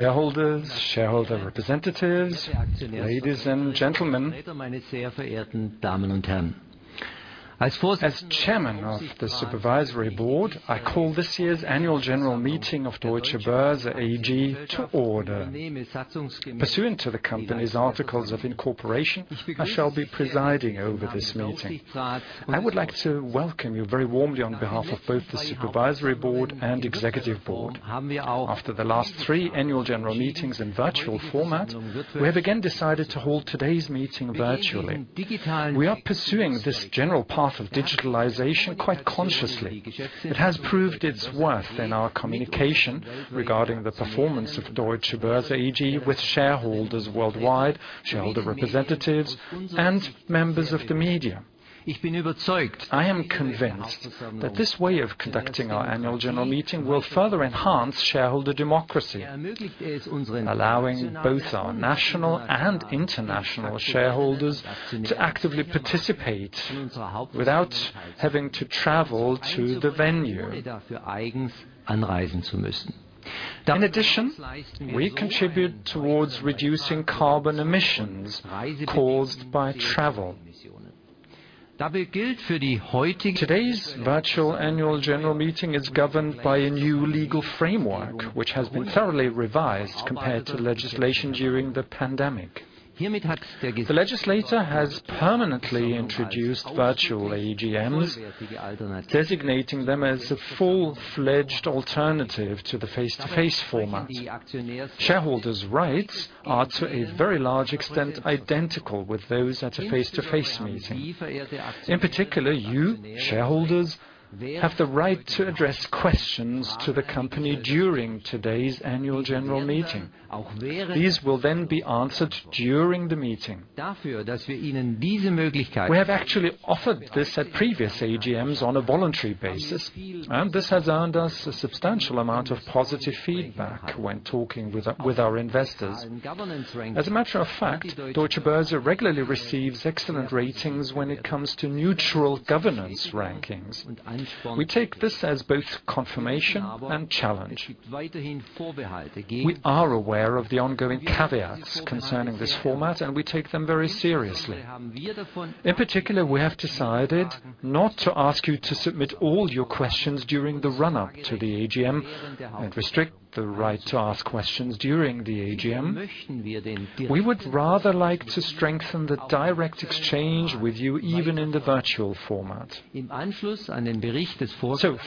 Shareholders, shareholder representatives, ladies and gentlemen. As Chairman of the Supervisory Board, I call this year's Annual General Meeting of Deutsche Börse AG to order. Pursuant to the company's articles of incorporation, I shall be presiding over this meeting. I would like to welcome you very warmly on behalf of both the Supervisory Board and Executive Board. After the last three Annual General Meetings in virtual format, we have again decided to hold today's meeting virtually. We are pursuing this general path of digitalization quite consciously. It has proved its worth in our communication regarding the performance of Deutsche Börse AG with shareholders worldwide, shareholder representatives, and members of the media. I am convinced that this way of conducting our Annual General Meeting will further enhance shareholder democracy, allowing both our national and international shareholders to actively participate without having to travel to the venue. In addition, we contribute towards reducing carbon emissions caused by travel. Today's virtual annual general meeting is governed by a new legal framework, which has been thoroughly revised compared to legislation during the pandemic. The legislator has permanently introduced virtual AGMs, designating them as a full-fledged alternative to the face-to-face format. Shareholders' rights are to a very large extent identical with those at a face-to-face meeting. In particular, you, shareholders, have the right to address questions to the company during today's annual general meeting. These will then be answered during the meeting. We have actually offered this at previous AGMs on a voluntary basis, and this has earned us a substantial amount of positive feedback when talking with our investors. As a matter of fact, Deutsche Börse regularly receives excellent ratings when it comes to neutral governance rankings. We take this as both confirmation and challenge. We are aware of the ongoing caveats concerning this format, and we take them very seriously. In particular, we have decided not to ask you to submit all your questions during the run-up to the AGM and restrict the right to ask questions during the AGM. We would rather like to strengthen the direct exchange with you, even in the virtual format.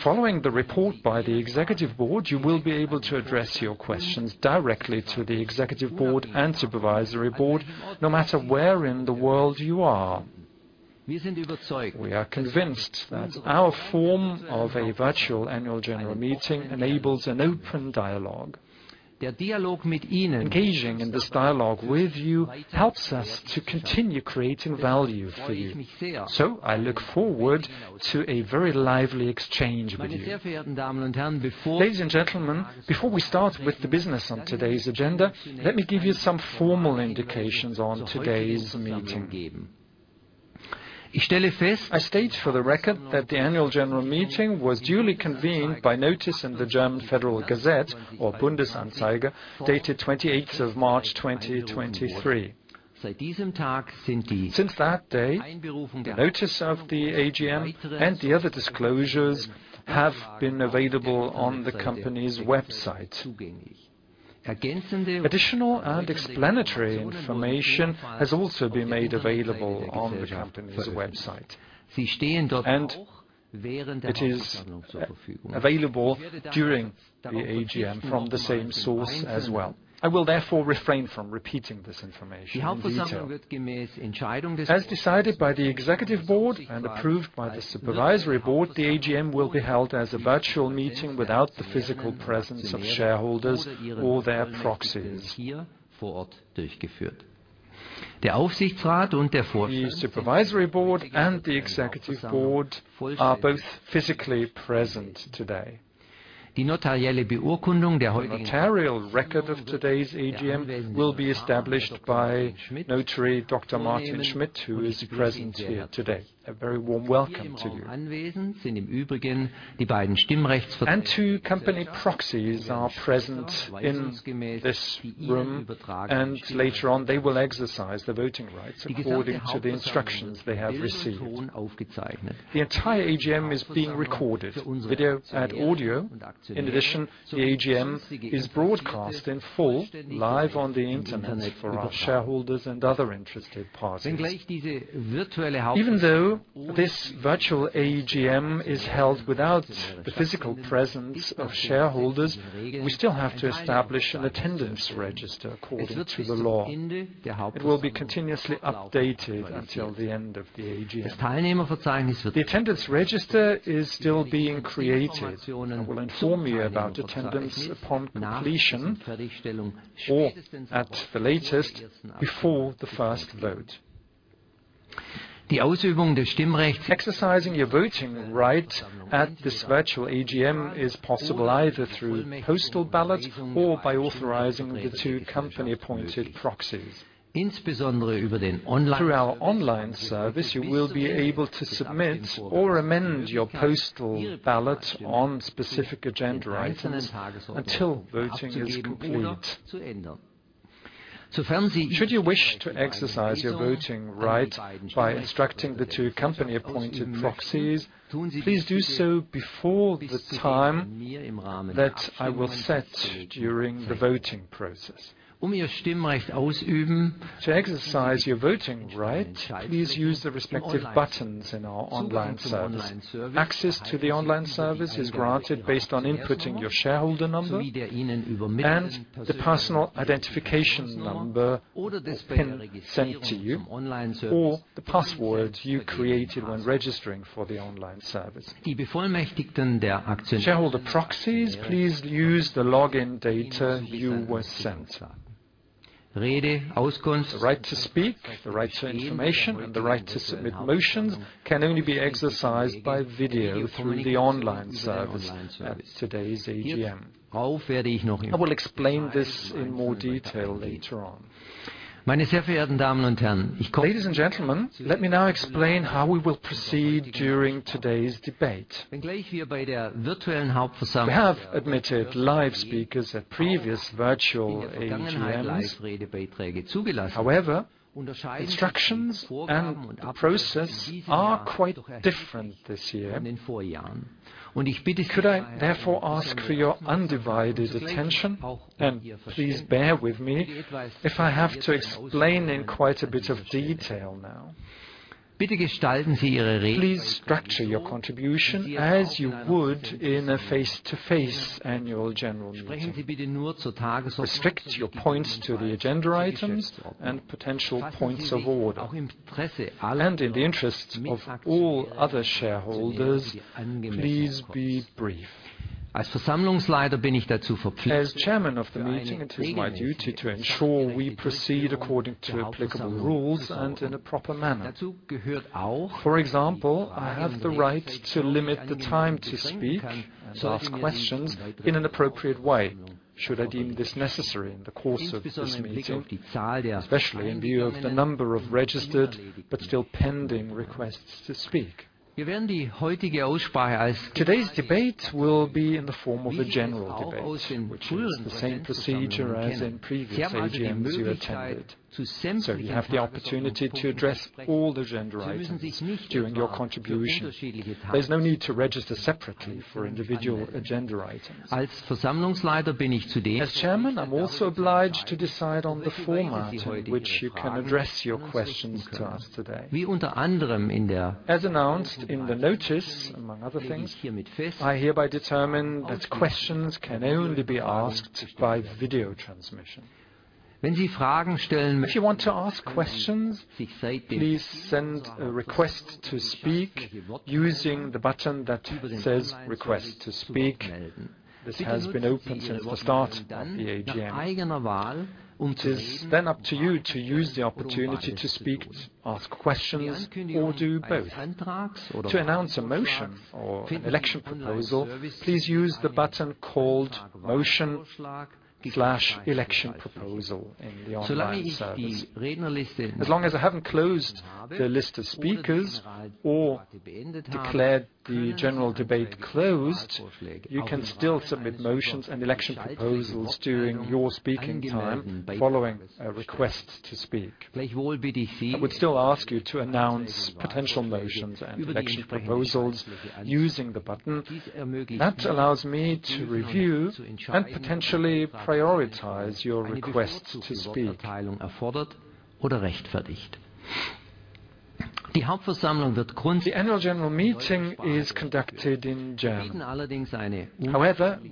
Following the report by the executive board, you will be able to address your questions directly to the executive board and supervisory board, no matter where in the world you are. We are convinced that our form of a virtual annual general meeting enables an open dialogue. Engaging in this dialogue with you helps us to continue creating value for you. I look forward to a very lively exchange with you. Ladies and gentlemen, before we start with the business on today's agenda, let me give you some formal indications on today's meeting. I state for the record that the annual general meeting was duly convened by notice in the German Federal Gazette, or Bundesanzeiger, dated 28th of March, 2023. Since that day, the notice of the AGM and the other disclosures have been available on the company's website. Additional and explanatory information has also been made available on the company's website, and it is available during the AGM from the same source as well. I will therefore refrain from repeating this information in detail. As decided by the executive board and approved by the supervisory board, the AGM will be held as a virtual meeting without the physical presence of shareholders or their proxies. The supervisory board and the executive board are both physically present today. The notarial record of today's AGM will be established by Notary Dr. Martin Schmidt, who is present here today. A very warm welcome to you. Two company proxies are present in this room, and later on, they will exercise the voting rights according to the instructions they have received. The entire AGM is being recorded, video and audio. In addition, the AGM is broadcast in full live on the internet for our shareholders and other interested parties. Even though this virtual AGM is held without the physical presence of shareholders, we still have to establish an attendance register according to the law. It will be continuously updated until the end of the AGM. The attendance register is still being created. I will inform you about attendance upon completion or, at the latest, before the first vote. Exercising your voting right at this virtual AGM is possible either through postal ballot or by authorizing the two company-appointed proxies. Through our online service, you will be able to submit or amend your postal ballot on specific agenda items until voting is complete. Should you wish to exercise your voting right by instructing the two company-appointed proxies, please do so before the time that I will set during the voting process. To exercise your voting right, please use the respective buttons in our online service. Access to the online service is granted based on inputting your shareholder number and the personal identification number or PIN sent to you, or the password you created when registering for the online service. Shareholder proxies, please use the login data you were sent. The right to speak, the right to information, and the right to submit motions can only be exercised by video through the online service at today's AGM. I will explain this in more detail later on. Ladies and gentlemen, let me now explain how we will proceed during today's debate. We have admitted live speakers at previous virtual AGMs. However, the instructions and the process are quite different this year. Could I therefore ask for your undivided attention? Please bear with me if I have to explain in quite a bit of detail now. Please structure your contribution as you would in a face-to-face annual general meeting. Restrict your points to the agenda items and potential points of order. In the interests of all other shareholders, please be brief. As chairman of the meeting, it is my duty to ensure we proceed according to applicable rules and in a proper manner. For example, I have the right to limit the time to speak to ask questions in an appropriate way should I deem this necessary in the course of this meeting, especially in view of the number of registered but still pending requests to speak. Today's debate will be in the form of a general debate, which is the same procedure as in previous AGMs you attended. You have the opportunity to address all the agenda items during your contribution. There's no need to register separately for individual agenda items. As chairman, I'm also obliged to decide on the format in which you can address your questions to us today. As announced in the notice, among other things, I hereby determine that questions can only be asked by video transmission. If you want to ask questions, please send a request to speak using the button that says "Request to speak." This has been open since the start of the AGM. It is then up to you to use the opportunity to speak, ask questions, or do both. To announce a motion or election proposal, please use the button called Motion/Election Proposal in the online service. As long as I haven't closed the list of speakers or declared the general debate closed, you can still submit motions and election proposals during your speaking time following a request to speak. I would still ask you to announce potential motions and election proposals using the button. That allows me to review and potentially prioritize your request to speak. The annual general meeting is conducted in German.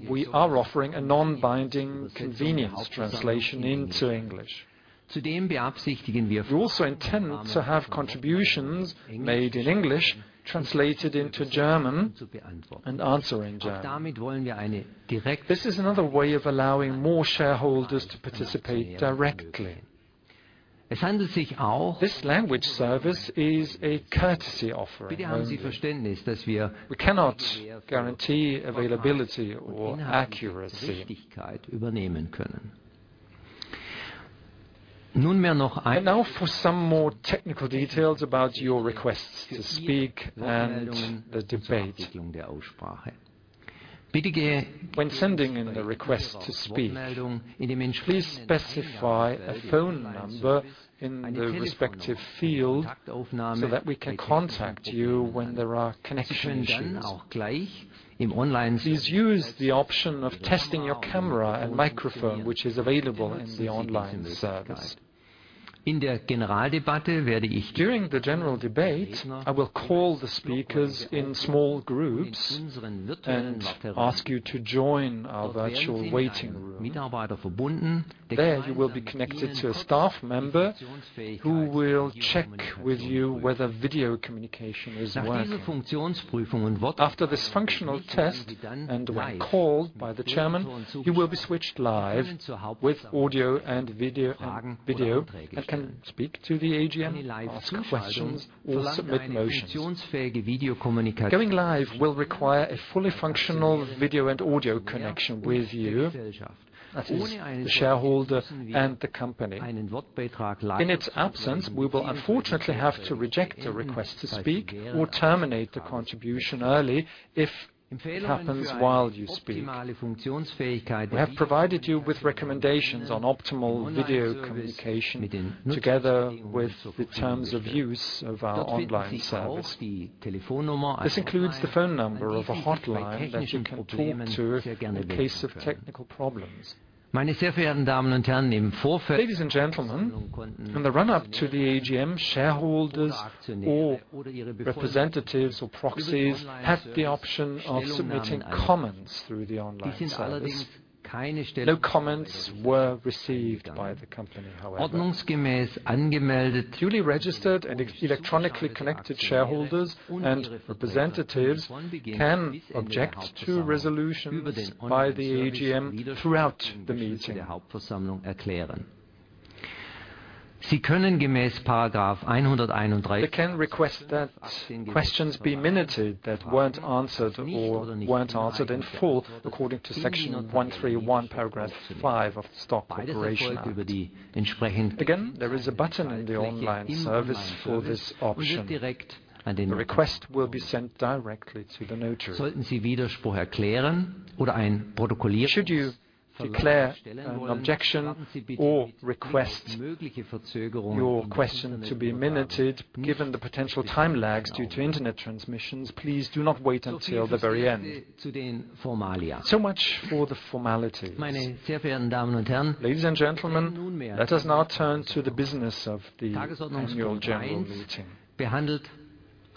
We are offering a non-binding convenience translation into English. We also intend to have contributions made in English translated into German and answer in German. This is another way of allowing more shareholders to participate directly. This language service is a courtesy offering only. We cannot guarantee availability or accuracy. Now for some more technical details about your requests to speak and the debate. When sending in a request to speak, please specify a phone number in the respective field so that we can contact you when there are connection issues. Please use the option of testing your camera and microphone, which is available in the online service. During the general debate, I will call the speakers in small groups and ask you to join our virtual waiting room. There you will be connected to a staff member who will check with you whether video communication is working. After this functional test and when called by the chairman, you will be switched live with audio and video and can speak to the AGM, ask questions or submit motions. Going live will require a fully functional video and audio connection with you, with the shareholder and the company. In its absence, we will unfortunately have to reject the request to speak or terminate the contribution early if it happens while you speak. We have provided you with recommendations on optimal video communication together with the terms of use of our online service. This includes the phone number of a hotline that you can talk to in case of technical problems. Ladies and gentlemen, in the run-up to the AGM, shareholders or representatives or proxies had the option of submitting comments through the online service. No comments were received by the company, however. Duly registered and electronically connected shareholders and representatives can object to resolutions by the AGM throughout the meeting. They can request that questions be minuted that weren't answered or weren't answered in full according to Section 131, paragraph five of the Stock Corporation Act. There is a button in the online service for this option, and the request will be sent directly to the notary. Should you declare an objection or request your question to be minuted, given the potential time lags due to internet transmissions, please do not wait until the very end. Much for the formalities. Ladies and gentlemen, let us now turn to the business of the annual general meeting.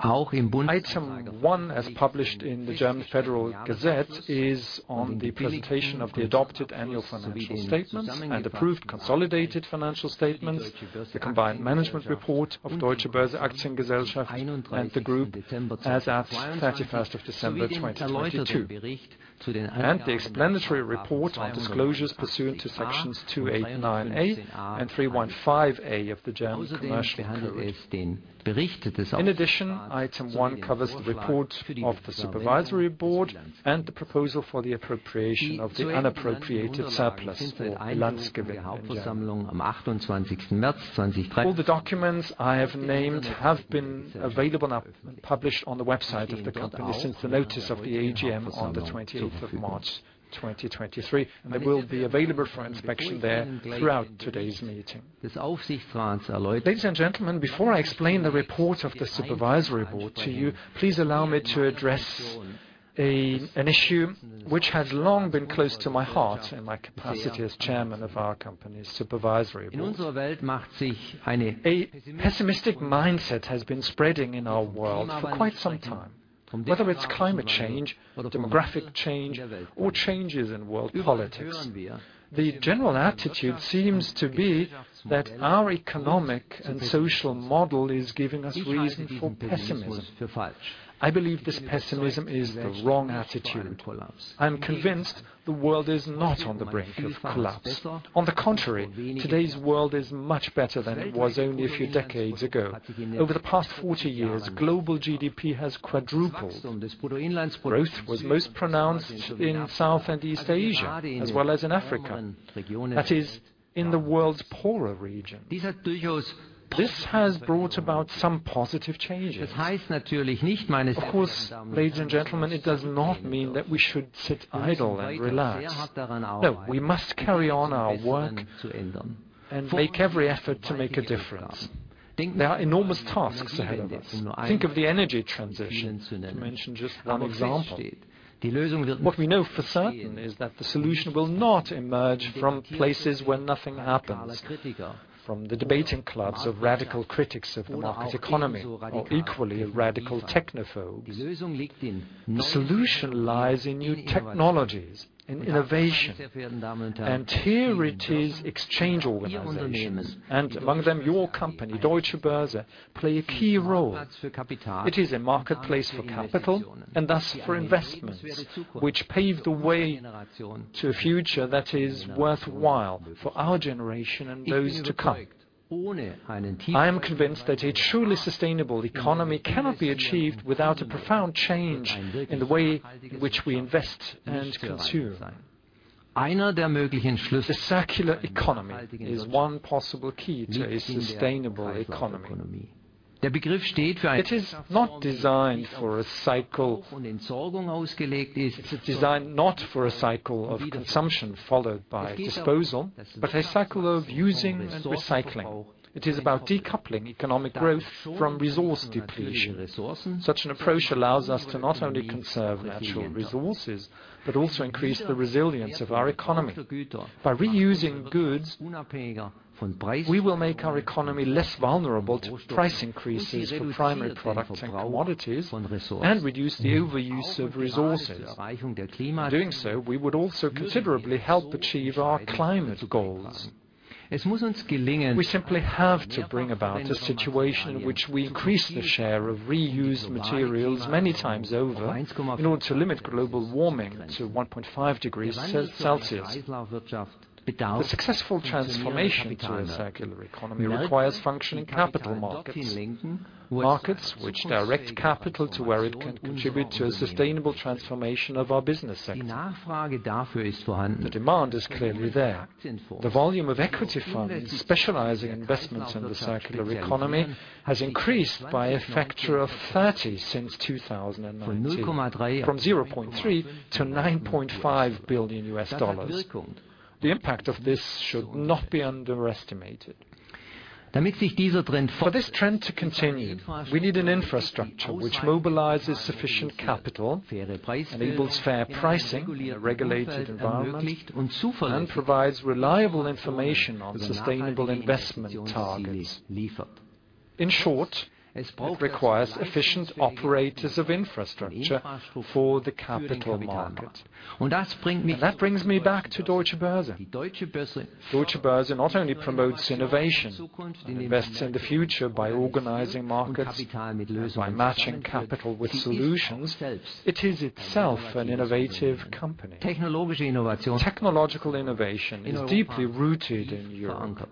Item one, as published in the German Federal Gazette, is on the presentation of the adopted annual financial statements and approved consolidated financial statements, the combined management report of Deutsche Börse Aktiengesellschaft, and the group as at 31st of December 2022, and the explanatory report on disclosures pursuant to Sections 289 A and 315 A of the German Commercial Code. In addition, Item one covers the report of the Supervisory Board and the proposal for the appropriation of the unappropriated surplus for a. All the documents I have named have been available published on the website of the company since the notice of the AGM on the 20th of March, 2023. They will be available for inspection there throughout today's meeting. Ladies and gentlemen, before I explain the report of the supervisory board to you, please allow me to address an issue which has long been close to my heart in my capacity as chairman of our company's supervisory board. A pessimistic mindset has been spreading in our world for quite some time. Whether it's climate change, demographic change, or changes in world politics, the general attitude seems to be that our economic and social model is giving us reason for pessimism. I believe this pessimism is the wrong attitude. I am convinced the world is not on the brink of collapse. On the contrary, today's world is much better than it was only a few decades ago. Over the past 40 years, global GDP has quadrupled. Growth was most pronounced in South and East Asia, as well as in Africa. That is, in the world's poorer regions. This has brought about some positive changes. Of course, ladies and gentlemen, it does not mean that we should sit idle and relax. No, we must carry on our work and make every effort to make a difference. There are enormous tasks ahead of us. Think of the energy transition, to mention just one example. What we know for certain is that the solution will not emerge from places where nothing happens, from the debating clubs of radical critics of the market economy or equally radical technophobes. The solution lies in new technologies, in innovation. Here it is exchange organizations, and among them, your company, Deutsche Börse, play a key role. It is a marketplace for capital and thus for investments which pave the way to a future that is worthwhile for our generation and those to come. I am convinced that a truly sustainable economy cannot be achieved without a profound change in the way in which we invest and consume. The circular economy is one possible key to a sustainable economy. Designed not for a cycle of consumption followed by disposal, but a cycle of using and recycling. It is about decoupling economic growth from resource depletion. Such an approach allows us to not only conserve natural resources but also increase the resilience of our economy. By reusing goods, we will make our economy less vulnerable to price increases for primary products and commodities and reduce the overuse of resources. In doing so, we would also considerably help achieve our climate goals. We simply have to bring about a situation in which we increase the share of reused materials many times over in order to limit global warming to 1.5 degrees Celsius. The successful transformation to a circular economy requires functioning capital markets which direct capital to where it can contribute to a sustainable transformation of our business sector. The demand is clearly there. The volume of equity funds specializing in investments in the circular economy has increased by a factor of 30 since 2019, from $0.3 billion to $9.5 billion. The impact of this should not be underestimated. For this trend to continue, we need an infrastructure which mobilizes sufficient capital, enables fair pricing in a regulated environment, and provides reliable information on sustainable investment targets. In short, it requires efficient operators of infrastructure for the capital market. That brings me back to Deutsche Börse. Deutsche Börse not only promotes innovation and invests in the future by organizing markets and by matching capital with solutions, it is itself an innovative company. Technological innovation is deeply rooted in Europe.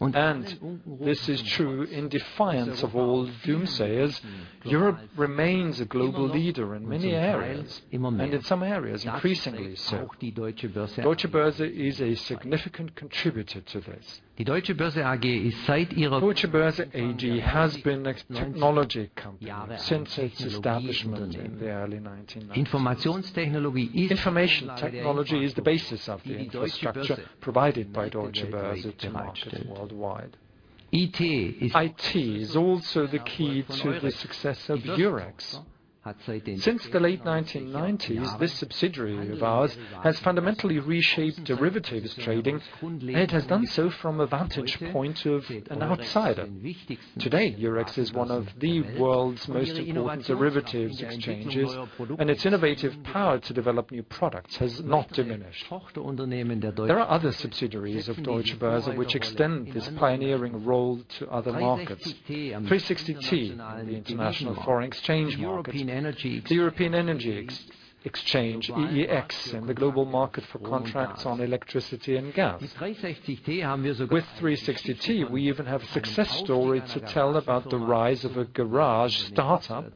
This is true in defiance of all doomsayers. Europe remains a global leader in many areas, and in some areas increasingly so. Deutsche Börse is a significant contributor to this. Deutsche Börse AG has been a technology company since its establishment in the early 1990s. Information technology is the basis of the infrastructure provided by Deutsche Börse to markets worldwide. IT is also the key to the success of Eurex. Since the late 1990s, this subsidiary of ours has fundamentally reshaped derivatives trading, and it has done so from a vantage point of an outsider. Today, Eurex is one of the world's most important derivatives exchanges, and its innovative power to develop new products has not diminished. There are other subsidiaries of Deutsche Börse which extend this pioneering role to other markets. 360T in the international foreign exchange market. The European Energy Exchange, EEX, in the global market for contracts on electricity and gas. With 360T, we even have a success story to tell about the rise of a garage startup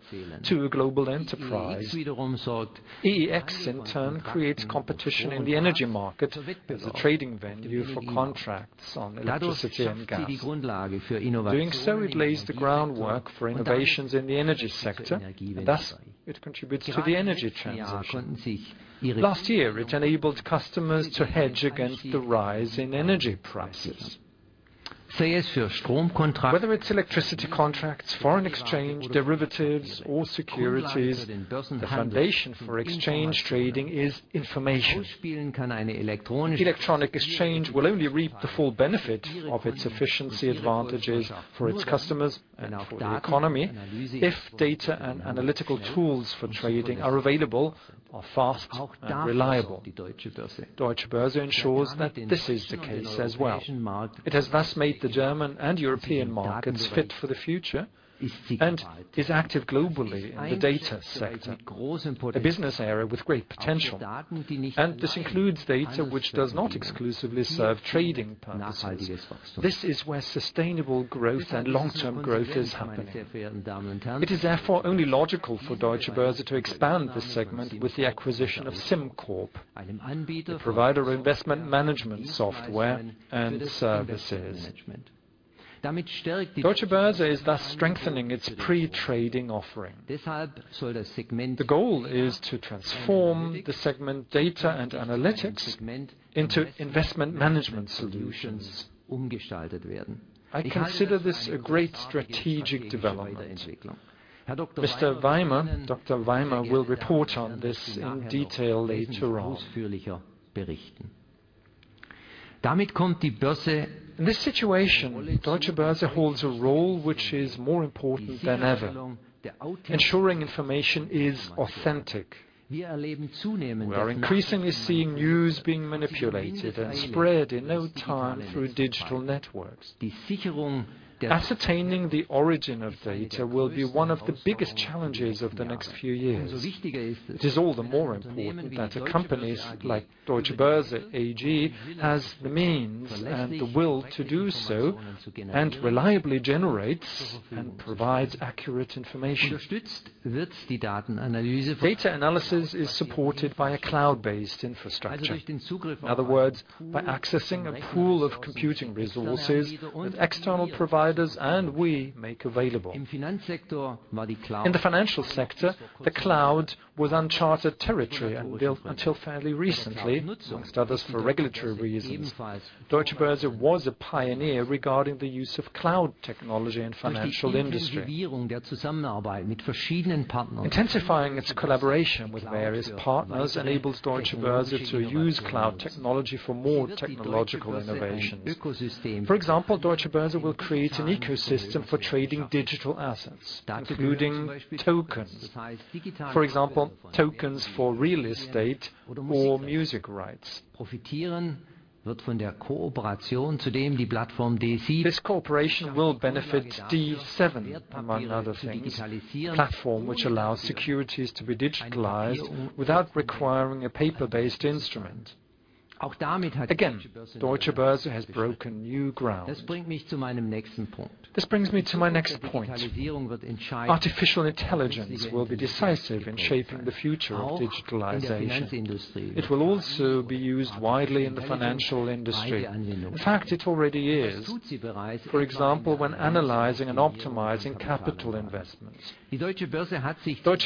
to a global enterprise. EEX, in turn, creates competition in the energy market as a trading venue for contracts on electricity and gas. Doing so, it lays the groundwork for innovations in the energy sector, and thus it contributes to the energy transition. Last year, it enabled customers to hedge against the rise in energy prices. Whether it's electricity contracts, foreign exchange, derivatives or securities, the foundation for exchange trading is information. Electronic exchange will only reap the full benefit of its efficiency advantages for its customers and for the economy if data and analytical tools for trading are available, are fast and reliable. Deutsche Börse ensures that this is the case as well. It has thus made the German and European markets fit for the future and is active globally in the data sector, a business area with great potential. This includes data which does not exclusively serve trading purposes. This is where sustainable growth and long-term growth is happening. It is therefore only logical for Deutsche Börse to expand this segment with the acquisition of SimCorp, a provider of investment management software and services. Deutsche Börse is thus strengthening its pre-trading offering. The goal is to transform the segment Data & Analytics into Investment Management Solutions. I consider this a great strategic development. Dr. Weimer. Dr. Weimer will report on this in detail later on. In this situation, Deutsche Börse holds a role which is more important than ever. Ensuring information is authentic. We are increasingly seeing news being manipulated and spread in no time through digital networks. Ascertaining the origin of data will be one of the biggest challenges of the next few years. It is all the more important that companies like Deutsche Börse AG has the means and the will to do so, and reliably generates and provides accurate information. Data analysis is supported by a cloud-based infrastructure. In other words, by accessing a pool of computing resources that external providers and we make available. In the financial sector, the cloud was uncharted territory and built until fairly recently, amongst others, for regulatory reasons. Deutsche Börse was a pioneer regarding the use of cloud technology in financial industry. Intensifying its collaboration with various partners enables Deutsche Börse to use cloud technology for more technological innovations. Deutsche Börse will create an ecosystem for trading digital assets, including tokens. Tokens for real estate or music rights. This cooperation will benefit D7, among other things. Platform which allows securities to be digitalized without requiring a paper-based instrument. Again, Deutsche Börse has broken new ground. This brings me to my next point. Artificial intelligence will be decisive in shaping the future of digitalization. It will also be used widely in the financial industry. In fact, it already is. When analyzing and optimizing capital investments. Deutsche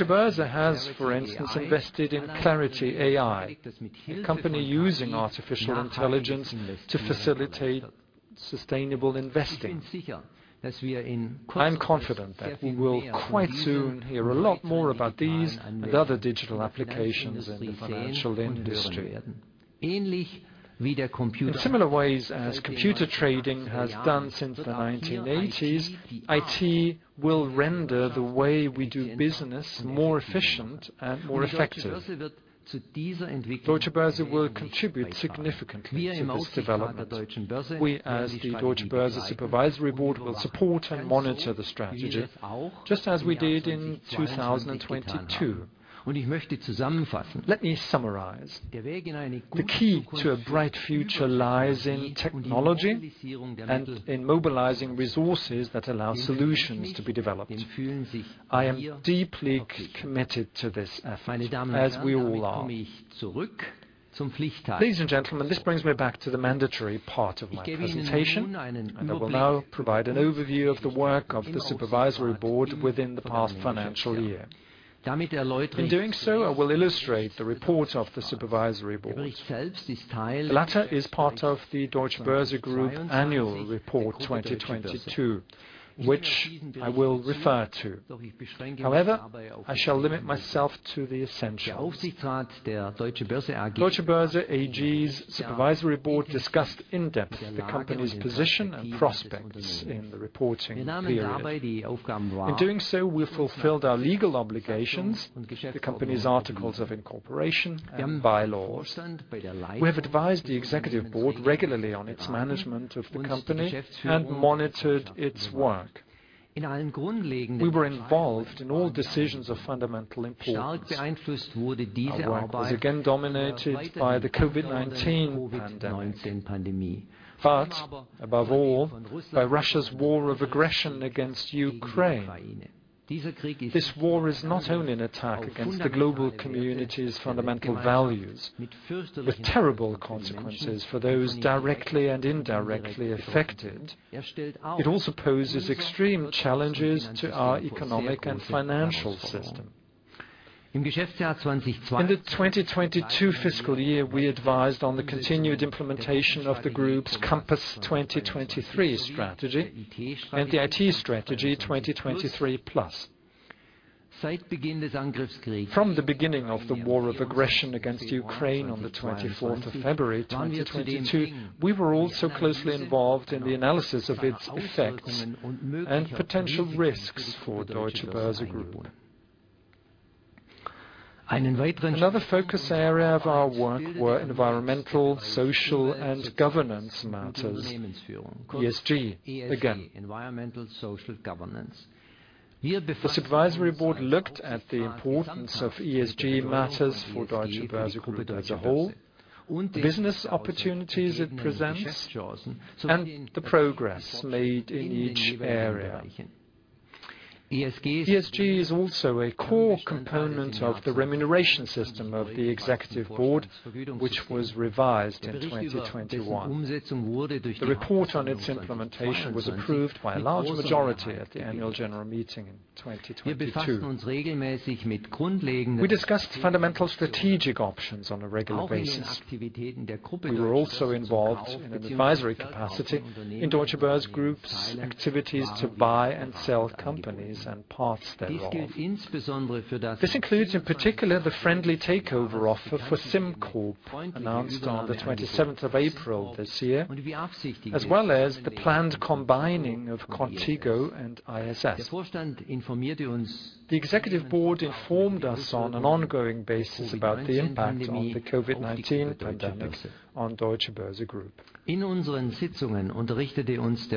Börse has, for instance, invested in Clarity AI, a company using artificial intelligence to facilitate sustainable investing. I am confident that we will quite soon hear a lot more about these and other digital applications in the financial industry. In similar ways as computer trading has done since the 1980s, IT will render the way we do business more efficient and more effective. Deutsche Börse will contribute significantly to this development. We, as the Deutsche Börse Supervisory Board, will support and monitor the strategy, just as we did in 2022. Let me summarize. The key to a bright future lies in technology and in mobilizing resources that allow solutions to be developed. I am deeply committed to this effort, as we all are. Ladies and gentlemen, this brings me back to the mandatory part of my presentation, and I will now provide an overview of the work of the supervisory board within the past financial year. In doing so, I will illustrate the report of the supervisory board. The latter is part of the Deutsche Börse Group annual report 2022, which I will refer to. I shall limit myself to the essentials. Deutsche Börse AG's supervisory board discussed in-depth the company's position and prospects in the reporting period. In doing so, we fulfilled our legal obligations, the company's articles of incorporation and bylaws. We have advised the executive board regularly on its management of the company and monitored its work. We were involved in all decisions of fundamental importance. Our work was again dominated by the COVID-19 pandemic. Above all, by Russia's war of aggression against Ukraine. This war is not only an attack against the global community's fundamental values with terrible consequences for those directly and indirectly affected. It also poses extreme challenges to our economic and financial system. In the 2022 fiscal year, we advised on the continued implementation of the group's Compass 2023 strategy and the IT strategy 2023+. From the beginning of the war of aggression against Ukraine on the 24th of February 2022, we were also closely involved in the analysis of its effects and potential risks for Deutsche Börse Group. Another focus area of our work were environmental, social and governance matters. ESG, again, environmental social governance. The supervisory board looked at the importance of ESG matters for Deutsche Börse Group as a whole, the business opportunities it presents, and the progress made in each area. ESG is also a core component of the remuneration system of the executive board, which was revised in 2021. The report on its implementation was approved by a large majority at the annual general meeting in 2022. We discussed fundamental strategic options on a regular basis. We were also involved in an advisory capacity in Deutsche Börse Group's activities to buy and sell companies and parts thereof. This includes, in particular, the friendly takeover offer for SimCorp announced on the 27th of April this year, as well as the planned combining of Qontigo and ISS. The Executive Board informed us on an ongoing basis about the impact of the COVID-19 pandemic on Deutsche Börse Group.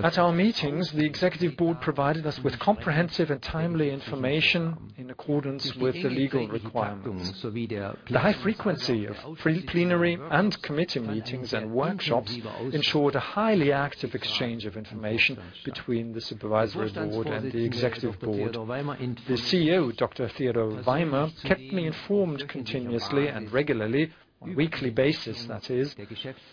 At our meetings, the Executive Board provided us with comprehensive and timely information in accordance with the legal requirements. The high frequency of plenary and committee meetings and workshops ensured a highly active exchange of information between the Supervisory Board and the Executive Board. The CEO, Dr. Theodor Weimer, kept me informed continuously and regularly, on a weekly basis that is,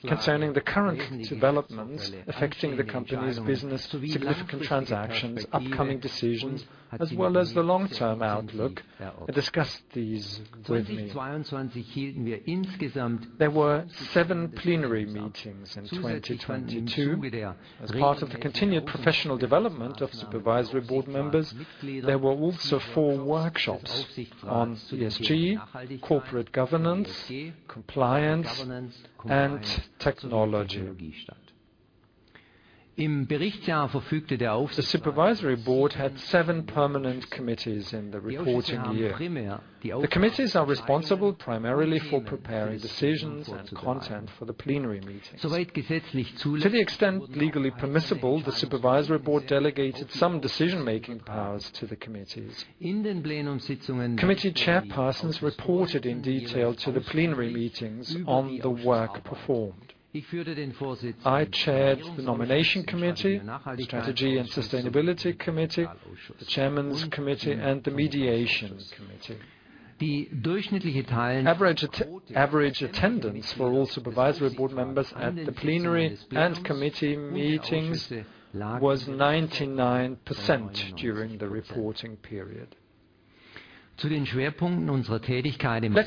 concerning the current developments affecting the company's business, significant transactions, upcoming decisions, as well as the long-term outlook, and discussed these with me. There were seven plenary meetings in 2022. As part of the continued professional development of supervisory board members, there were also four workshops on ESG, corporate governance, compliance, and technology. The supervisory board had seven permanent committees in the reporting year. The committees are responsible primarily for preparing decisions and content for the plenary meetings. To the extent legally permissible, the supervisory board delegated some decision-making powers to the committees. Committee chairpersons reported in detail to the plenary meetings on the work performed. I chaired the Nomination Committee, the Strategy and Sustainability Committee, the Chairman's Committee, and the Mediations Committee. Average attendance for all supervisory board members at the plenary and committee meetings was 99% during the reporting period. Let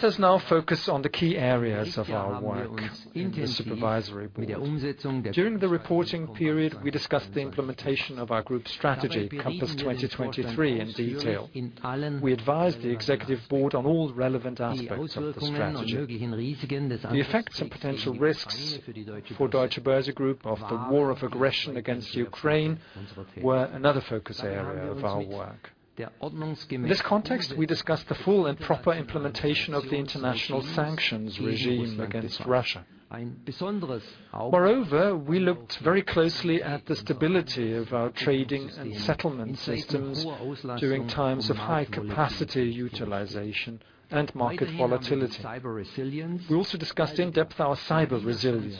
us now focus on the key areas of our work in the supervisory board. During the reporting period, we discussed the implementation of our group strategy, Compass 2023, in detail. We advised the executive board on all relevant aspects of the strategy. The effects of potential risks for Deutsche Börse Group of the war of aggression against Ukraine were another focus area of our work. In this context, we discussed the full and proper implementation of the international sanctions regime against Russia. Moreover, we looked very closely at the stability of our trading and settlement systems during times of high capacity utilization and market volatility. We also discussed in depth our cyber resilience.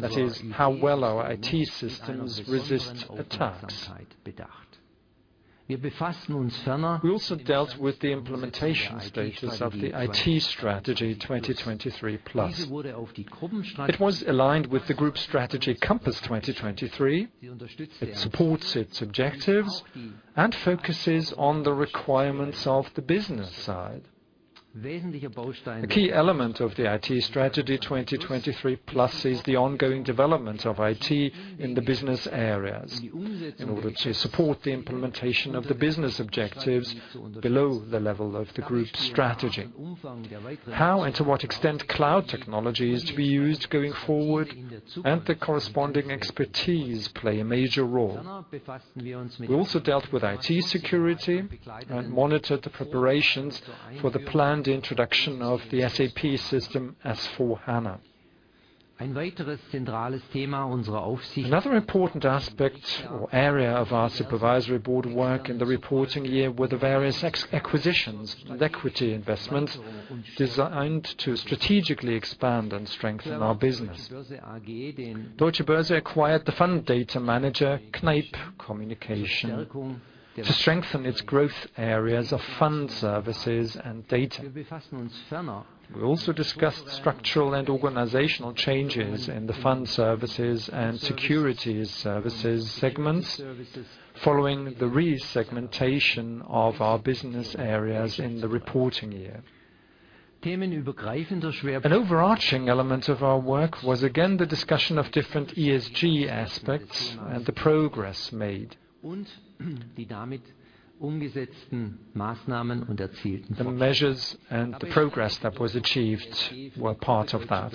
That is, how well our IT systems resist attacks. We also dealt with the implementation status of the IT strategy 2023+. It was aligned with the group strategy Compass 2023. It supports its objectives and focuses on the requirements of the business side. A key element of the IT strategy 2023+ is the ongoing development of IT in the business areas in order to support the implementation of the business objectives below the level of the group's strategy. How and to what extent cloud technology is to be used going forward, and the corresponding expertise play a major role. We also dealt with IT security and monitored the preparations for the planned introduction of the SAP system S/4HANA. Another important aspect or area of our supervisory board work in the reporting year were the various acquisitions and equity investments designed to strategically expand and strengthen our business. Deutsche Börse acquired the fund data manager, Kneip Communication, to strengthen its growth areas of fund services and data. We also discussed structural and organizational changes in the fund services and securities services segments following the resegmentation of our business areas in the reporting year. An overarching element of our work was, again, the discussion of different ESG aspects and the progress made. The measures and the progress that was achieved were part of that.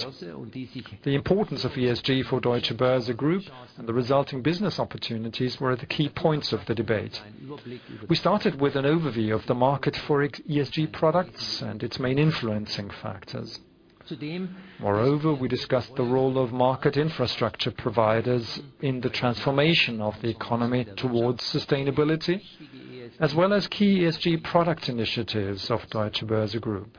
The importance of ESG for Deutsche Börse Group and the resulting business opportunities were the key points of the debate. We started with an overview of the market for ESG products and its main influencing factors. Moreover, we discussed the role of market infrastructure providers in the transformation of the economy towards sustainability, as well as key ESG product initiatives of Deutsche Börse Group.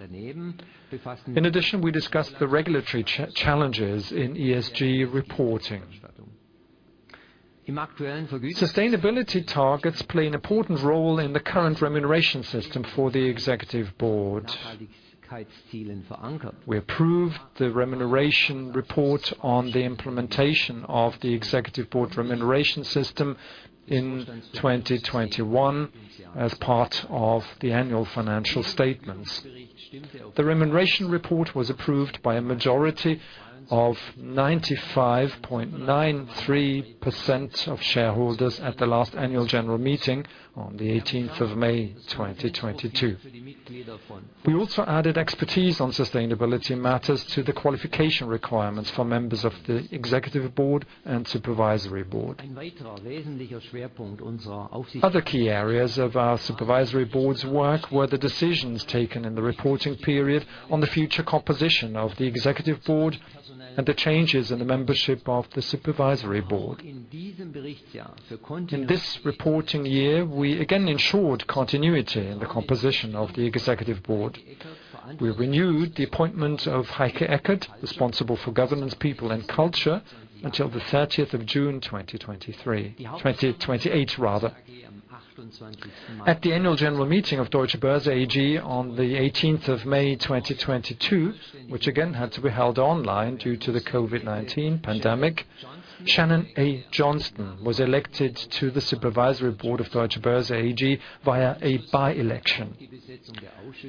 In addition, we discussed the regulatory challenges in ESG reporting. Sustainability targets play an important role in the current remuneration system for the executive board. We approved the remuneration report on the implementation of the Executive Board remuneration system in 2021 as part of the annual financial statements. The remuneration report was approved by a majority of 95.93% of shareholders at the last Annual General Meeting on the 18th of May, 2022. We also added expertise on sustainability matters to the qualification requirements for members of the Executive Board and Supervisory Board. Other key areas of our Supervisory Board's work were the decisions taken in the reporting period on the future composition of the Executive Board and the changes in the membership of the Supervisory Board. In this reporting year, we again ensured continuity in the composition of the Executive Board. We renewed the appointment of Heike Eckert, responsible for governance, people, and culture, until the 30th of June, 2023. 2028, rather. At the annual general meeting of Deutsche Börse AG on the 18th of May, 2022, which again had to be held online due to the COVID-19 pandemic, Shannon A. Johnston was elected to the supervisory board of Deutsche Börse AG via a by-election.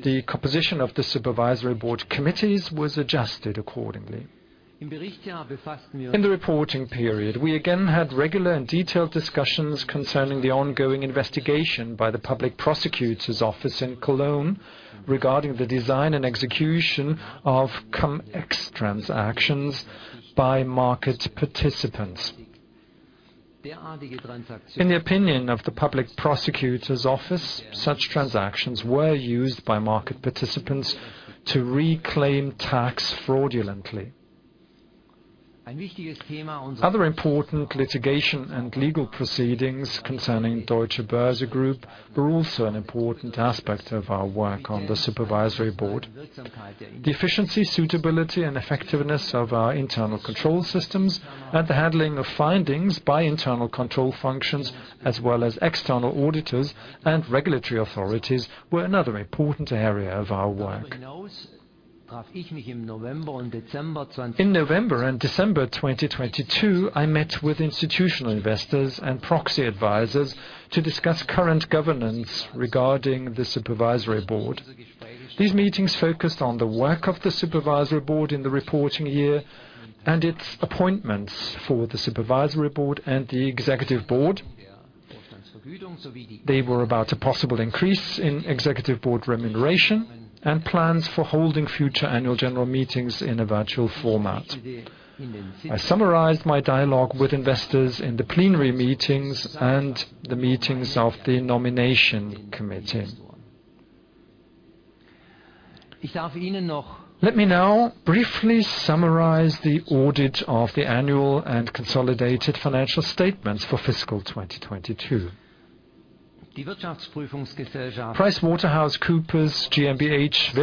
The composition of the supervisory board committees was adjusted accordingly. In the reporting period, we again had regular and detailed discussions concerning the ongoing investigation by the public prosecutor's office in Cologne regarding the design and execution of cum-ex transactions by market participants. In the opinion of the public prosecutor's office, such transactions were used by market participants to reclaim tax fraudulently. Other important litigation and legal proceedings concerning Deutsche Börse Group were also an important aspect of our work on the supervisory board. The efficiency, suitability, and effectiveness of our internal control systems and the handling of findings by internal control functions, as well as external auditors and regulatory authorities, were another important area of our work. In November and December 2022, I met with institutional investors and proxy advisors to discuss current governance regarding the supervisory board. These meetings focused on the work of the supervisory board in the reporting year and its appointments for the supervisory board and the executive board. They were about a possible increase in executive board remuneration and plans for holding future annual general meetings in a virtual format. I summarized my dialogue with investors in the plenary meetings and the meetings of the nomination committee. Let me now briefly summarize the audit of the annual and consolidated financial statements for fiscal 2022. PricewaterhouseCoopers GmbH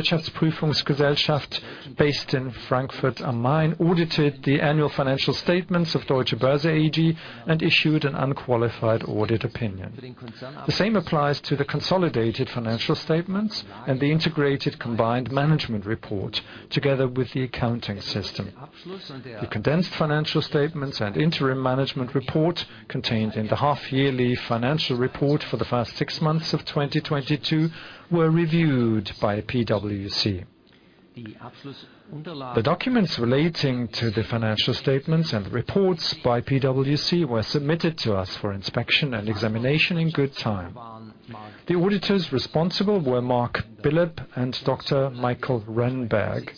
based in Frankfurt am Main, audited the annual financial statements of Deutsche Börse AG and issued an unqualified audit opinion. The same applies to the consolidated financial statements and the integrated combined management report together with the accounting system. The condensed financial statements and interim management report contained in the half-yearly financial report for the first six months of 2022 were reviewed by PwC. The documents relating to the financial statements and the reports by PwC were submitted to us for inspection and examination in good time. The auditors responsible were Marc Billeb and Dr. Michael Rönnberg.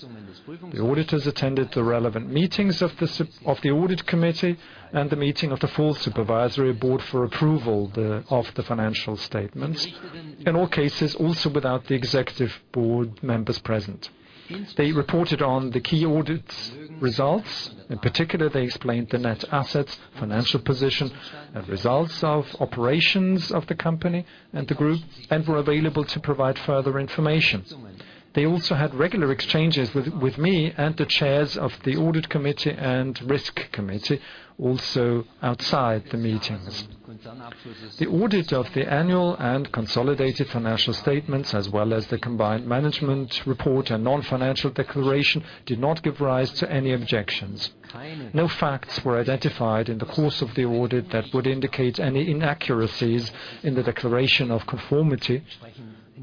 The auditors attended the relevant meetings of the audit committee and the meeting of the full supervisory board for approval of the financial statements. In all cases, also without the executive board members present. They reported on the key audits results. They explained the net assets, financial position, and results of operations of the company and the group, and were available to provide further information. They also had regular exchanges with me and the Chairs of the Audit Committee and Risk Committee, also outside the meetings. The audit of the annual and consolidated financial statements, as well as the combined management report and non-financial declaration, did not give rise to any objections. No facts were identified in the course of the audit that would indicate any inaccuracies in the declaration of conformity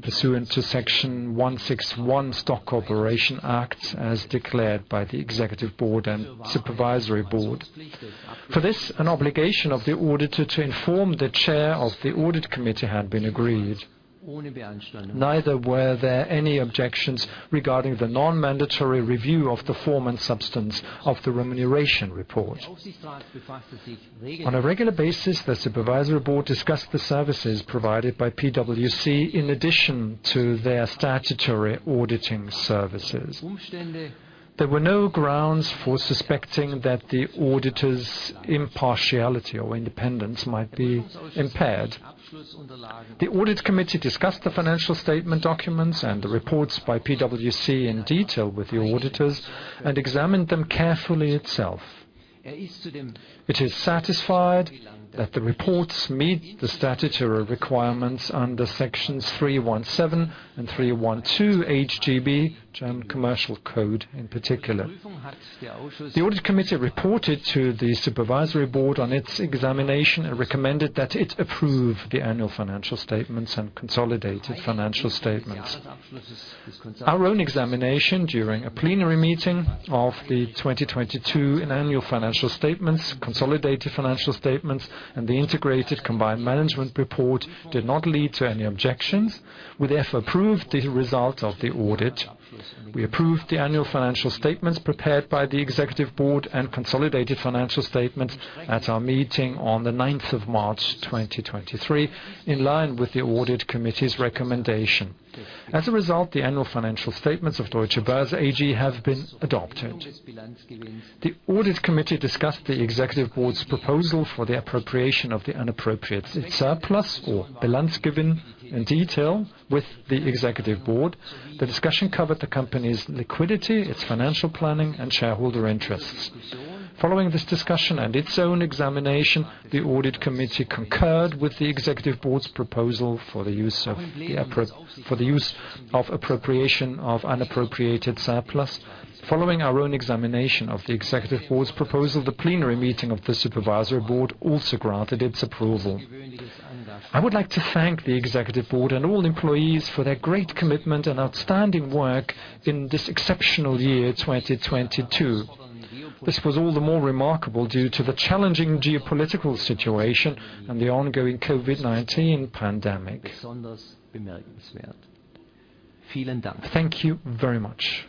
pursuant to Section 161 Stock Corporation Act, as declared by the Executive Board and Supervisory Board. An obligation of the auditor to inform the Chair of the Audit Committee had been agreed. Neither were there any objections regarding the non-mandatory review of the form and substance of the remuneration report. On a regular basis, the supervisory board discussed the services provided by PwC in addition to their statutory auditing services. There were no grounds for suspecting that the auditor's impartiality or independence might be impaired. The audit committee discussed the financial statement documents and the reports by PwC in detail with the auditors and examined them carefully itself. It is satisfied that the reports meet the statutory requirements under Sections 317 and 312 HGB, German Commercial Code, in particular. The audit committee reported to the supervisory board on its examination and recommended that it approve the annual financial statements and consolidated financial statements. Our own examination during a plenary meeting of the 2022 annual financial statements, consolidated financial statements, and the integrated combined management report did not lead to any objections. We therefore approved the result of the audit. We approved the annual financial statements prepared by the executive board and consolidated financial statements at our meeting on the 9th of March, 2023, in line with the audit committee's recommendation. As a result, the annual financial statements of Deutsche Börse AG have been adopted. The audit committee discussed the executive board's proposal for the appropriation of the unappropriated surplus or Bilanzgewinn in detail with the executive board. The discussion covered the company's liquidity, its financial planning, and shareholder interests. Following this discussion and its own examination, the audit committee concurred with the executive board's proposal for the use of the appropriation of unappropriated surplus. Following our own examination of the executive board's proposal, the plenary meeting of the supervisory board also granted its approval. I would like to thank the executive board and all employees for their great commitment and outstanding work in this exceptional year, 2022. This was all the more remarkable due to the challenging geopolitical situation and the ongoing COVID-19 pandemic. Thank you very much.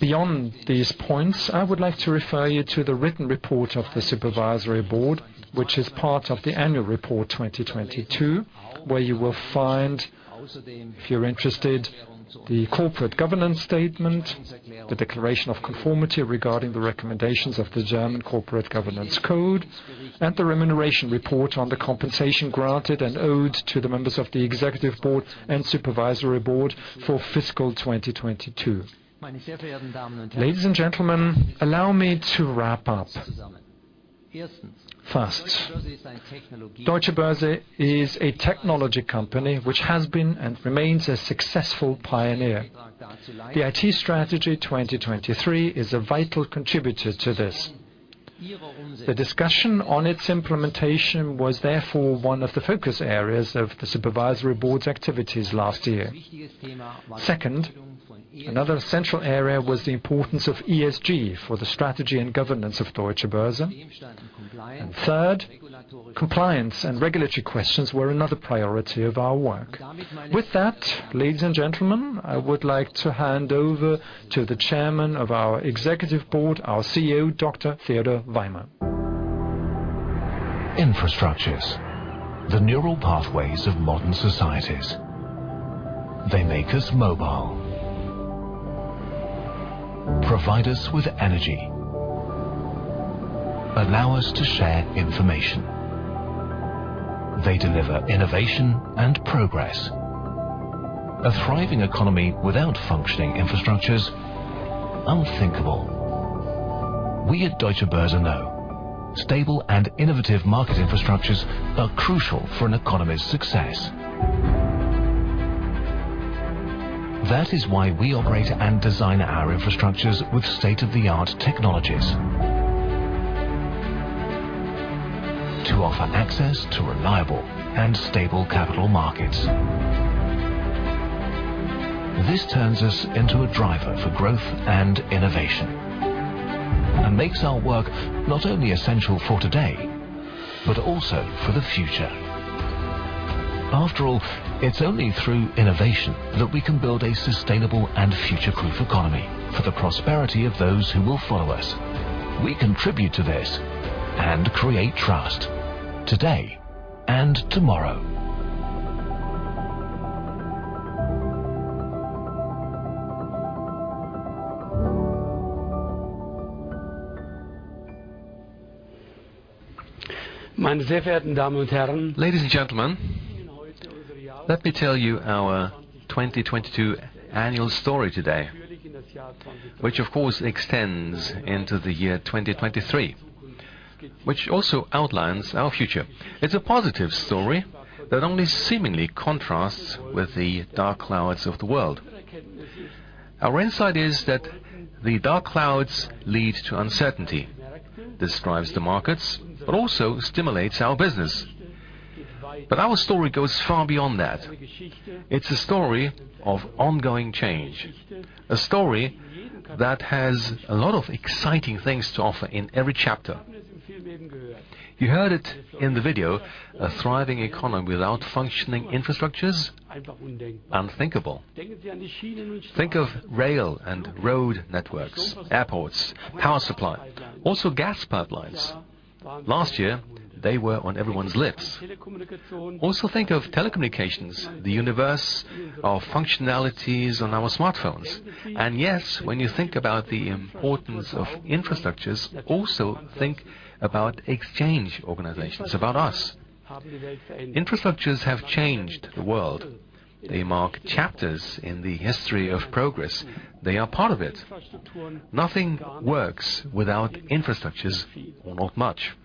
Beyond these points, I would like to refer you to the written report of the supervisory board, which is part of the annual report 2022, where you will find, if you're interested, the corporate governance statement, the declaration of conformity regarding the recommendations of the German Corporate Governance Code, and the remuneration report on the compensation granted and owed to the members of the executive board and supervisory board for fiscal 2022. Ladies and gentlemen, allow me to wrap up. First, Deutsche Börse is a technology company which has been and remains a successful pioneer. The IT Strategy 2023 is a vital contributor to this. The discussion on its implementation was therefore one of the focus areas of the supervisory board's activities last year. Second, another central area was the importance of ESG for the strategy and governance of Deutsche Börse. Third, compliance and regulatory questions were another priority of our work. With that, ladies and gentlemen, I would like to hand over to the chairman of our executive board, our CEO, Dr. Theodor Weimer. Infrastructures, the neural pathways of modern societies. They make us mobile, provide us with energy, allow us to share information. They deliver innovation and progress. A thriving economy without functioning infrastructures, unthinkable. We at Deutsche Börse know stable and innovative market infrastructures are crucial for an economy's success. That is why we operate and design our infrastructures with state-of-the-art technologies to offer access to reliable and stable capital markets. This turns us into a driver for growth and innovation, and makes our work not only essential for today but also for the future. After all, it's only through innovation that we can build a sustainable and future-proof economy for the prosperity of those who will follow us. We contribute to this and create trust today and tomorrow. Ladies and gentlemen, let me tell you our 2022 annual story today, which of course extends into the year 2023, which also outlines our future. It's a positive story that only seemingly contrasts with the dark clouds of the world. Our insight is that the dark clouds lead to uncertainty. This drives the markets, but also stimulates our business. Our story goes far beyond that. It's a story of ongoing change, a story that has a lot of exciting things to offer in every chapter. You heard it in the video, a thriving economy without functioning infrastructures, unthinkable. Think of rail and road networks, airports, power supply, also gas pipelines. Last year, they were on everyone's lips. Think of telecommunications, the universe of functionalities on our smartphones. Yes, when you think about the importance of infrastructures, also think about exchange organizations, about us. Infrastructures have changed the world. They mark chapters in the history of progress. They are part of it. Nothing works without infrastructures or not much.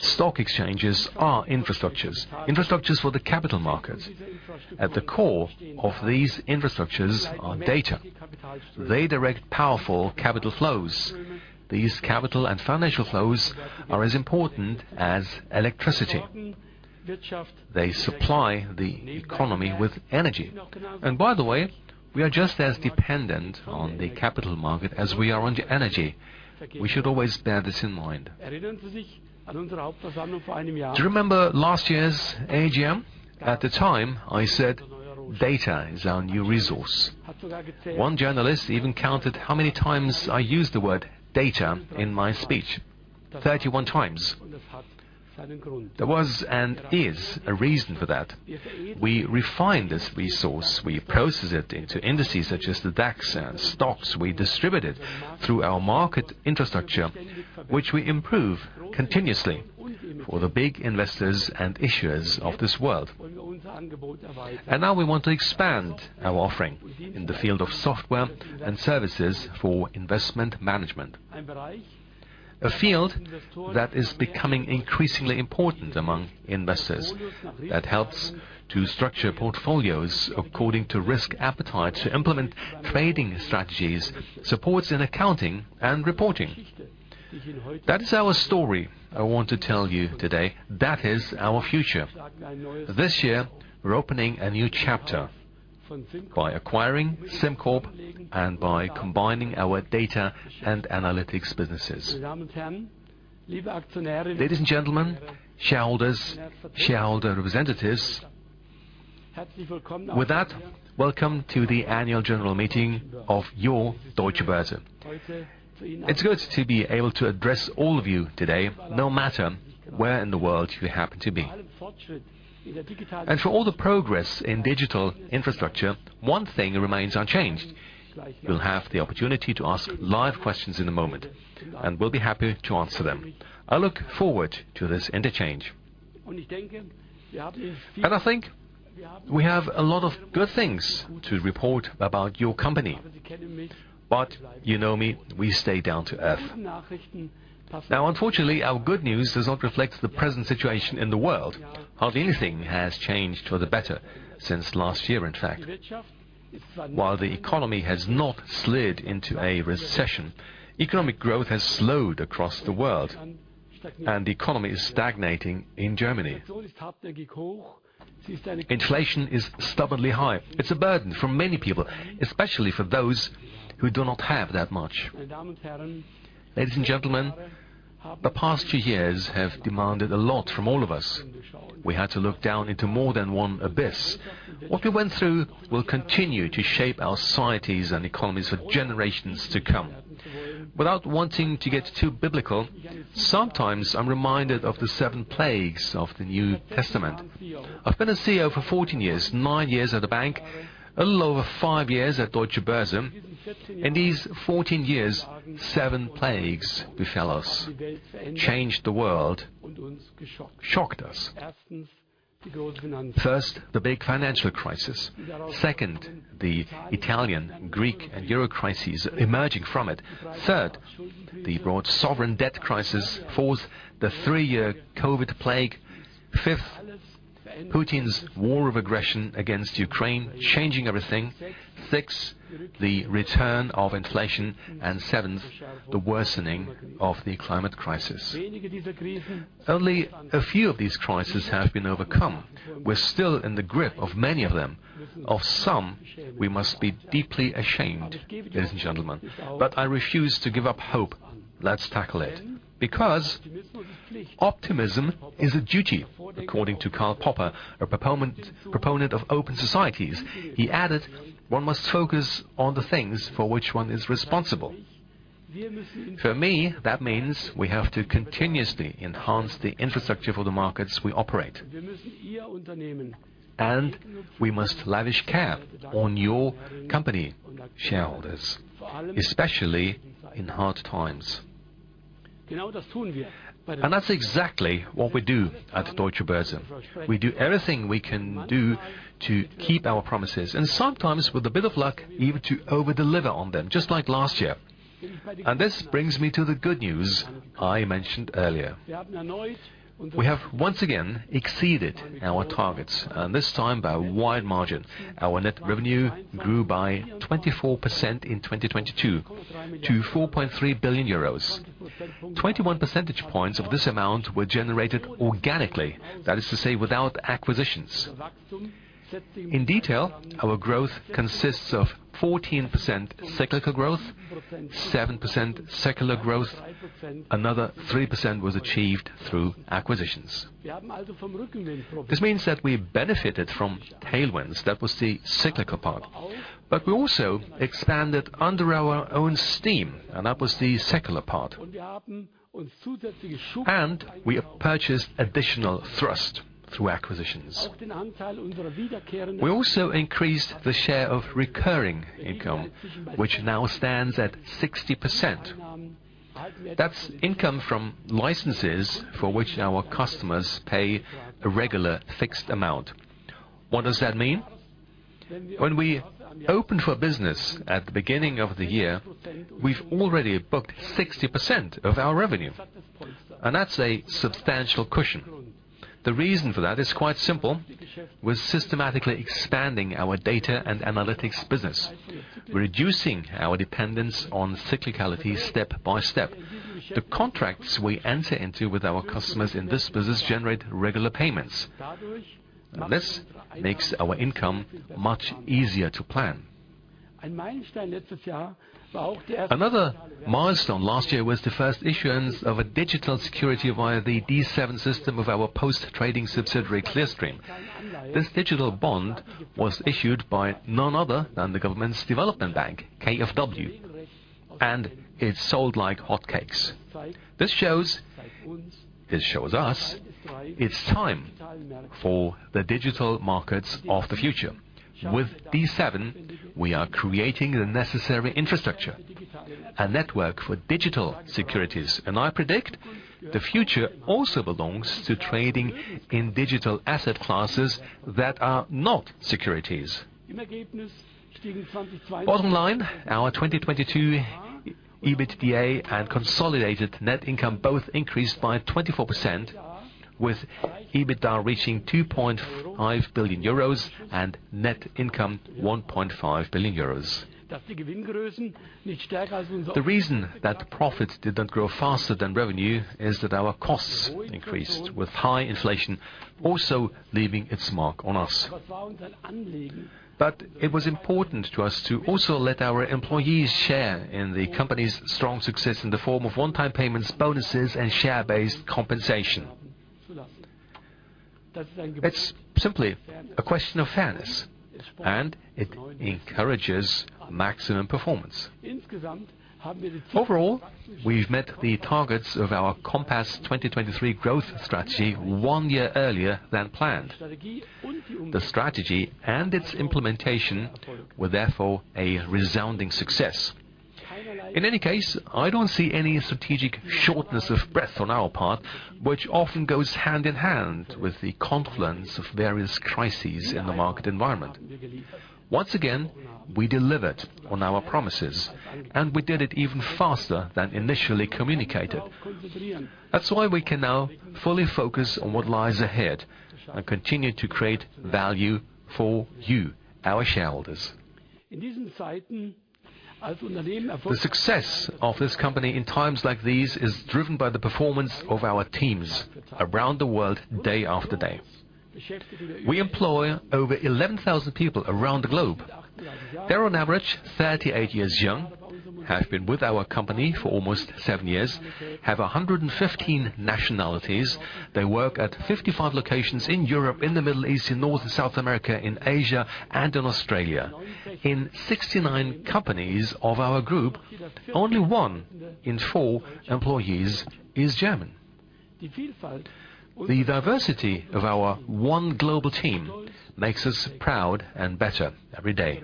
Stock exchanges are infrastructures for the capital market. At the core of these infrastructures are data. They direct powerful capital flows. These capital and financial flows are as important as electricity. They supply the economy with energy. By the way, we are just as dependent on the capital market as we are on energy. We should always bear this in mind. Do you remember last year's AGM? At the time, I said data is our new resource. One journalist even counted how many times I used the word data in my speech. 31x. There was and is a reason for that. We refine this resource, we process it into indices such as the DAX and stocks. We distribute it through our market infrastructure, which we improve continuously for the big investors and issuers of this world. Now we want to expand our offering in the field of software and services for investment management. A field that is becoming increasingly important among investors, that helps to structure portfolios according to risk appetite, to implement trading strategies, supports in accounting and reporting. That is our story I want to tell you today. That is our future. This year, we're opening a new chapter by acquiring SimCorp and by combining our Data & Analytics businesses. Ladies and gentlemen, shareholders, shareholder representatives, with that, welcome to the annual general meeting of your Deutsche Börse. It's good to be able to address all of you today, no matter where in the world you happen to be. For all the progress in digital infrastructure, one thing remains unchanged. You'll have the opportunity to ask live questions in a moment, and we'll be happy to answer them. I look forward to this interchange. I think we have a lot of good things to report about your company. You know me, we stay down to earth. Unfortunately, our good news does not reflect the present situation in the world. Hardly anything has changed for the better since last year, in fact. While the economy has not slid into a recession, economic growth has slowed across the world, and the economy is stagnating in Germany. Inflation is stubbornly high. It's a burden for many people, especially for those who do not have that much. Ladies and gentlemen, the past two years have demanded a lot from all of us. We had to look down into more than one abyss. What we went through will continue to shape our societies and economies for generations to come. Without wanting to get too biblical, sometimes I'm reminded of the seven plagues of the New Testament. I've been a CEO for 14 years, nine years at the bank, a little over five years at Deutsche Börse. In these 14 years, seven plagues befell us, changed the world, shocked us. First, the big financial crisis. Second, the Italian, Greek, and Euro crises emerging from it. Third, the broad sovereign debt crisis. Fourth, the three-year COVID plague. Fifth, Putin's war of aggression against Ukraine, changing everything. Six, the return of inflation. Seventh, the worsening of the climate crisis. Only a few of these crises have been overcome. We're still in the grip of many of them. Of some, we must be deeply ashamed, ladies and gentlemen. I refuse to give up hope. Let's tackle it. Because optimism is a duty, according to Karl Popper, a proponent of open societies. He added, "One must focus on the things for which one is responsible." For me, that means we have to continuously enhance the infrastructure for the markets we operate. We must lavish care on your company shareholders, especially in hard times. That's exactly what we do at Deutsche Börse. We do everything we can do to keep our promises, and sometimes, with a bit of luck, even to over-deliver on them, just like last year. This brings me to the good news I mentioned earlier. We have once again exceeded our targets, and this time by a wide margin. Our net revenue grew by 24% in 2022 to 4.3 billion euros. 21 percentage points of this amount were generated organically, that is to say, without acquisitions. In detail, our growth consists of 14% cyclical growth, 7% secular growth. Another 3% was achieved through acquisitions. This means that we benefited from tailwinds. That was the cyclical part. We also expanded under our own steam, and that was the secular part. We have purchased additional thrust through acquisitions. We also increased the share of recurring income, which now stands at 60%. That's income from licenses for which our customers pay a regular fixed amount. What does that mean? When we open for business at the beginning of the year, we've already booked 60% of our revenue, and that's a substantial cushion. The reason for that is quite simple. We're systematically expanding our Data & Analytics business. We're reducing our dependence on cyclicality step by step. The contracts we enter into with our customers in this business generate regular payments. This makes our income much easier to plan. Another milestone last year was the first issuance of a digital security via the D7 system of our post-trading subsidiary, Clearstream. This digital bond was issued by none other than the government's development bank, KfW, and it sold like hotcakes. This shows us it's time for the digital markets of the future. With D7, we are creating the necessary infrastructure, a network for digital securities. I predict the future also belongs to trading in digital asset classes that are not securities. Bottom line, our 2022 EBITDA and consolidated net income both increased by 24%, with EBITDA reaching 2.5 billion euros and net income 1.5 billion euros. The reason that profits did not grow faster than revenue is that our costs increased with high inflation also leaving its mark on us. It was important to us to also let our employees share in the company's strong success in the form of one-time payments, bonuses, and share-based compensation. It's simply a question of fairness, and it encourages maximum performance. Overall, we've met the targets of our Compass 2023 growth strategy one year earlier than planned. The strategy and its implementation were therefore a resounding success. In any case, I don't see any strategic shortness of breath on our part, which often goes hand in hand with the confluence of various crises in the market environment. Once again, we delivered on our promises, and we did it even faster than initially communicated. That's why we can now fully focus on what lies ahead and continue to create value for you, our shareholders. The success of this company in times like these is driven by the performance of our teams around the world day after day. We employ over 11,000 people around the globe. They're on average 38 years young, have been with our company for almost seven years, have 115 nationalities. They work at 55 locations in Europe, in the Middle East, in North and South America, in Asia, and in Australia. In 69 companies of our group, only one in four employees is German. The diversity of our one global team makes us proud and better every day.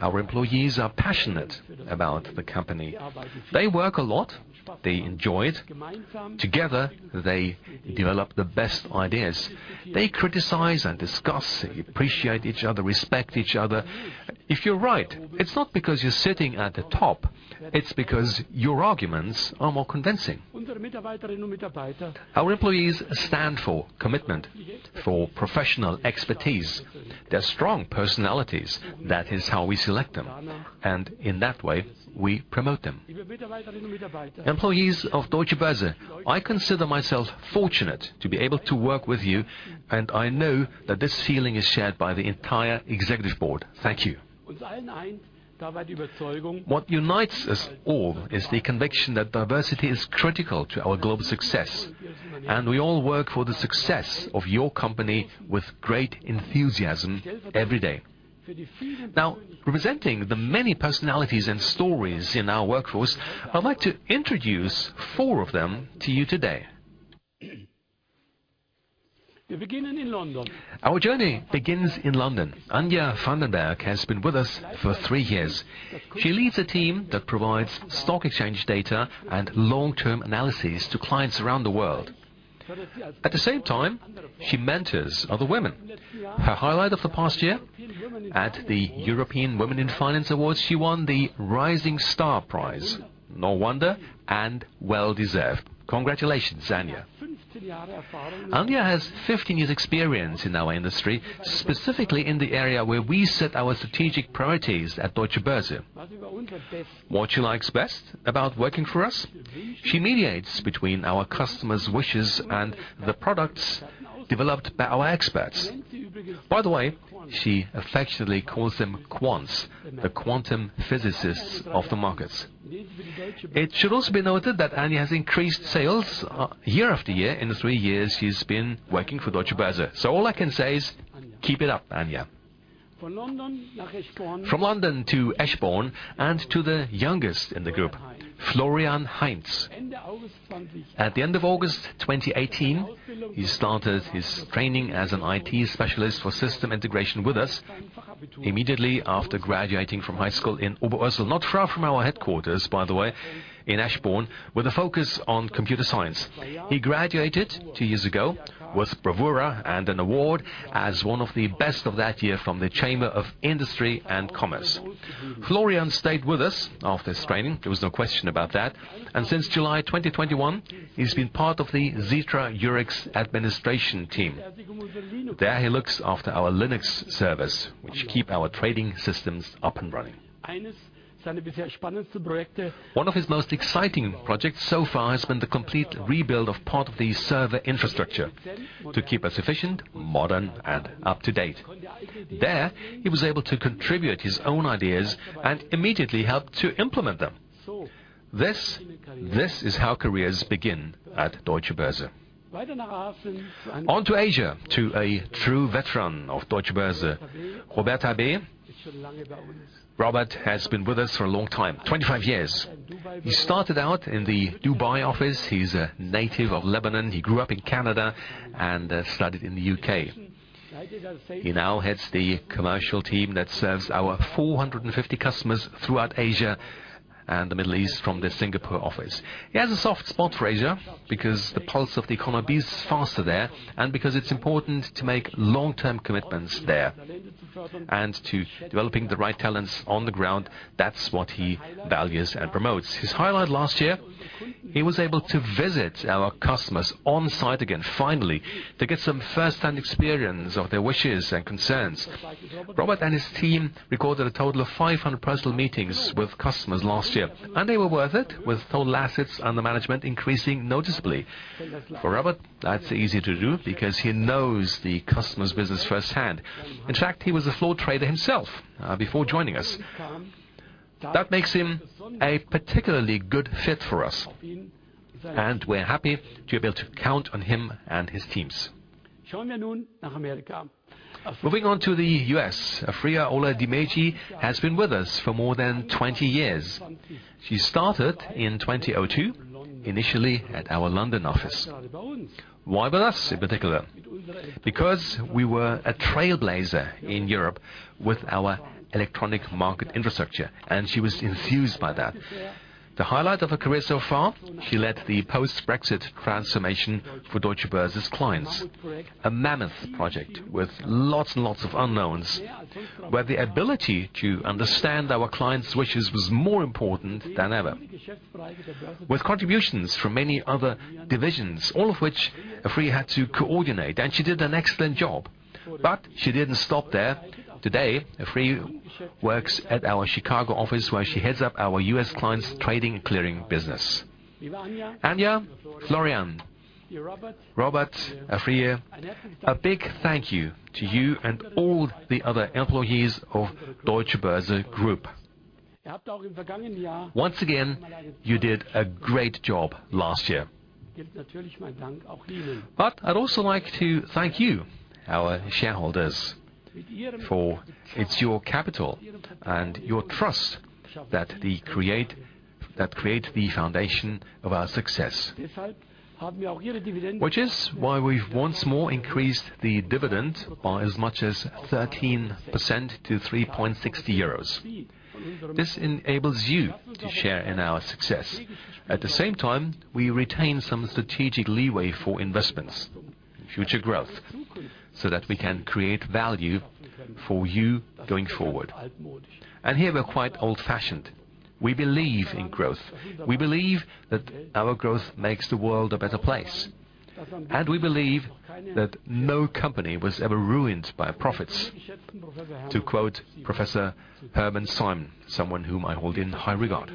Our employees are passionate about the company. They work a lot. They enjoy it. Together, they develop the best ideas. They criticize and discuss. They appreciate each other, respect each other. If you're right, it's not because you're sitting at the top, it's because your arguments are more convincing. Our employees stand for commitment, for professional expertise. They're strong personalities. That is how we select them, and in that way, we promote them. Employees of Deutsche Börse, I consider myself fortunate to be able to work with you, and I know that this feeling is shared by the entire executive board. Thank you. What unites us all is the conviction that diversity is critical to our global success, and we all work for the success of your company with great enthusiasm every day. Now, representing the many personalities and stories in our workforce, I'd like to introduce four of them to you today. Our journey begins in London. Anja van den Berg has been with us for three years. She leads a team that provides stock exchange data and long-term analysis to clients around the world. At the same time, she mentors other women. Her highlight of the past year? At the European Women in Finance Awards, she won the Rising Star prize. No wonder, well-deserved. Congratulations, Anja. Anja has 15 years experience in our industry, specifically in the area where we set our strategic priorities at Deutsche Börse. What she likes best about working for us? She mediates between our customers' wishes and the products developed by our experts. By the way, she affectionately calls them quants, the quantum physicists of the markets. It should also be noted that Anja has increased sales year-after-year in the three years she's been working for Deutsche Börse. All I can say is keep it up, Anja. From London to Eschborn and to the youngest in the group, Florian Heinz. At the end of August 2018, he started his training as an IT specialist for system integration with us immediately after graduating from high school in Oberursel, not far from our headquarters, by the way, in Eschborn, with a focus on computer science. He graduated two years ago with bravura and an award as one of the best of that year from the Chamber of Industry and Commerce. Florian stayed with us after his training. There was no question about that. Since July 2021, he's been part of the Xetra Eurex administration team. There, he looks after our Linux servers, which keep our trading systems up and running. One of his most exciting projects so far has been the complete rebuild of part of the server infrastructure to keep us efficient, modern, and up to date. There, he was able to contribute his own ideas and immediately help to implement them. This is how careers begin at Deutsche Börse. On to Asia, to a true veteran of Deutsche Börse, Robert Ali. Robert Ali has been with us for a long time, 25 years. He started out in the Dubai office. He's a native of Lebanon. He grew up in Canada and studied in the U.K. He now heads the commercial team that serves our 450 customers throughout Asia and the Middle East from the Singapore office. He has a soft spot for Asia because the pulse of the economy beats faster there and because it's important to make long-term commitments there and to developing the right talents on the ground. That's what he values and promotes. His highlight last year, he was able to visit our customers on-site again, finally, to get some first-hand experience of their wishes and concerns. Robert and his team recorded a total of 500 personal meetings with customers last year. They were worth it, with total assets under management increasing noticeably. For Robert, that's easy to do because he knows the customer's business firsthand. In fact, he was a floor trader himself before joining us. That makes him a particularly good fit for us. We're happy to be able to count on him and his teams. Moving on to the U.S., Alfreda Oladym has been with us for more than 20 years. She started in 2002. Initially at our London office. Why with us in particular? We were a trailblazer in Europe with our electronic market infrastructure. She was enthused by that. The highlight of her career so far, she led the post-Brexit transformation for Deutsche Börse's clients. A mammoth project with lots and lots of unknowns, where the ability to understand our clients' wishes was more important than ever. With contributions from many other divisions, all of which Alfre had to coordinate, and she did an excellent job. She didn't stop there. Today, Alfre works at our Chicago office, where she heads up our U.S. clients' Trading & Clearing business. Anja, Florian, Robert, Alfre, a big thank you to you and all the other employees of Deutsche Börse Group. Once again, you did a great job last year. I'd also like to thank you, our shareholders, for it's your capital and your trust that create the foundation of our success. Which is why we've once more increased the dividend by as much as 13% to 3.60 euros. This enables you to share in our success. At the same time, we retain some strategic leeway for investments, future growth, so that we can create value for you going forward. Here we're quite old-fashioned. We believe in growth. We believe that our growth makes the world a better place. We believe that no company was ever ruined by profits, to quote Professor Hermann Simon, someone whom I hold in high regard.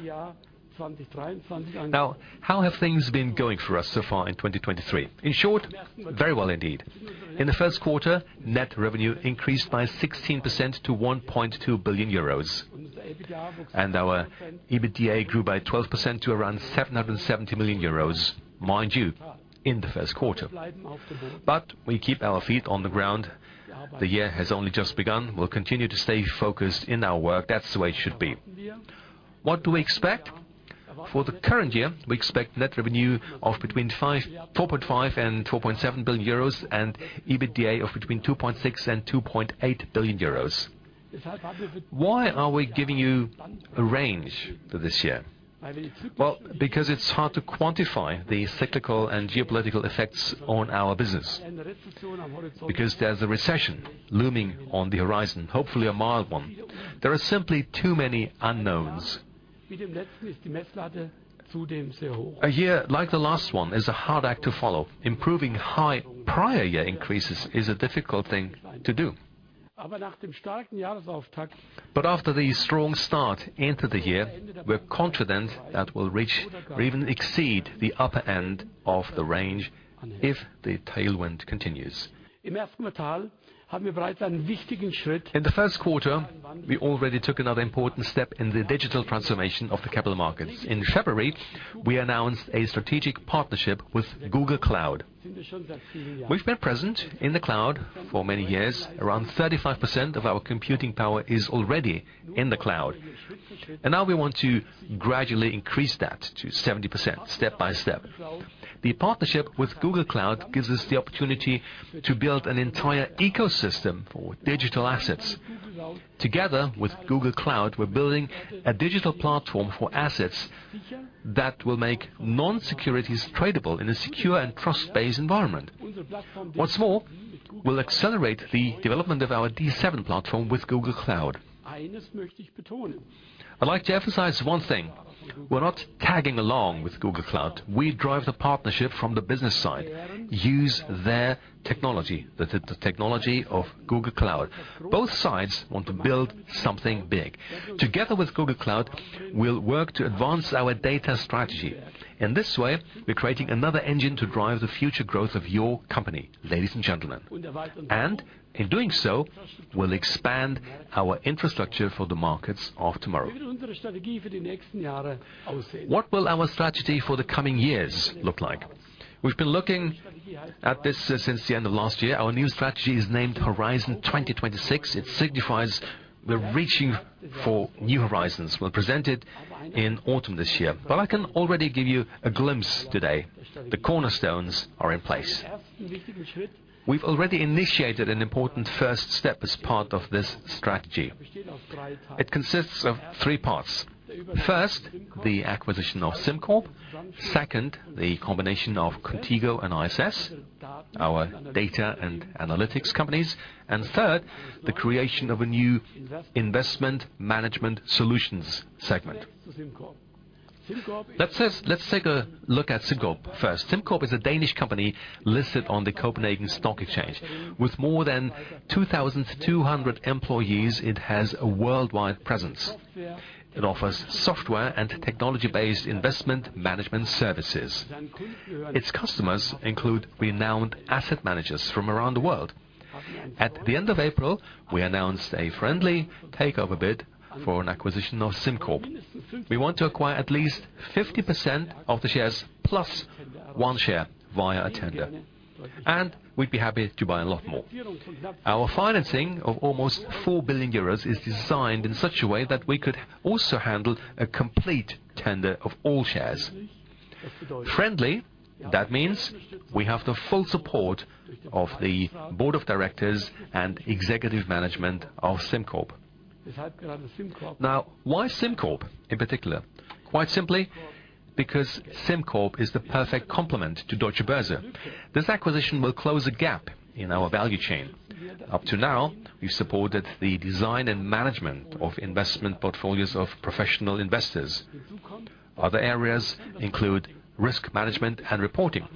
Now, how have things been going for us so far in 2023? In short, very well indeed. In the first quarter, net revenue increased by 16% to 1.2 billion euros. Our EBITDA grew by 12% to around 770 million euros, mind you, in the first quarter. We keep our feet on the ground. The year has only just begun. We'll continue to stay focused in our work. That's the way it should be. What do we expect? For the current year, we expect net revenue of between 4.5 billion and 4.7 billion euros, and EBITDA of between 2.6 billion and 2.8 billion euros. Why are we giving you a range for this year? Well, it's hard to quantify the cyclical and geopolitical effects on our business. There's a recession looming on the horizon, hopefully a mild one. There are simply too many unknowns. A year like the last one is a hard act to follow. Improving high prior year increases is a difficult thing to do. After the strong start into the year, we're confident that we'll reach or even exceed the upper end of the range if the tailwind continues. In the first quarter, we already took another important step in the digital transformation of the capital markets. In February, we announced a strategic partnership with Google Cloud. We've been present in the cloud for many years. Around 35% of our computing power is already in the cloud. Now we want to gradually increase that to 70% step by step. The partnership with Google Cloud gives us the opportunity to build an entire ecosystem for digital assets. Together with Google Cloud, we're building a digital platform for assets that will make non-securities tradable in a secure and trust-based environment. What's more, we'll accelerate the development of our D7 platform with Google Cloud. I'd like to emphasize one thing: We're not tagging along with Google Cloud. We drive the partnership from the business side, use their technology, the technology of Google Cloud. Both sides want to build something big. Together with Google Cloud, we'll work to advance our data strategy. In this way, we're creating another engine to drive the future growth of your company, ladies and gentlemen. In doing so, we'll expand our infrastructure for the markets of tomorrow. What will our strategy for the coming years look like? We've been looking at this since the end of last year. Our new strategy is named Horizon 2026. It signifies we're reaching for new horizons. We'll present it in autumn this year. I can already give you a glimpse today. The cornerstones are in place. We've already initiated an important first step as part of this strategy. It consists of 3 parts. First, the acquisition of SimCorp. Second, the combination of Qontigo and ISS, our Data & Analytics companies. Third, the creation of a new Investment Management Solutions segment. Let's take a look at SimCorp first. SimCorp is a Danish company listed on the Copenhagen Stock Exchange. With more than 2,200 employees, it has a worldwide presence. It offers software and technology-based investment management services. Its customers include renowned asset managers from around the world. At the end of April, we announced a friendly takeover bid for an acquisition of SimCorp. We want to acquire at least 50% of the shares, plus one share via a tender, and we'd be happy to buy a lot more. Our financing of almost 4 billion euros is designed in such a way that we could also handle a complete tender of all shares. Friendly, that means we have the full support of the board of directors and executive management of SimCorp. Why SimCorp in particular? Quite simply because SimCorp is the perfect complement to Deutsche Börse. This acquisition will close a gap in our value chain. Up to now, we supported the design and management of investment portfolios of professional investors. Other areas include risk management and reporting.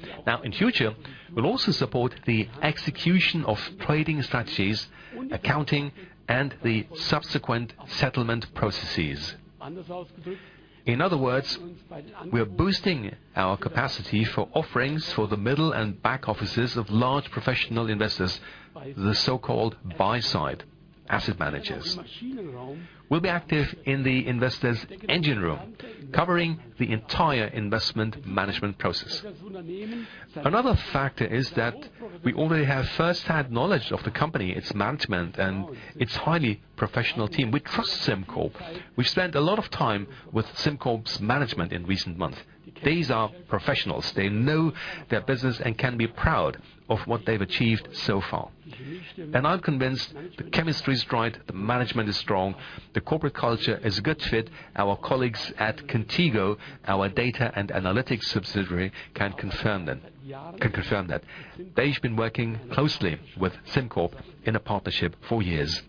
In future, we'll also support the execution of trading strategies, accounting, and the subsequent settlement processes. In other words, we are boosting our capacity for offerings for the middle and back offices of large professional investors, the so-called buy side asset managers. We'll be active in the investors' engine room, covering the entire investment management process. Another factor is that we already have first-hand knowledge of the company, its management, and its highly professional team. We trust SimCorp. We spent a lot of time with SimCorp's management in recent months. These are professionals. They know their business and can be proud of what they've achieved so far. I'm convinced the chemistry is right, the management is strong, the corporate culture is a good fit. Our colleagues at Qontigo, our Data & Analytics subsidiary, can confirm that. They've been working closely with SimCorp in a partnership for years.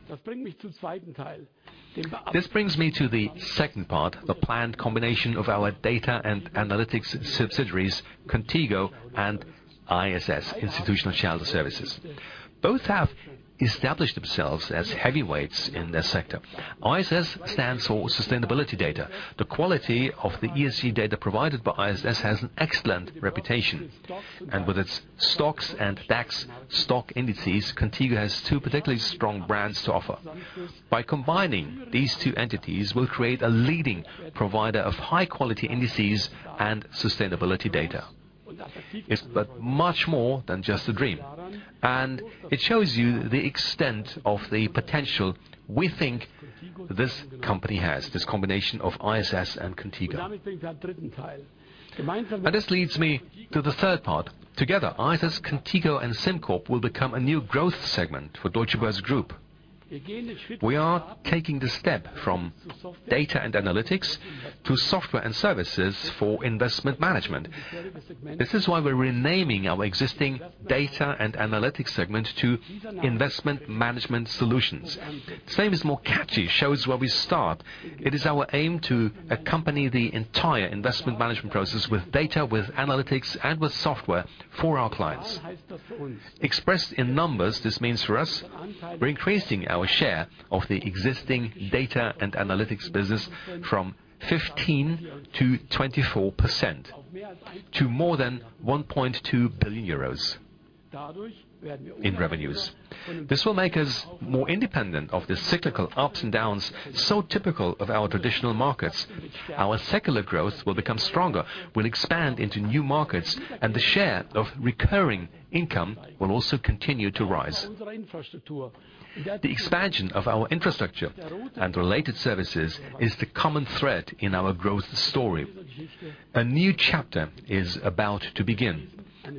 This brings me to the second part, the planned combination of our Data & Analytics subsidiaries, Qontigo and ISS, Institutional Shareholder Services. Both have established themselves as heavyweights in their sector. ISS stands for sustainability data. The quality of the ESG data provided by ISS has an excellent reputation. With its stocks and DAX, Qontigo has two particularly strong brands to offer. By combining these two entities, we'll create a leading provider of high-quality indices and sustainability data. It's but much more than just a dream, and it shows you the extent of the potential we think this company has, this combination of ISS and Qontigo. This leads me to the third part. Together, ISS, Qontigo, and SimCorp will become a new growth segment for Deutsche Börse Group. We are taking the step from Data & Analytics to software and services for investment management. This is why we're renaming our existing Data & Analytics segment to Investment Management Solutions. This name is more catchy. It shows where we start. It is our aim to accompany the entire investment management process with data, with analytics, and with software for our clients. Expressed in numbers, this means for us, we're increasing our share of the existing Data & Analytics business from 15% to 24%, to more than 1.2 billion euros in revenues. This will make us more independent of the cyclical ups and downs so typical of our traditional markets. Our secular growth will become stronger. We'll expand into new markets, and the share of recurring income will also continue to rise. The expansion of our infrastructure and related services is the common thread in our growth story. A new chapter is about to begin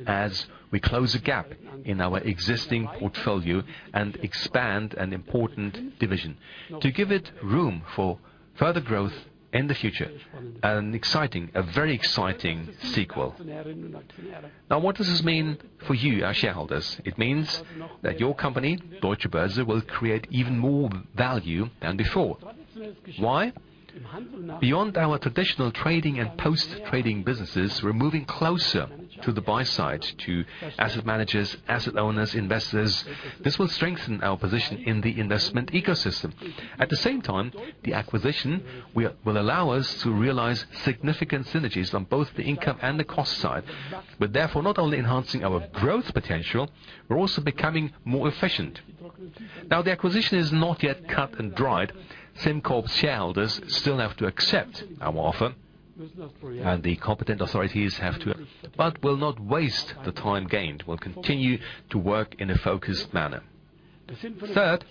as we close a gap in our existing portfolio and expand an important division to give it room for further growth in the future, an exciting, a very exciting sequel. Now, what does this mean for you, our shareholders? It means that your company, Deutsche Börse, will create even more value than before. Why? Beyond our traditional trading and post-trading businesses, we're moving closer to the buy side, to asset managers, asset owners, investors. This will strengthen our position in the investment ecosystem. At the same time, the acquisition will allow us to realize significant synergies on both the income and the cost side. We're therefore not only enhancing our growth potential, we're also becoming more efficient. Now, the acquisition is not yet cut and dried. SimCorp shareholders still have to accept our offer, and the competent authorities have to. We'll not waste the time gained. We'll continue to work in a focused manner. Third,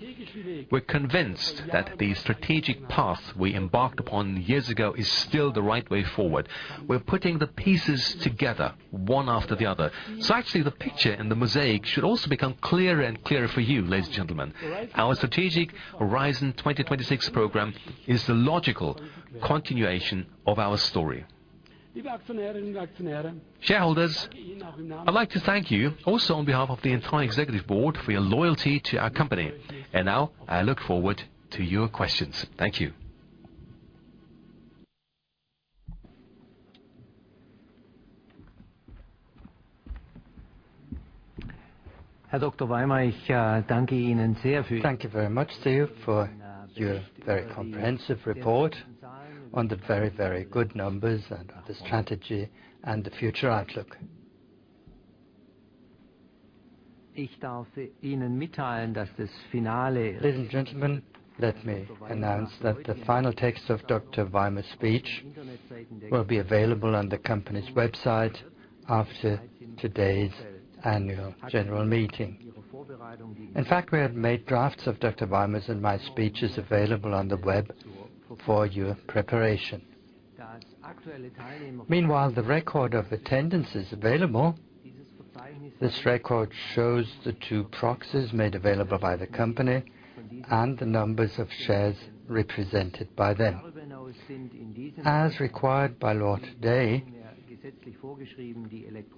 we're convinced that the strategic path we embarked upon years ago is still the right way forward. We're putting the pieces together one after the other. Actually, the picture and the mosaic should also become clearer and clearer for you, ladies and gentlemen. Our strategic Horizon 2026 program is the logical continuation of our story. Shareholders, I'd like to thank you also on behalf of the entire Executive Board for your loyalty to our company. Now I look forward to your questions. Thank you. Thank you very much, Theo, for your very comprehensive report on the very, very good numbers and the strategy and the future outlook. Ladies and gentlemen, let me announce that the final text of Dr. Weimer's speech will be available on the company's website after today's annual general meeting. In fact, we have made drafts of Dr. Weimer's and my speeches available on the web for your preparation. Meanwhile, the record of attendance is available. This record shows the two proxies made available by the company and the numbers of shares represented by them. As required by law today,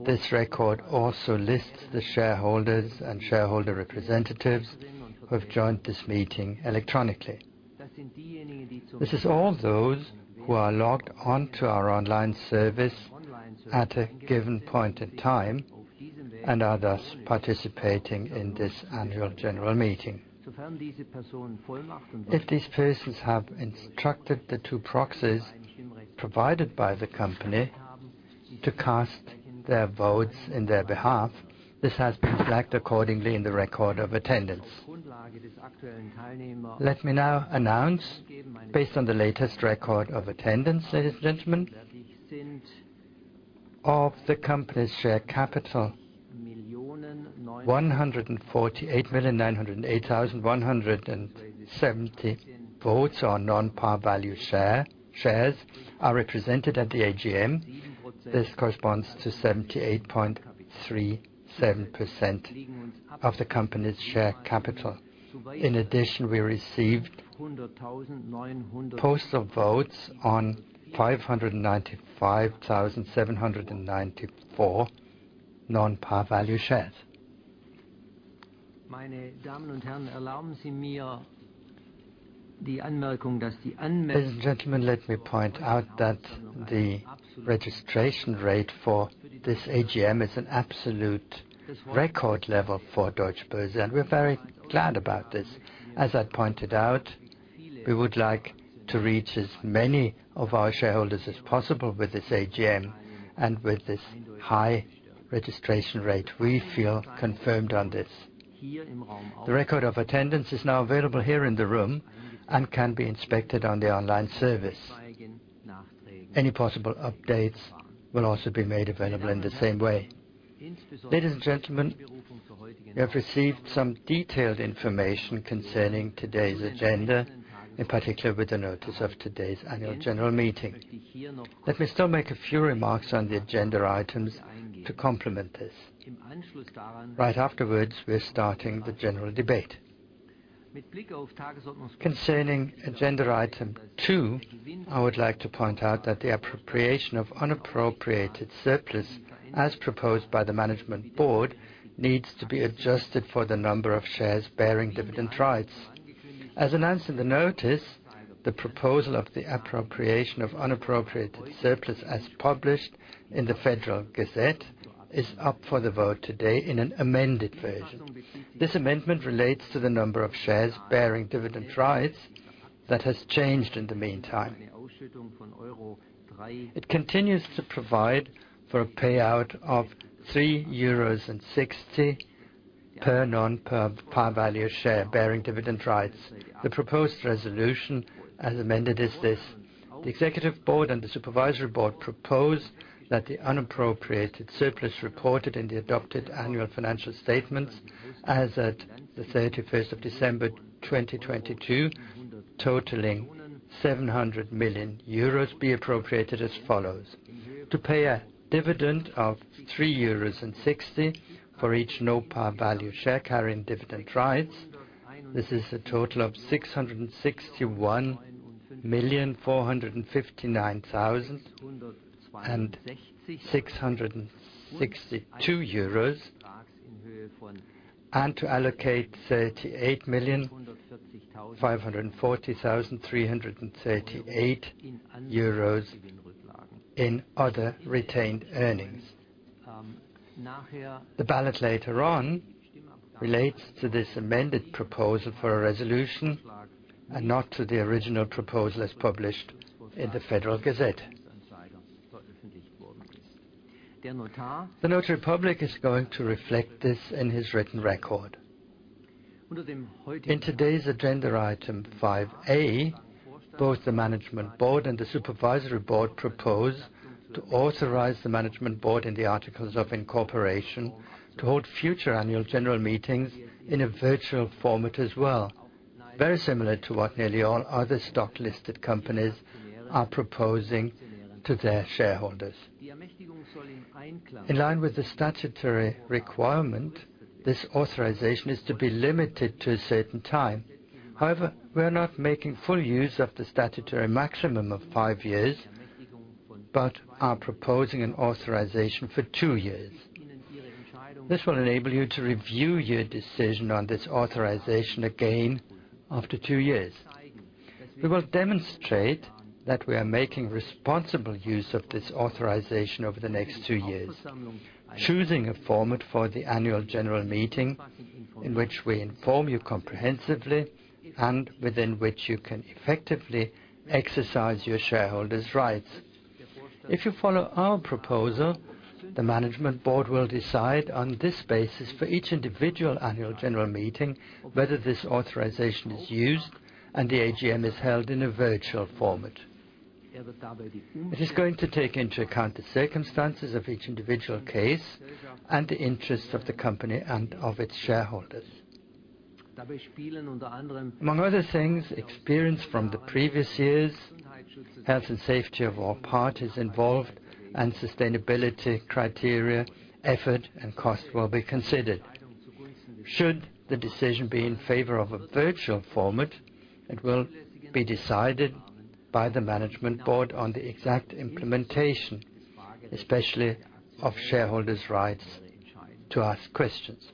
this record also lists the shareholders and shareholder representatives who have joined this meeting electronically. This is all those who are logged on to our online service at a given point in time and are thus participating in this annual general meeting. If these persons have instructed the two proxies provided by the company to cast their votes in their behalf, this has been flagged accordingly in the record of attendance. Let me now announce based on the latest record of attendance, ladies and gentlemen, of the company's share capital 148,908,170 votes on non par value share, shares are represented at the AGM. This corresponds to 78.37% of the company's share capital. In addition, we received posts of votes on 595,794 non par value shares. Ladies and gentlemen, let me point out that the registration rate for this AGM is an absolute record level for Deutsche Börse, and we're very glad about this. As I pointed out, we would like to reach as many of our shareholders as possible with this AGM and with this high registration rate, we feel confirmed on this. The record of attendance is now available here in the room and can be inspected on the online service. Any possible updates will also be made available in the same way. Ladies and gentlemen, we have received some detailed information concerning today's agenda, in particular with the notice of today's annual general meeting. Let me still make a few remarks on the agenda items to complement this. Right afterwards, we're starting the general debate. Concerning agenda item two, I would like to point out that the appropriation of unappropriated surplus, as proposed by the management board, needs to be adjusted for the number of shares bearing dividend rights. As announced in the notice, the proposal of the appropriation of the unappropriated surplus as published in the Federal Gazette is up for the vote today in an amended version. This amendment relates to the number of shares bearing dividend rights that has changed in the meantime. It continues to provide for a payout of 3.60 euros per non per par value share bearing dividend rights. The proposed resolution as amended is this. The Executive Board and the Supervisory Board propose that the unappropriated surplus reported in the adopted annual financial statements as at the 31st of December 2022, totaling 700 million euros, be appropriated as follows: To pay a dividend of 3.60 euros for each no par value share carrying dividend rights. This is a total of 661,459,662 euros. To allocate 38,540,338 euros in other retained earnings. The ballot later on relates to this amended proposal for a resolution and not to the original proposal as published in the Federal Gazette. The Notary Public is going to reflect this in his written record. In today's Agenda Item 5A, both the management board and the supervisory board propose to authorize the management board in the articles of incorporation to hold future annual general meetings in a virtual format as well, very similar to what nearly all other stock-listed companies are proposing to their shareholders. In line with the statutory requirement, this authorization is to be limited to a certain time. We are not making full use of the statutory maximum of five years, but are proposing an authorization for two years. This will enable you to review your decision on this authorization again after two years. We will demonstrate that we are making responsible use of this authorization over the next two years, choosing a format for the annual general meeting in which we inform you comprehensively and within which you can effectively exercise your shareholders' rights. If you follow our proposal, the management board will decide on this basis for each individual annual general meeting, whether this authorization is used and the AGM is held in a virtual format. It is going to take into account the circumstances of each individual case and the interests of the company and of its shareholders. Among other things, experience from the previous years, health and safety of all parties involved, and sustainability criteria, effort, and cost will be considered. Should the decision be in favor of a virtual format, it will be decided by the management board on the exact implementation, especially of shareholders' rights to ask questions.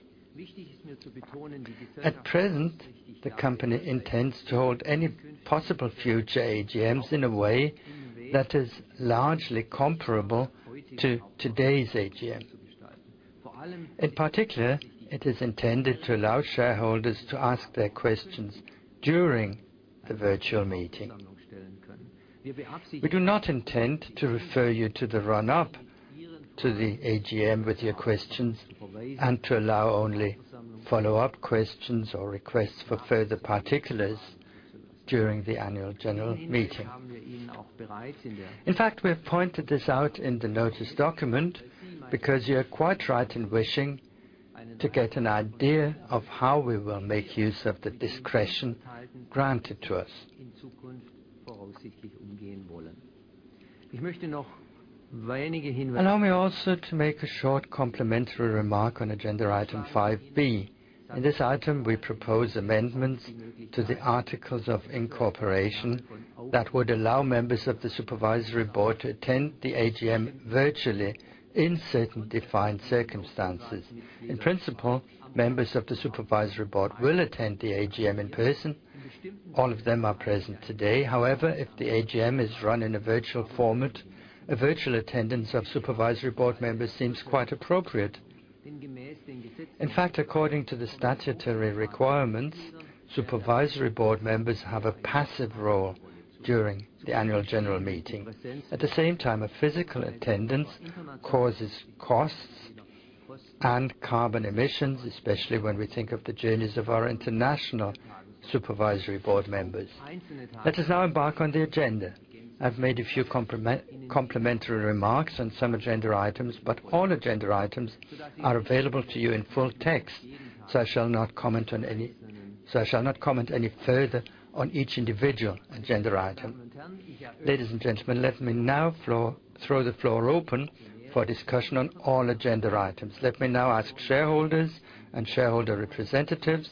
At present, the company intends to hold any possible future AGMs in a way that is largely comparable to today's AGM. In particular, it is intended to allow shareholders to ask their questions during the virtual meeting. We do not intend to refer you to the run-up to the AGM with your questions and to allow only follow-up questions or requests for further particulars during the annual general meeting. In fact, we have pointed this out in the notice document because you are quite right in wishing to get an idea of how we will make use of the discretion granted to us. Allow me also to make a short complementary remark on Agenda Item 5B. In this item, we propose amendments to the articles of incorporation that would allow members of the supervisory board to attend the AGM virtually in certain defined circumstances. In principle, members of the supervisory board will attend the AGM in person. All of them are present today. However, if the AGM is run in a virtual format, a virtual attendance of supervisory board members seems quite appropriate. In fact, according to the statutory requirements, supervisory board members have a passive role during the annual general meeting. At the same time, a physical attendance causes costs and carbon emissions, especially when we think of the journeys of our international supervisory board members. Let us now embark on the agenda. I've made a few complementary remarks on some agenda items. All agenda items are available to you in full text, so I shall not comment any further on each individual agenda item. Ladies and gentlemen, let me now throw the floor open for discussion on all agenda items. Let me now ask shareholders and shareholder representatives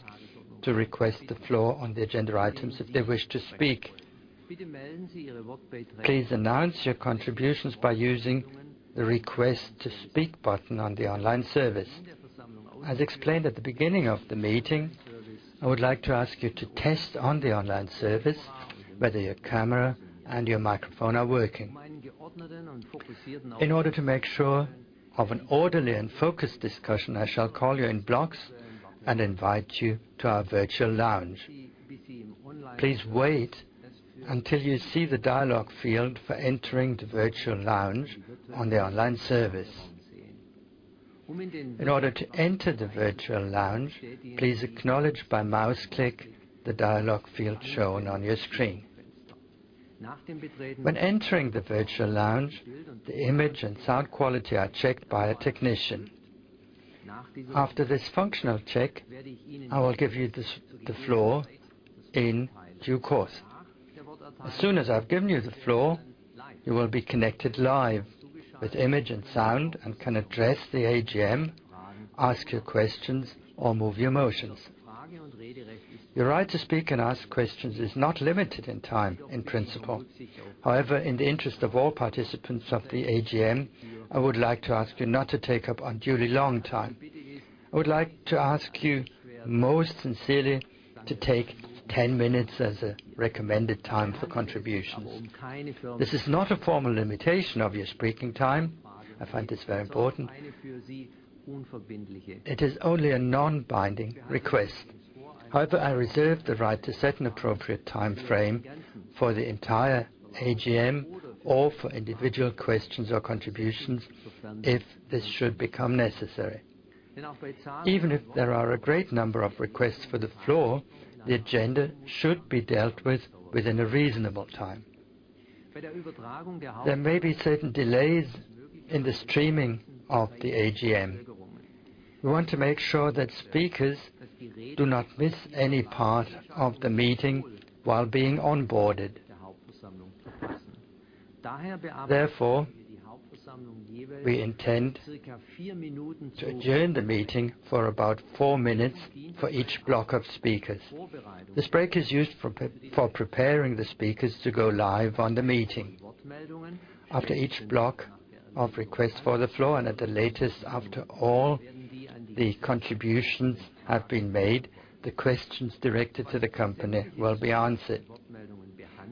to request the floor on the agenda items if they wish to speak. Please announce your contributions by using the Request to Speak button on the online service. As explained at the beginning of the meeting, I would like to ask you to test on the online service, whether your camera and your microphone are working. In order to make sure of an orderly and focused discussion, I shall call you in blocks and invite you to our virtual lounge. Please wait until you see the dialogue field for entering the virtual lounge on the online service. In order to enter the virtual lounge, please acknowledge by mouse click the dialogue field shown on your screen. When entering the virtual lounge, the image and sound quality are checked by a technician. After this functional check, I will give you the floor in due course. As soon as I've given you the floor, you will be connected live with image and sound and can address the AGM, ask your questions or move your motions. Your right to speak and ask questions is not limited in time, in principle. However, in the interest of all participants of the AGM, I would like to ask you not to take up unduly long time. I would like to ask you most sincerely to take ten minutes as a recommended time for contributions. This is not a formal limitation of your speaking time. I find this very important. It is only a non-binding request. I reserve the right to set an appropriate time frame for the entire AGM or for individual questions or contributions if this should become necessary. Even if there are a great number of requests for the floor, the agenda should be dealt with within a reasonable time. There may be certain delays in the streaming of the AGM. We want to make sure that speakers do not miss any part of the meeting while being onboarded. We intend to adjourn the meeting for about four minutes for each block of speakers. This break is used for preparing the speakers to go live on the meeting. After each block of requests for the floor and at the latest, after all the contributions have been made, the questions directed to the company will be answered.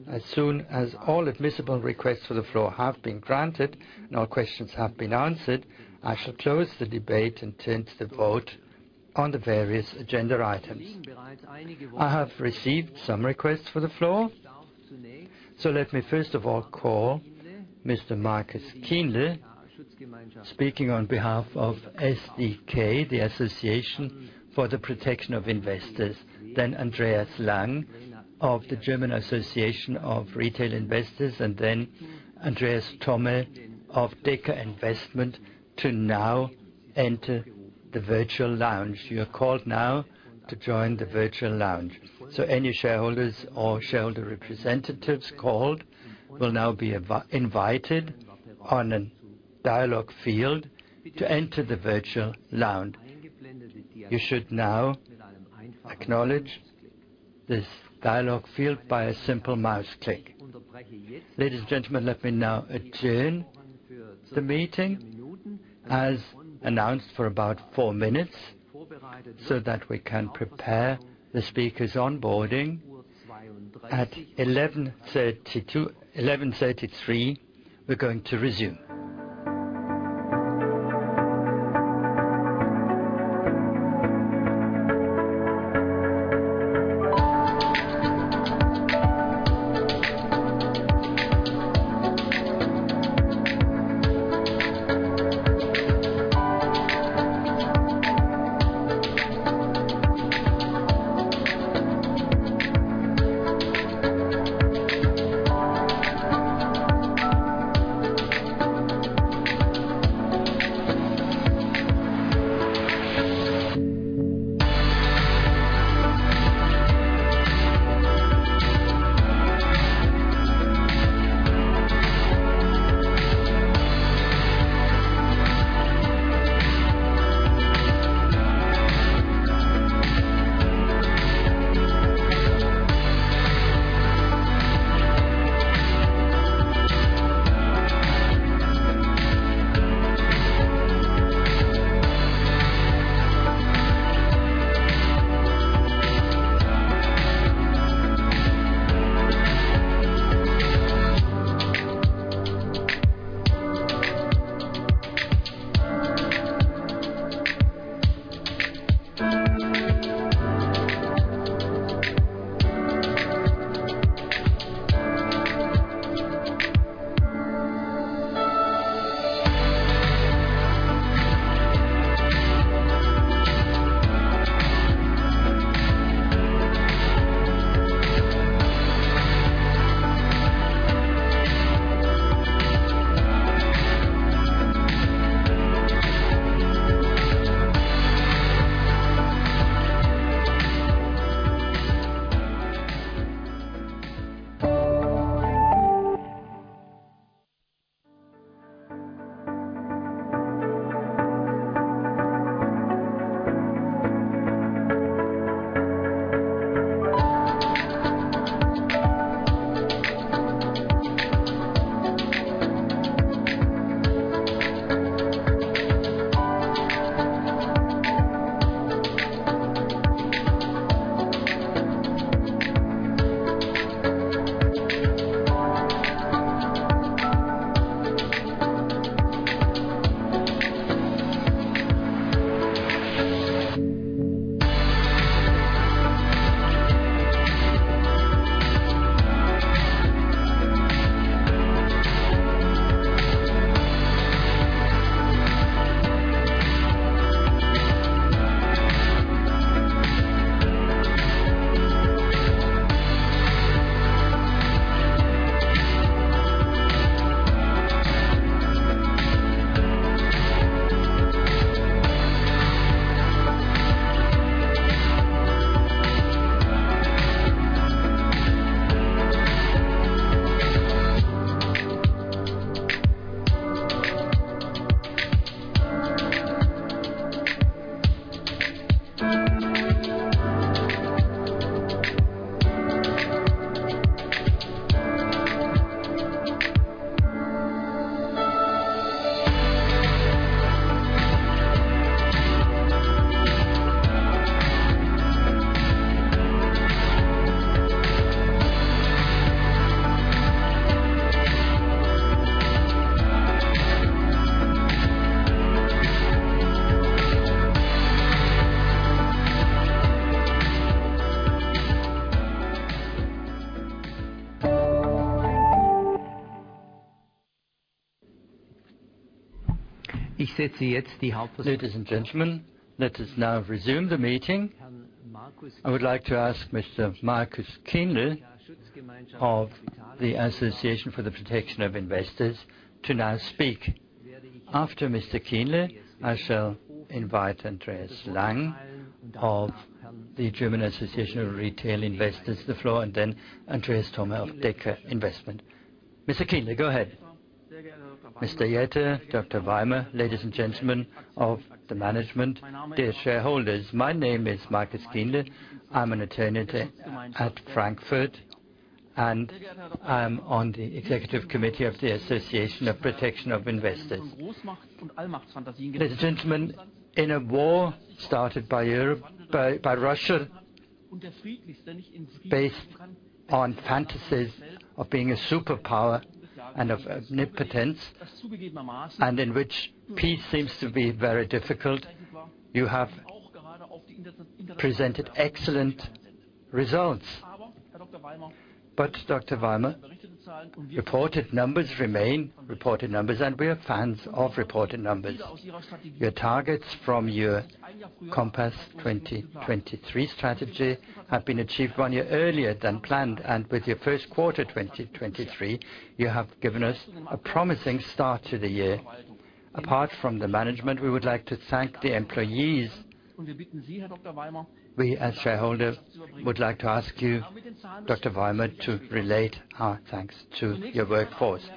As soon as all admissible requests for the floor have been granted and all questions have been answered, I shall close the debate and turn to the vote on the various agenda items. Let me first of all call Mr. Markus Kienle, speaking on behalf of SdK, the Association for the Protection of Investors, then Andreas Lang of the German Association of Retail Investors, and then Andreas Thomae of Deka Investment to now enter the virtual lounge. You are called now to join the virtual lounge. Any shareholders or shareholder representatives called will now be invited on a dialogue field to enter the virtual lounge. You should now acknowledge this dialogue field by a simple mouse click. Ladies and gentlemen, let me now adjourn the meeting as announced for about four minutes so that we can prepare the speakers onboarding. At 11:33, we're going to resume. Ladies and gentlemen, let us now resume the meeting. I would like to ask Mr. Markus Kienle of the Association for the Protection of Investors to now speak. After Mr. Kienle, I shall invite Andreas Lang of the German Association of Retail Investors to the floor and then Andreas Thomae of Deka Investment. Mr. Kienle, go ahead. Mr. Jetter, Dr. Weimer, ladies and gentlemen of the management, dear shareholders. My name is Markus Kienle. I'm an attorney at Frankfurt, and I'm on the Executive Committee of the Association of Protection of Investors. Ladies and gentlemen, in a war started by Russia based on fantasies of being a superpower and of omnipotence, and in which peace seems to be very difficult, you have presented excellent results. Dr. Weimer, reported numbers remain reported numbers, and we are fans of reported numbers. Your targets from your Compass 2023 strategy have been achieved one year earlier than planned, and with your first quarter 2023, you have given us a promising start to the year. Apart from the management, we would like to thank the employees. We as shareholders would like to ask you, Dr. Weimer, to relate our thanks to your workforce.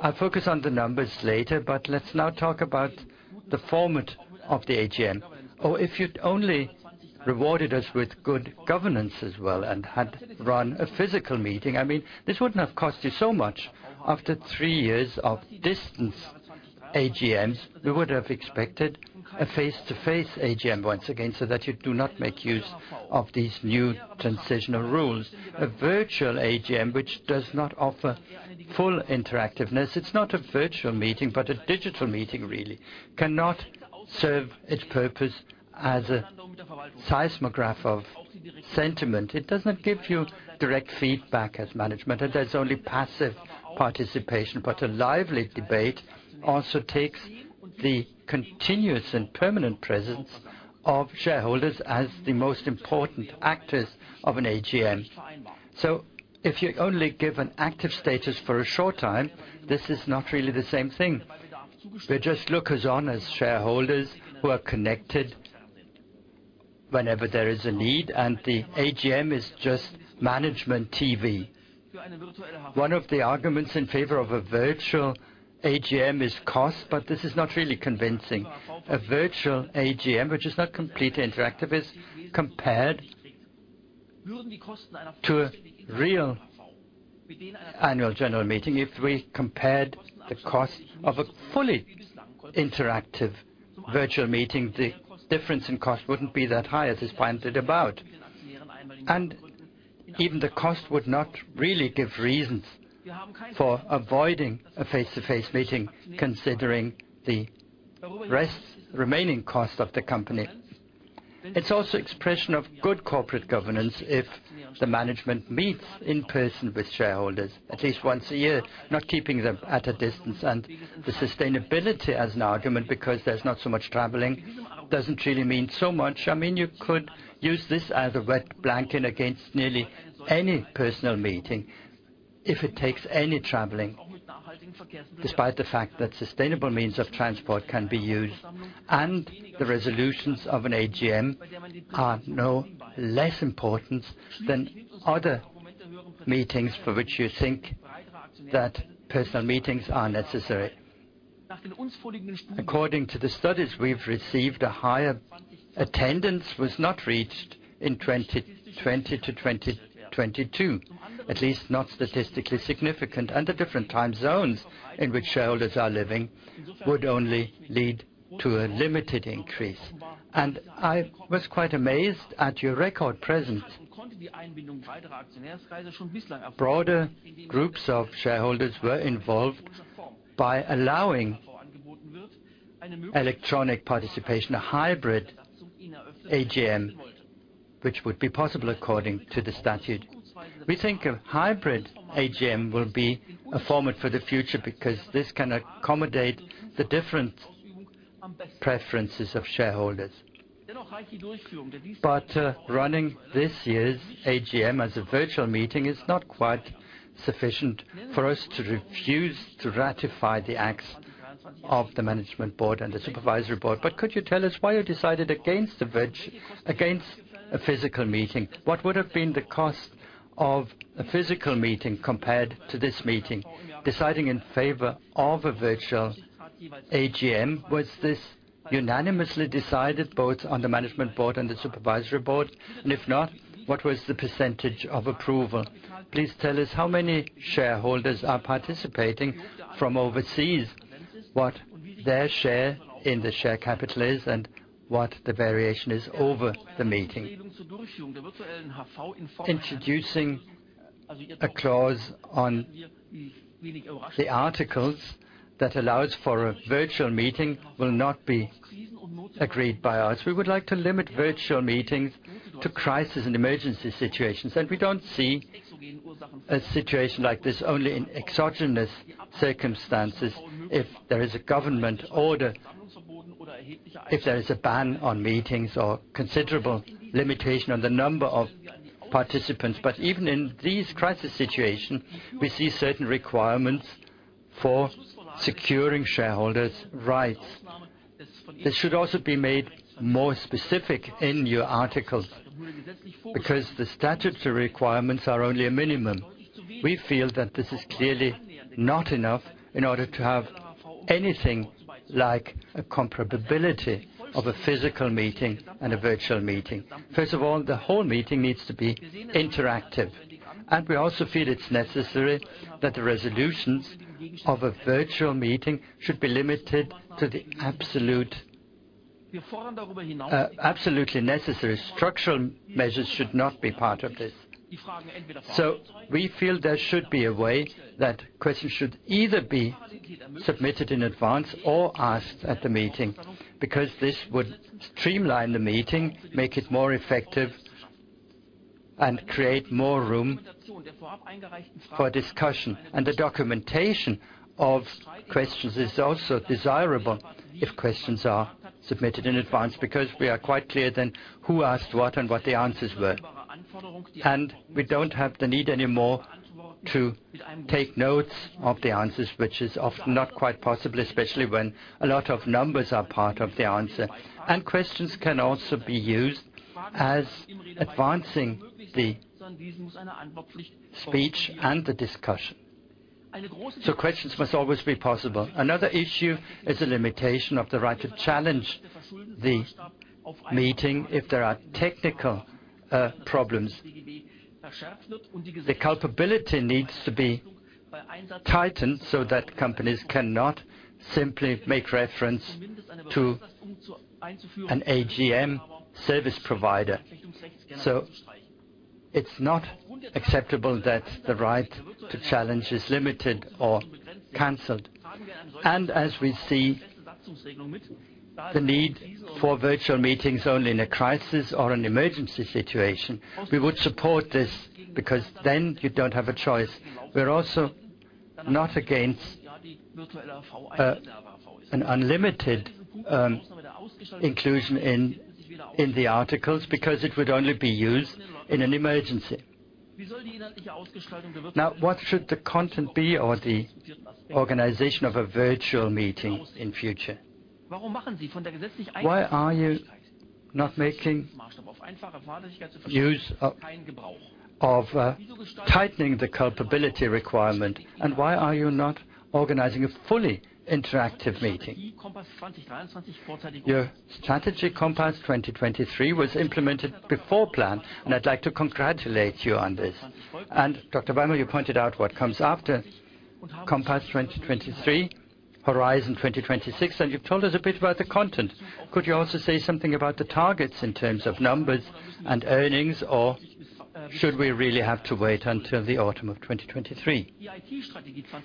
I'll focus on the numbers later, but let's now talk about the format of the AGM. Oh, if you'd only rewarded us with good governance as well and had run a physical meeting. I mean, this wouldn't have cost you so much. After three years of distance AGMs, we would have expected a face-to-face AGM once again, so that you do not make use of these new transitional rules. A virtual AGM which does not offer full interactiveness, it's not a virtual meeting, but a digital meeting really, cannot serve its purpose as a seismograph of sentiment. It does not give you direct feedback as management. There's only passive participation. A lively debate also takes the continuous and permanent presence of shareholders as the most important actors of an AGM. If you only give an active status for a short time, this is not really the same thing. We're just lookers-on as shareholders who are connected whenever there is a need, and the AGM is just management TV. One of the arguments in favor of a virtual AGM is cost, but this is not really convincing. A virtual AGM which is not completely interactive is compared to a real annual general meeting. If we compared the cost of a fully interactive virtual meeting, the difference in cost wouldn't be that high, as is pointed about. Even the cost would not really give reasons for avoiding a face-to-face meeting, considering the remaining cost of the company. It's also expression of good corporate governance if the management meets in person with shareholders at least once a year, not keeping them at a distance. The sustainability as an argument, because there's not so much traveling, doesn't really mean so much. I mean, you could use this as a wet blanket against nearly any personal meeting if it takes any traveling. Despite the fact that sustainable means of transport can be used, the resolutions of an AGM are no less important than other meetings for which you think that personal meetings are necessary. According to the studies we've received, a higher attendance was not reached in 2020-2022, at least not statistically significant. The different time zones in which shareholders are living would only lead to a limited increase. I was quite amazed at your record presence. Broader groups of shareholders were involved by allowing electronic participation, a hybrid AGM, which would be possible according to the statute. We think a hybrid AGM will be a format for the future because this can accommodate the different preferences of shareholders. Running this year's AGM as a virtual meeting is not quite sufficient for us to refuse to ratify the acts of the management board and the supervisory board. Could you tell us why you decided against a physical meeting? What would have been the cost of a physical meeting compared to this meeting? Deciding in favor of a virtual AGM, was this unanimously decided both on the management board and the supervisory board? If not, what was the % of approval? Please tell us how many shareholders are participating from overseas, what their share in the share capital is, and what the variation is over the meeting. Introducing a clause on the articles that allows for a virtual meeting will not be agreed by us. We would like to limit virtual meetings to crisis and emergency situations. We don't see a situation like this only in exogenous circumstances, if there is a government order, if there is a ban on meetings or considerable limitation on the number of participants. Even in these crisis situation, we see certain requirements for securing shareholders' rights. This should also be made more specific in your articles because the statutory requirements are only a minimum. We feel that this is clearly not enough in order to have anything like a comparability of a physical meeting and a virtual meeting. First of all, the whole meeting needs to be interactive. We also feel it's necessary that the resolutions of a virtual meeting should be limited to the absolute, absolutely necessary. Structural measures should not be part of this. We feel there should be a way that questions should either be submitted in advance or asked at the meeting, because this would streamline the meeting, make it more effective. Create more room for discussion. The documentation of questions is also desirable if questions are submitted in advance because we are quite clear then who asked what and what the answers were. We don't have the need anymore to take notes of the answers, which is often not quite possible, especially when a lot of numbers are part of the answer. Questions can also be used as advancing the speech and the discussion. Questions must always be possible. Another issue is a limitation of the right to challenge the meeting if there are technical problems. The culpability needs to be tightened so that companies cannot simply make reference to an AGM service provider. It's not acceptable that the right to challenge is limited or canceled. As we see the need for virtual meetings only in a crisis or an emergency situation, we would support this because then you don't have a choice. We're also not against an unlimited inclusion in the articles because it would only be used in an emergency. What should the content be or the organization of a virtual meeting in future? Why are you not making use of tightening the culpability requirement, and why are you not organizing a fully interactive meeting? Your Compass 2023 was implemented before plan. I'd like to congratulate you on this. Dr. Weimer, you pointed out what comes after Compass 2023, Horizon 2026, and you've told us a bit about the content. Could you also say something about the targets in terms of numbers and earnings, or should we really have to wait until the autumn of 2023?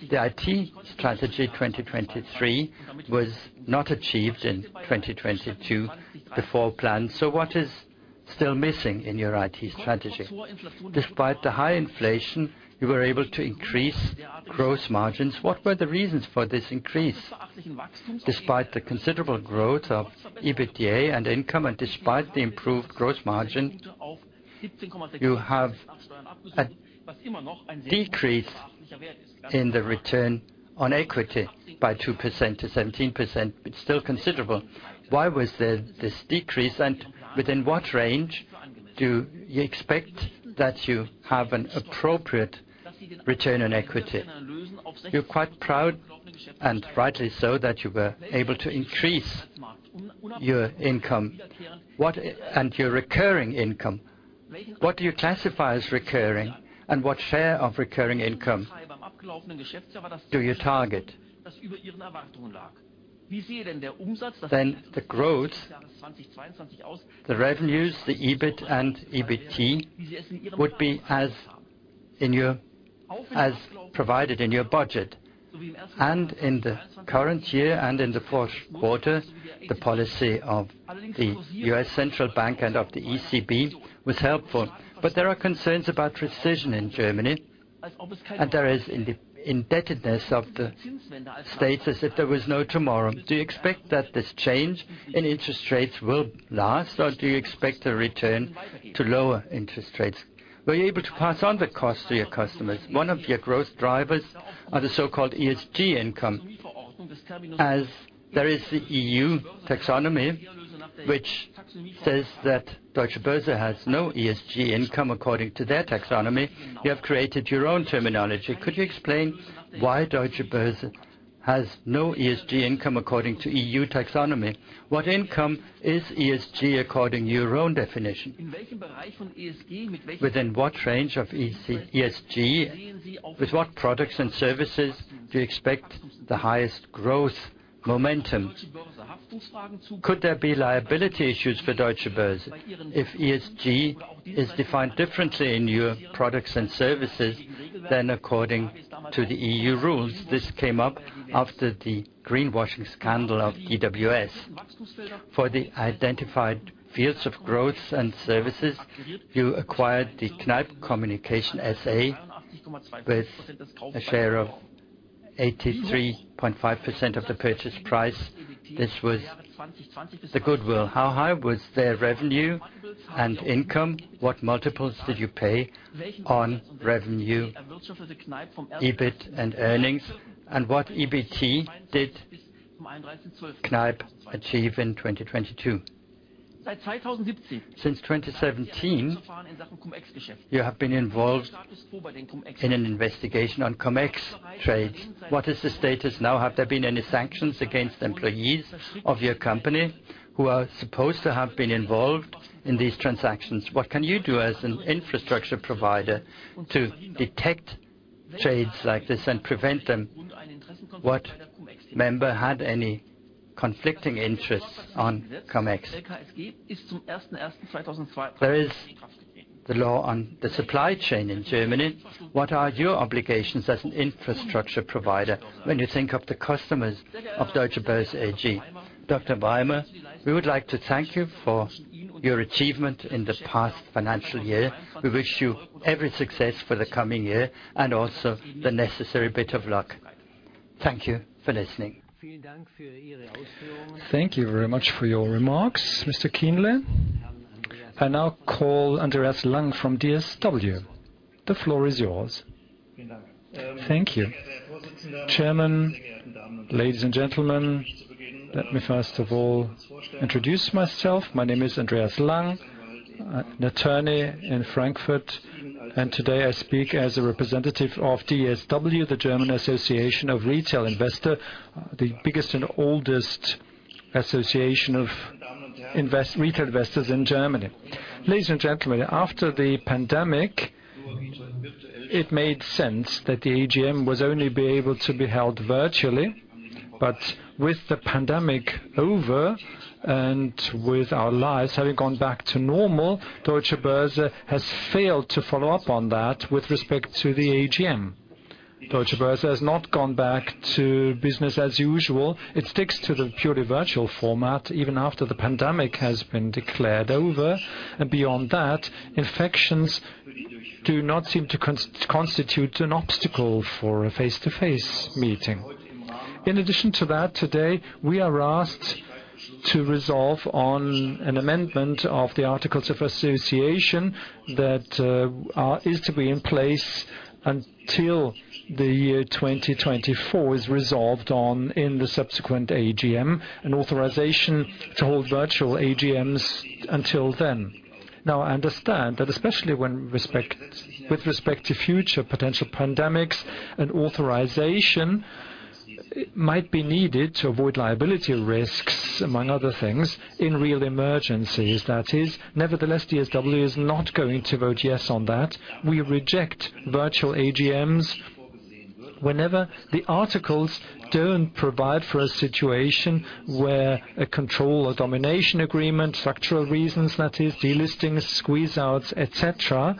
The IT strategy 2023+ was not achieved in 2022 before plan. What is still missing in your IT strategy? Despite the high inflation, you were able to increase gross margins. What were the reasons for this increase? Despite the considerable growth of EBITDA and income, and despite the improved gross margin, you have a decrease in the return on equity by 2% to 17%. It's still considerable. Why was there this decrease, and within what range do you expect that you have an appropriate return on equity? You're quite proud, and rightly so, that you were able to increase your income. Your recurring income, what do you classify as recurring, and what share of recurring income do you target? The growth, the revenues, the EBIT and EBT would be as provided in your budget. In the current year and in the fourth quarter, the policy of the U.S. Central Bank and of the ECB was helpful. There are concerns about recession in Germany, and there is indebtedness of the states as if there was no tomorrow. Do you expect that this change in interest rates will last, or do you expect a return to lower interest rates? Were you able to pass on the cost to your customers? One of your growth drivers are the so-called ESG income. As there is the EU Taxonomy, which says that Deutsche Börse has no ESG income according to their taxonomy, you have created your own terminology. Could you explain why Deutsche Börse has no ESG income according to EU Taxonomy? What income is ESG according to your own definition? Within what range of ESG, with what products and services do you expect the highest growth momentum? Could there be liability issues for Deutsche Börse if ESG is defined differently in your products and services than according to the EU rules? This came up after the greenwashing scandal of DWS. For the identified fields of growth and services, you acquired the Kneip Communication S.A. with a share of 83.5% of the purchase price. This was the goodwill. How high was their revenue and income? What multiples did you pay on revenue, EBIT, and earnings? What EBT did Kneip achieve in 2022? Since 2017, you have been involved in an investigation on Cum-Ex trades. What is the status now? Have there been any sanctions against employees of your company who are supposed to have been involved in these transactions? What can you do as an infrastructure provider to detect trades like this and prevent them? What member had any conflicting interests on Cum-Ex? There is the law on the supply chain in Germany. What are your obligations as an infrastructure provider when you think of the customers of Deutsche Börse AG? Dr. Weimer, we would like to thank you for your achievement in the past financial year. We wish you every success for the coming year and also the necessary bit of luck. Thank you for listening. Thank you very much for your remarks, Mr. Kienle. I now call Andreas Lang from DSW. The floor is yours. Thank you. Chairman, Ladies and gentlemen, let me first of all introduce myself. My name is Andreas Lang. I'm an attorney in Frankfurt, and today I speak as a representative of DSW, the German Association of Retail Investors, the biggest and oldest association of retail investors in Germany. Ladies and gentlemen, after the pandemic, it made sense that the AGM was only be able to be held virtually. With the pandemic over, and with our lives having gone back to normal, Deutsche Börse has failed to follow up on that with respect to the AGM. Deutsche Börse has not gone back to business as usual. It sticks to the purely virtual format, even after the pandemic has been declared over. Beyond that, infections do not seem to constitute an obstacle for a face-to-face meeting. In addition to that, today, we are asked to resolve on an amendment of the articles of association that is to be in place until the year 2024 is resolved on in the subsequent AGM, an authorization to hold virtual AGMs until then. I understand that especially with respect to future potential pandemics and authorization, it might be needed to avoid liability risks, among other things, in real emergencies, that is. DSW is not going to vote yes on that. We reject virtual AGMs whenever the articles don't provide for a situation where a control or domination agreement, structural reasons, that is delistings, squeeze outs, et cetera.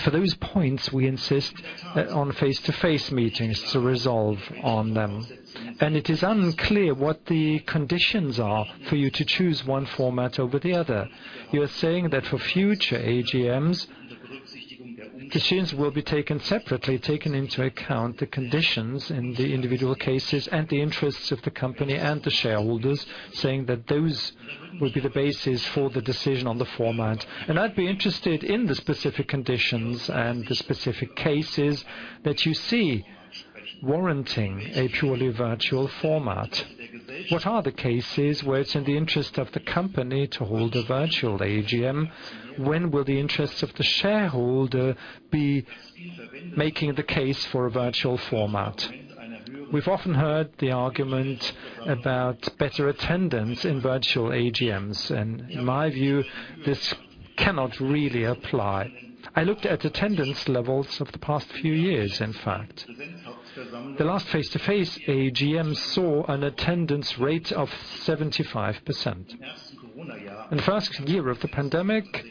For those points, we insist that on face-to-face meetings to resolve on them. It is unclear what the conditions are for you to choose one format over the other. You are saying that for future AGMs, decisions will be taken separately, taking into account the conditions in the individual cases and the interests of the company and the shareholders, saying that those will be the basis for the decision on the format. I'd be interested in the specific conditions and the specific cases that you see warranting a purely virtual format. What are the cases where it's in the interest of the company to hold a virtual AGM? When will the interests of the shareholder be making the case for a virtual format? We've often heard the argument about better attendance in virtual AGMs, and in my view, this cannot really apply. I looked at attendance levels of the past few years, in fact. The last face-to-face AGM saw an attendance rate of 75%. In the first year of the pandemic,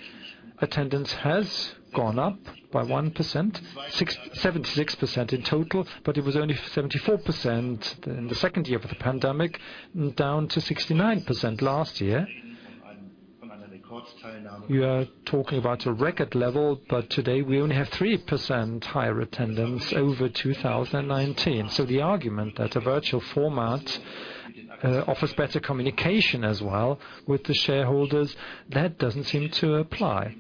attendance has gone up by 1%, 76% in total, but it was only 74% in the second year of the pandemic, and down to 69% last year. You are talking about a record level, but today we only have 3% higher attendance over 2019. The argument that a virtual format offers better communication as well with the shareholders, that doesn't seem to apply.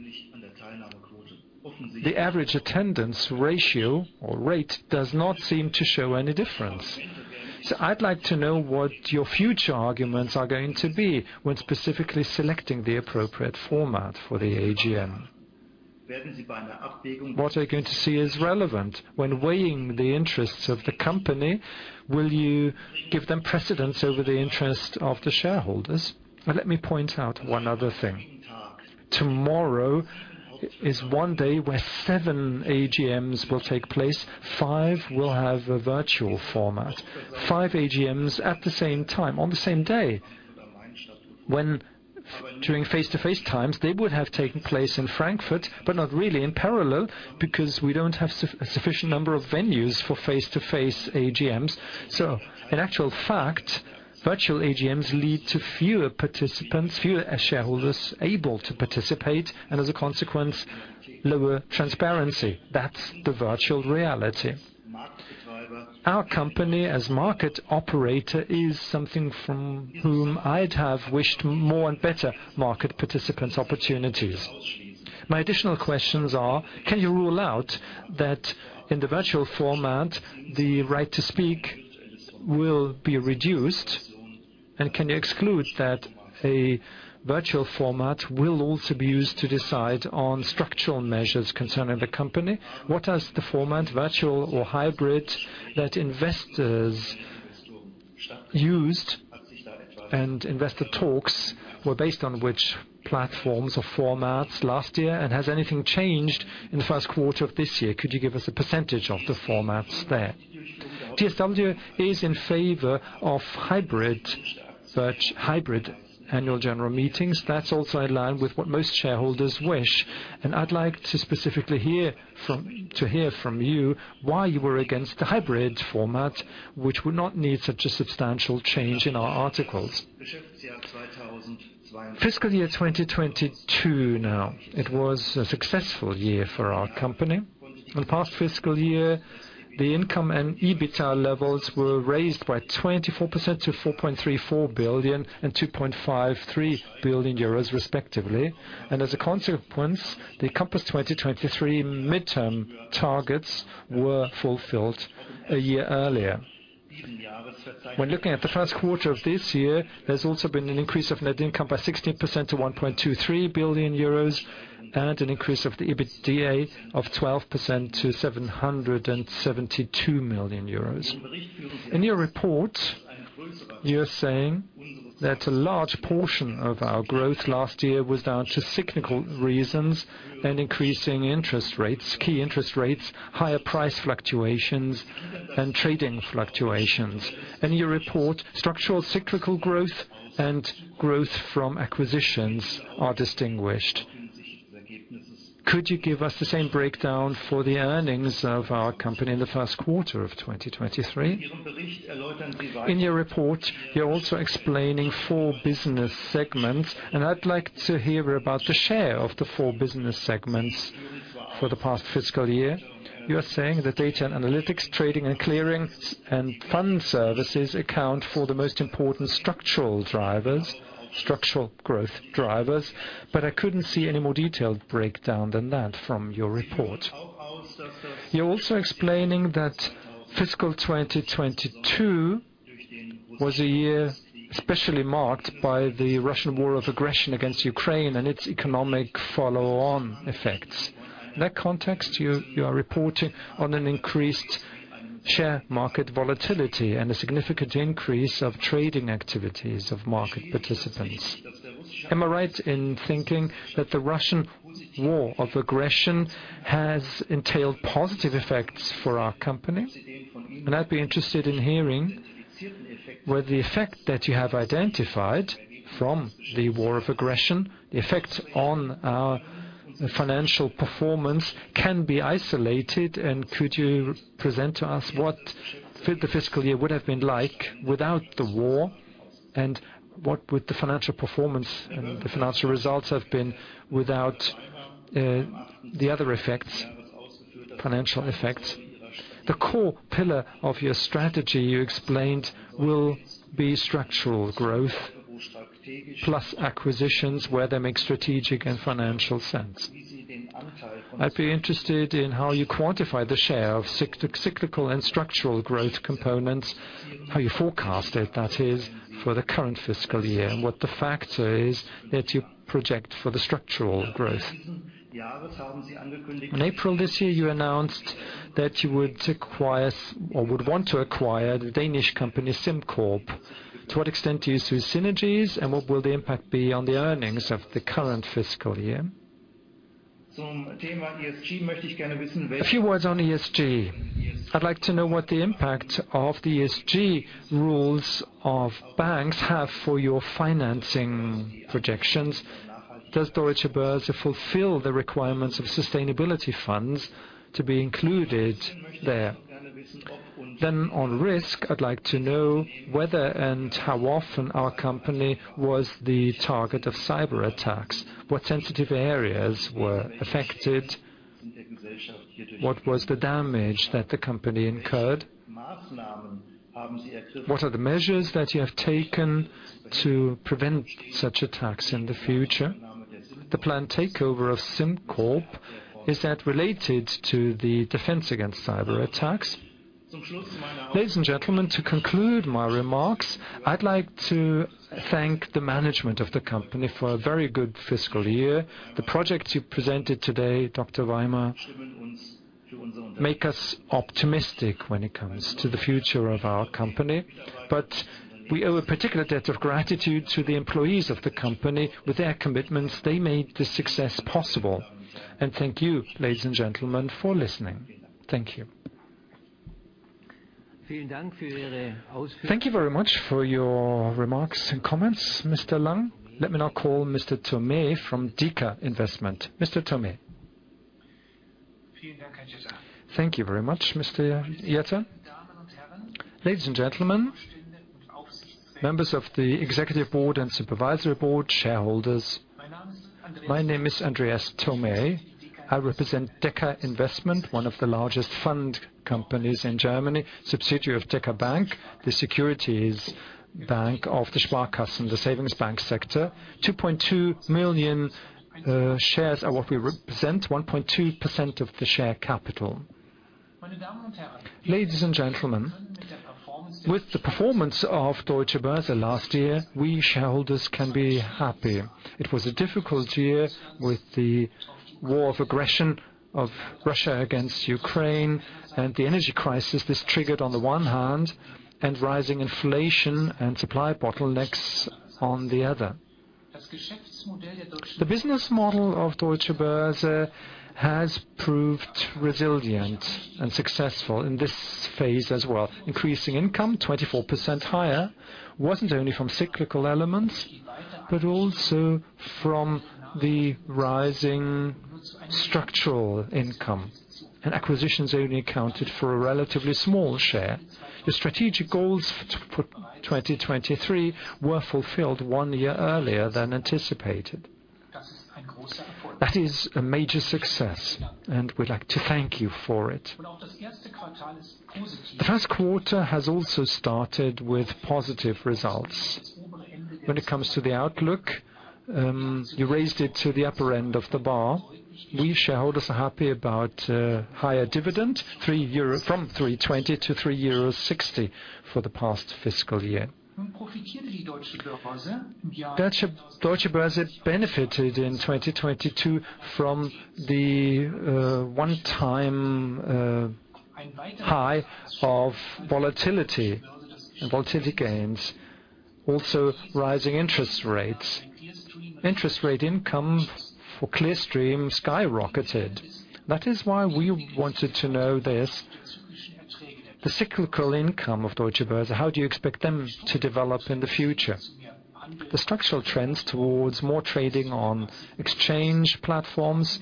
The average attendance ratio or rate does not seem to show any difference. I'd like to know what your future arguments are going to be when specifically selecting the appropriate format for the AGM. What are you going to see as relevant? When weighing the interests of the company, will you give them precedence over the interest of the shareholders? Let me point out one other thing. Tomorrow is one day where seven AGMs will take place. Five will have a virtual format. Five AGMs at the same time, on the same day. During face-to-face times, they would have taken place in Frankfurt, but not really in parallel because we don't have sufficient number of venues for face-to-face AGMs. In actual fact, virtual AGMs lead to fewer participants, fewer shareholders able to participate, and as a consequence, lower transparency. That's the virtual reality. Our company, as market operator, is something from whom I'd have wished more and better market participants opportunities. My additional questions are, can you rule out that in the virtual format, the right to speak will be reduced? Can you exclude that a virtual format will also be used to decide on structural measures concerning the company? What is the format, virtual or hybrid, that investors used and investor talks were based on which platforms or formats last year? Has anything changed in the first quarter of this year? Could you give us a percentage of the formats there? DSW is in favor of hybrid annual general meetings. That's also in line with what most shareholders wish. I'd like to specifically to hear from you why you were against the hybrid format, which would not need such a substantial change in our articles. Fiscal year 2022 now. It was a successful year for our company. In the past fiscal year, the income and EBITDA levels were raised by 24% to 4.34 billion and 2.53 billion euros respectively. As a consequence, the Compass 2023 midterm targets were fulfilled a year earlier. When looking at the first quarter of this year, there's also been an increase of net income by 16% to 1.23 billion euros and an increase of the EBITDA of 12% to 772 million euros. In your report, you're saying that a large portion of our growth last year was down to cyclical reasons and increasing interest rates, key interest rates, higher price fluctuations, and trading fluctuations. In your report, structural cyclical growth and growth from acquisitions are distinguished. Could you give us the same breakdown for the earnings of our company in the first quarter of 2023? In your report, you're also explaining four business segments. I'd like to hear about the share of the four business segments for the past fiscal year. You are saying that Data & Analytics, Trading & Clearing, and Fund Services account for the most important structural drivers, structural growth drivers. I couldn't see any more detailed breakdown than that from your report. You're also explaining that fiscal 2022 was a year especially marked by the Russian war of aggression against Ukraine and its economic follow-on effects. In that context, you are reporting on an increased share market volatility and a significant increase of trading activities of market participants. Am I right in thinking that the Russian war of aggression has entailed positive effects for our company? I'd be interested in hearing whether the effect that you have identified from the war of aggression, the effects on our financial performance can be isolated, and could you present to us what the fiscal year would have been like without the war and what would the financial performance and the financial results have been without the other effects, financial effects? The core pillar of your strategy you explained will be structural growth plus acquisitions where they make strategic and financial sense. I'd be interested in how you quantify the share of cyclical and structural growth components, how you forecast it, that is, for the current fiscal year, and what the factor is that you project for the structural growth. In April this year, you announced that you would acquire or would want to acquire the Danish company SimCorp. To what extent do you see synergies, and what will the impact be on the earnings of the current fiscal year? A few words on ESG. I'd like to know what the impact of the ESG rules of banks have for your financing projections. Does Deutsche Börse fulfill the requirements of sustainability funds to be included there? On risk, I'd like to know whether and how often our company was the target of cyberattacks. What sensitive areas were affected? What was the damage that the company incurred? What are the measures that you have taken to prevent such attacks in the future? The planned takeover of SimCorp, is that related to the defense against cyberattacks? Ladies and gentlemen, to conclude my remarks, I'd like to thank the management of the company for a very good fiscal year. The projects you presented today, Dr. Weimer, make us optimistic when it comes to the future of our company. We owe a particular debt of gratitude to the employees of the company. With their commitments, they made this success possible. Thank you, ladies and gentlemen, for listening. Thank you. Thank you very much for your remarks and comments, Mr. Lang. Let me now call Mr. Thomae from Deka Investment. Mr. Thomae. Thank you very much, Mr. Jetter. Ladies and gentlemen, members of the executive board and supervisory board, shareholders, my name is Andreas Thomae. I represent Deka Investment, one of the largest fund companies in Germany, subsidiary of DekaBank, the securities bank of the Sparkassen, the savings bank sector. 2.2 million shares are what we represent, 1.2% of the share capital. Ladies and gentlemen, with the performance of Deutsche Börse last year, we shareholders can be happy. It was a difficult year with the war of aggression of Russia against Ukraine and the energy crisis this triggered on the one hand and rising inflation and supply bottlenecks on the other. The business model of Deutsche Börse has proved resilient and successful in this phase as well. Increasing income, 24% higher, wasn't only from cyclical elements but also from the rising structural income. Acquisitions only accounted for a relatively small share. The strategic goals for 2023 were fulfilled one year earlier than anticipated. That is a major success, and we'd like to thank you for it. The first quarter has also started with positive results. When it comes to the outlook, you raised it to the upper end of the bar. We shareholders are happy about a higher dividend, from 3.20 to 3.60 euros for the past fiscal year. Deutsche Börse benefited in 2022 from the one-time high of volatility and volatility gains, also rising interest rates. Interest rate income for Clearstream skyrocketed. That is why we wanted to know this. The cyclical income of Deutsche Börse, how do you expect them to develop in the future? The structural trends towards more trading on exchange platforms,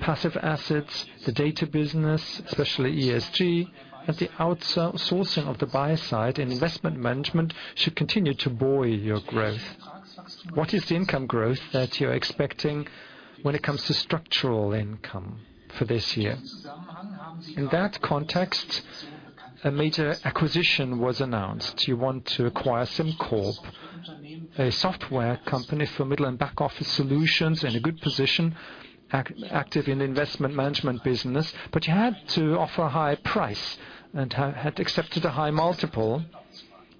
passive assets, the data business, especially ESG, and the outsourcing of the buy side and investment management should continue to buoy your growth. What is the income growth that you're expecting when it comes to structural income for this year? In that context, a major acquisition was announced. You want to acquire SimCorp, a software company for middle and back office solutions in a good position, active in investment management business. You had to offer a high price and had accepted a high multiple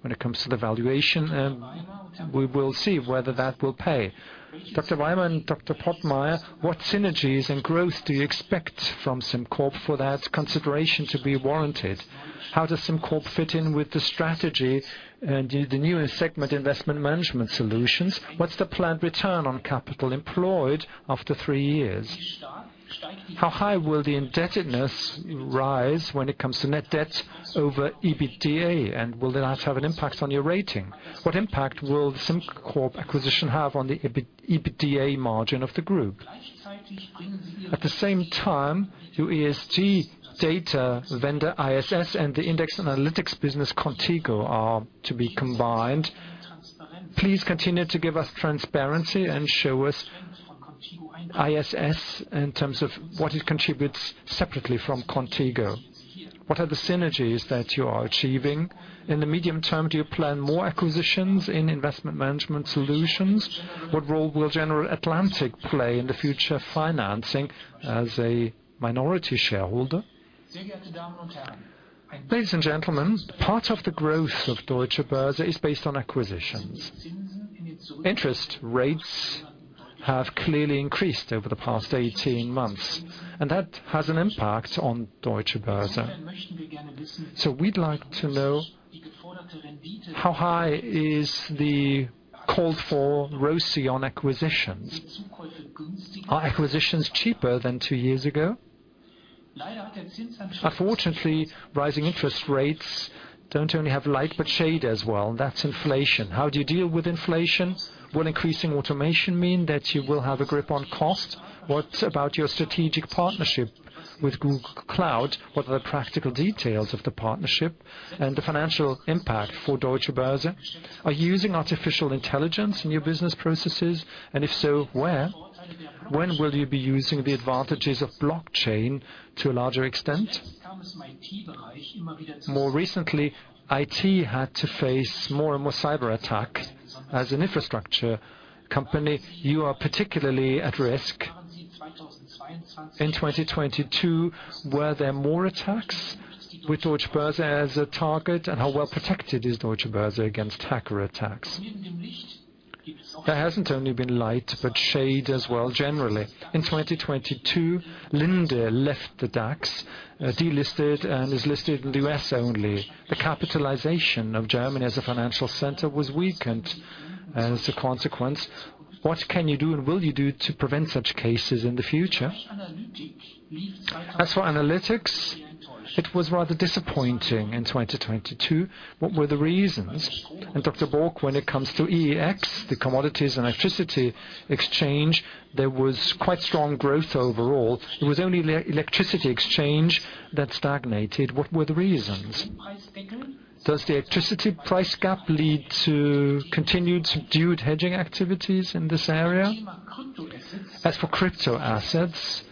when it comes to the valuation, we will see whether that will pay. Dr. Theodor Weimer, Gregor Pottmeyer, what synergies and growth do you expect from SimCorp for that consideration to be warranted? How does SimCorp fit in with the strategy and the newest segment Investment Management Solutions? What's the planned return on capital employed after three years? How high will the indebtedness rise when it comes to net debt over EBITDA? Will that have an impact on your rating? What impact will the SimCorp acquisition have on the EBITDA margin of the group? At the same time, your ESG data vendor ISS and the index analytics business Qontigo are to be combined. Please continue to give us transparency and show us ISS in terms of what it contributes separately from Qontigo. What are the synergies that you are achieving? In the medium term do you plan more acquisitions in Investment Management Solutions? What role will General Atlantic play in the future financing as a minority shareholder? Ladies and gentlemen, part of the growth of Deutsche Börse is based on acquisitions. Interest rates have clearly increased over the past 18 months, and that has an impact on Deutsche Börse. We'd like to know how high is the call for ROCE on acquisitions. Are acquisitions cheaper than two years ago? Unfortunately, rising interest rates don't only have light, but shade as well, and that's inflation. How do you deal with inflation? Will increasing automation mean that you will have a grip on cost? What about your strategic partnership with Google Cloud? What are the practical details of the partnership and the financial impact for Deutsche Börse? Are you using artificial intelligence in your business processes, and if so, where? When will you be using the advantages of blockchain to a larger extent? More recently, IT had to face more and more cyberattacks. As an infrastructure company, you are particularly at risk. In 2022 were there more attacks with Deutsche Börse as a target, and how well protected is Deutsche Börse against hacker attacks? There hasn't only been light, but shade as well generally. In 2022, Linde left the DAX, delisted and is listed in the U.S. only. The capitalization of Germany as a financial center was weakened as a consequence. What can you do and will you do to prevent such cases in the future? As for analytics, it was rather disappointing in 2022. What were the reasons? Dr. Thomas Book, when it comes to EEX, the commodities and electricity exchange, there was quite strong growth overall. It was only electricity exchange that stagnated. What were the reasons? Does the electricity price gap lead to continued subdued hedging activities in this area? As for crypto assets,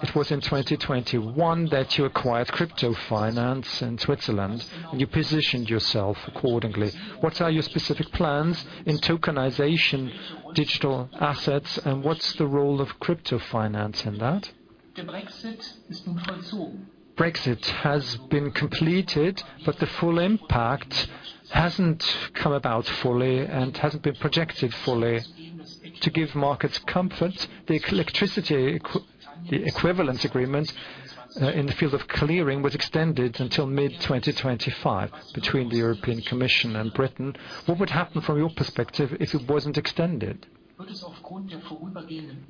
it was in 2021 that you acquired Crypto Finance in Switzerland, and you positioned yourself accordingly. What are your specific plans in tokenization digital assets, and what's the role of Crypto Finance in that? Brexit has been completed, but the full impact hasn't come about fully and hasn't been projected fully. To give markets comfort, the equivalence agreement in the field of clearing was extended until mid-2025 between the European Commission and Britain. What would happen from your perspective if it wasn't extended?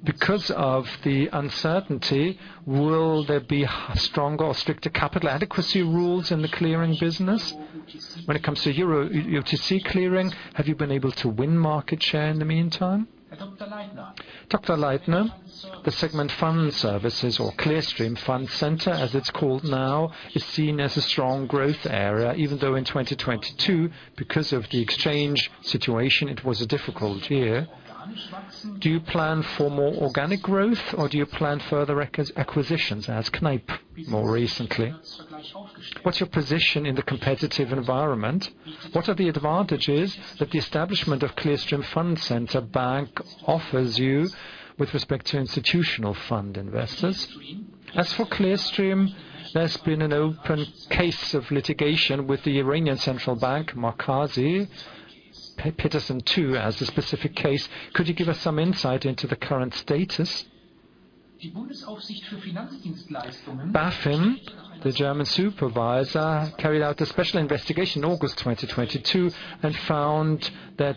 Because of the uncertainty, will there be stronger or stricter capital adequacy rules in the clearing business? When it comes to euro OTC clearing, have you been able to win market share in the meantime? Dr. Leithner, the segment fund services or Clearstream Fund Centre, as it's called now, is seen as a strong growth area, even though in 2022, because of the exchange situation, it was a difficult year. Do you plan for more organic growth, or do you plan further acquisitions, as Kneip more recently? What's your position in the competitive environment? What are the advantages that the establishment of Clearstream Fund Centre S.A. offers you with respect to institutional fund investors? As for Clearstream, there's been an open case of litigation with the Bank Markazi. Peterson II has a specific case. Could you give us some insight into the current status? BaFin, the German supervisor, carried out a special investigation in August 2022, found that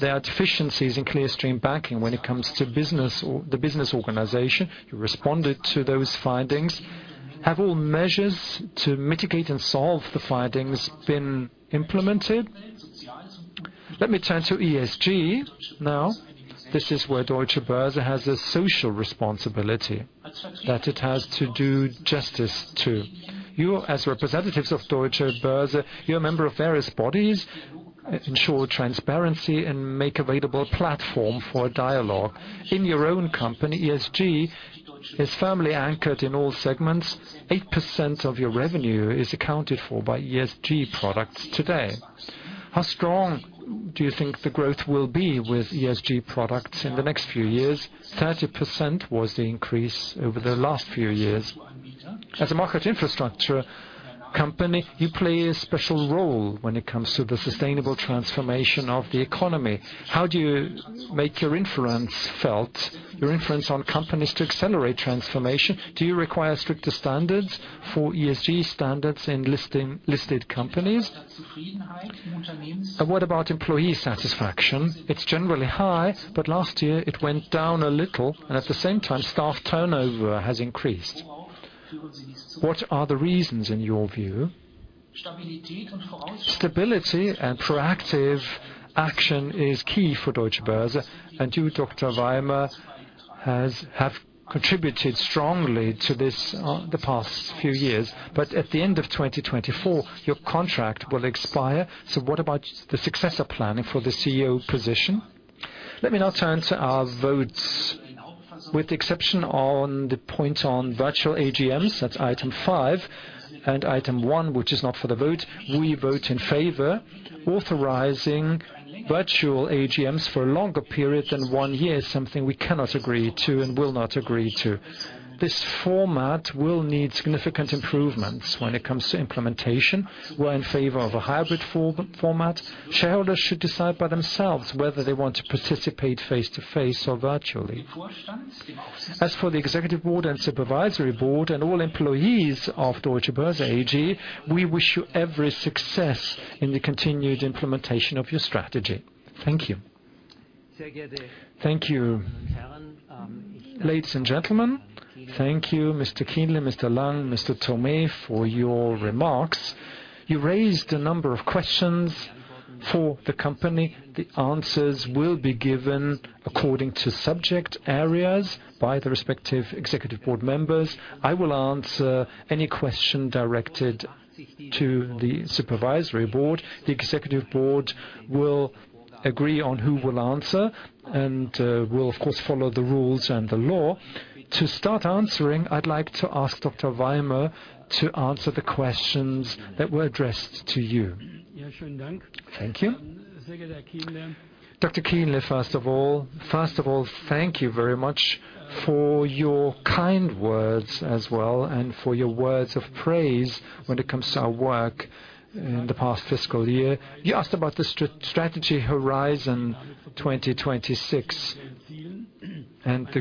there are deficiencies in Clearstream Banking when it comes to business or the business organization. You responded to those findings. Have all measures to mitigate and solve the findings been implemented? Let me turn to ESG now. This is where Deutsche Börse has a social responsibility that it has to do justice to. You, as representatives of Deutsche Börse, you're a member of various bodies ensure transparency and make available a platform for dialogue. In your own company, ESG is firmly anchored in all segments. 8% of your revenue is accounted for by ESG products today. How strong do you think the growth will be with ESG products in the next few years? 30% was the increase over the last few years. As a market infrastructure company, you play a special role when it comes to the sustainable transformation of the economy. How do you make your influence felt, your influence on companies to accelerate transformation? Do you require stricter standards for ESG standards in listing listed companies? What about employee satisfaction? It's generally high, but last year it went down a little, and at the same time, staff turnover has increased. What are the reasons in your view? Stability and proactive action is key for Deutsche Börse. You, Dr. Weimer, have contributed strongly to this the past few years. At the end of 2024, your contract will expire, what about the successor planning for the CEO position? Let me now turn to our votes. With the exception on the point on virtual AGMs, that's Item five, and Item one, which is not for the vote, we vote in favor. Authorizing virtual AGMs for a longer period than one year is something we cannot agree to and will not agree to. This format will need significant improvements when it comes to implementation. We're in favor of a hybrid for-format. Shareholders should decide by themselves whether they want to participate face-to-face or virtually. As for the executive board and supervisory board and all employees of Deutsche Börse AG, we wish you every success in the continued implementation of your strategy. Thank you. Thank you, ladies and gentlemen. Thank you, Mr. Kienle, Mr. Lang, Mr. Thomae for your remarks. You raised a number of questions for the company. The answers will be given according to subject areas by the respective executive board members. I will answer any question directed to the Supervisory Board. The Executive Board will agree on who will answer and will, of course, follow the rules and the law. To start answering, I'd like to ask Dr. Weimer to answer the questions that were addressed to you. Thank you. Dr. Kienle, first of all. First of all, thank you very much for your kind words as well, and for your words of praise when it comes to our work in the past fiscal year. You asked about the strategy Horizon 2026 and the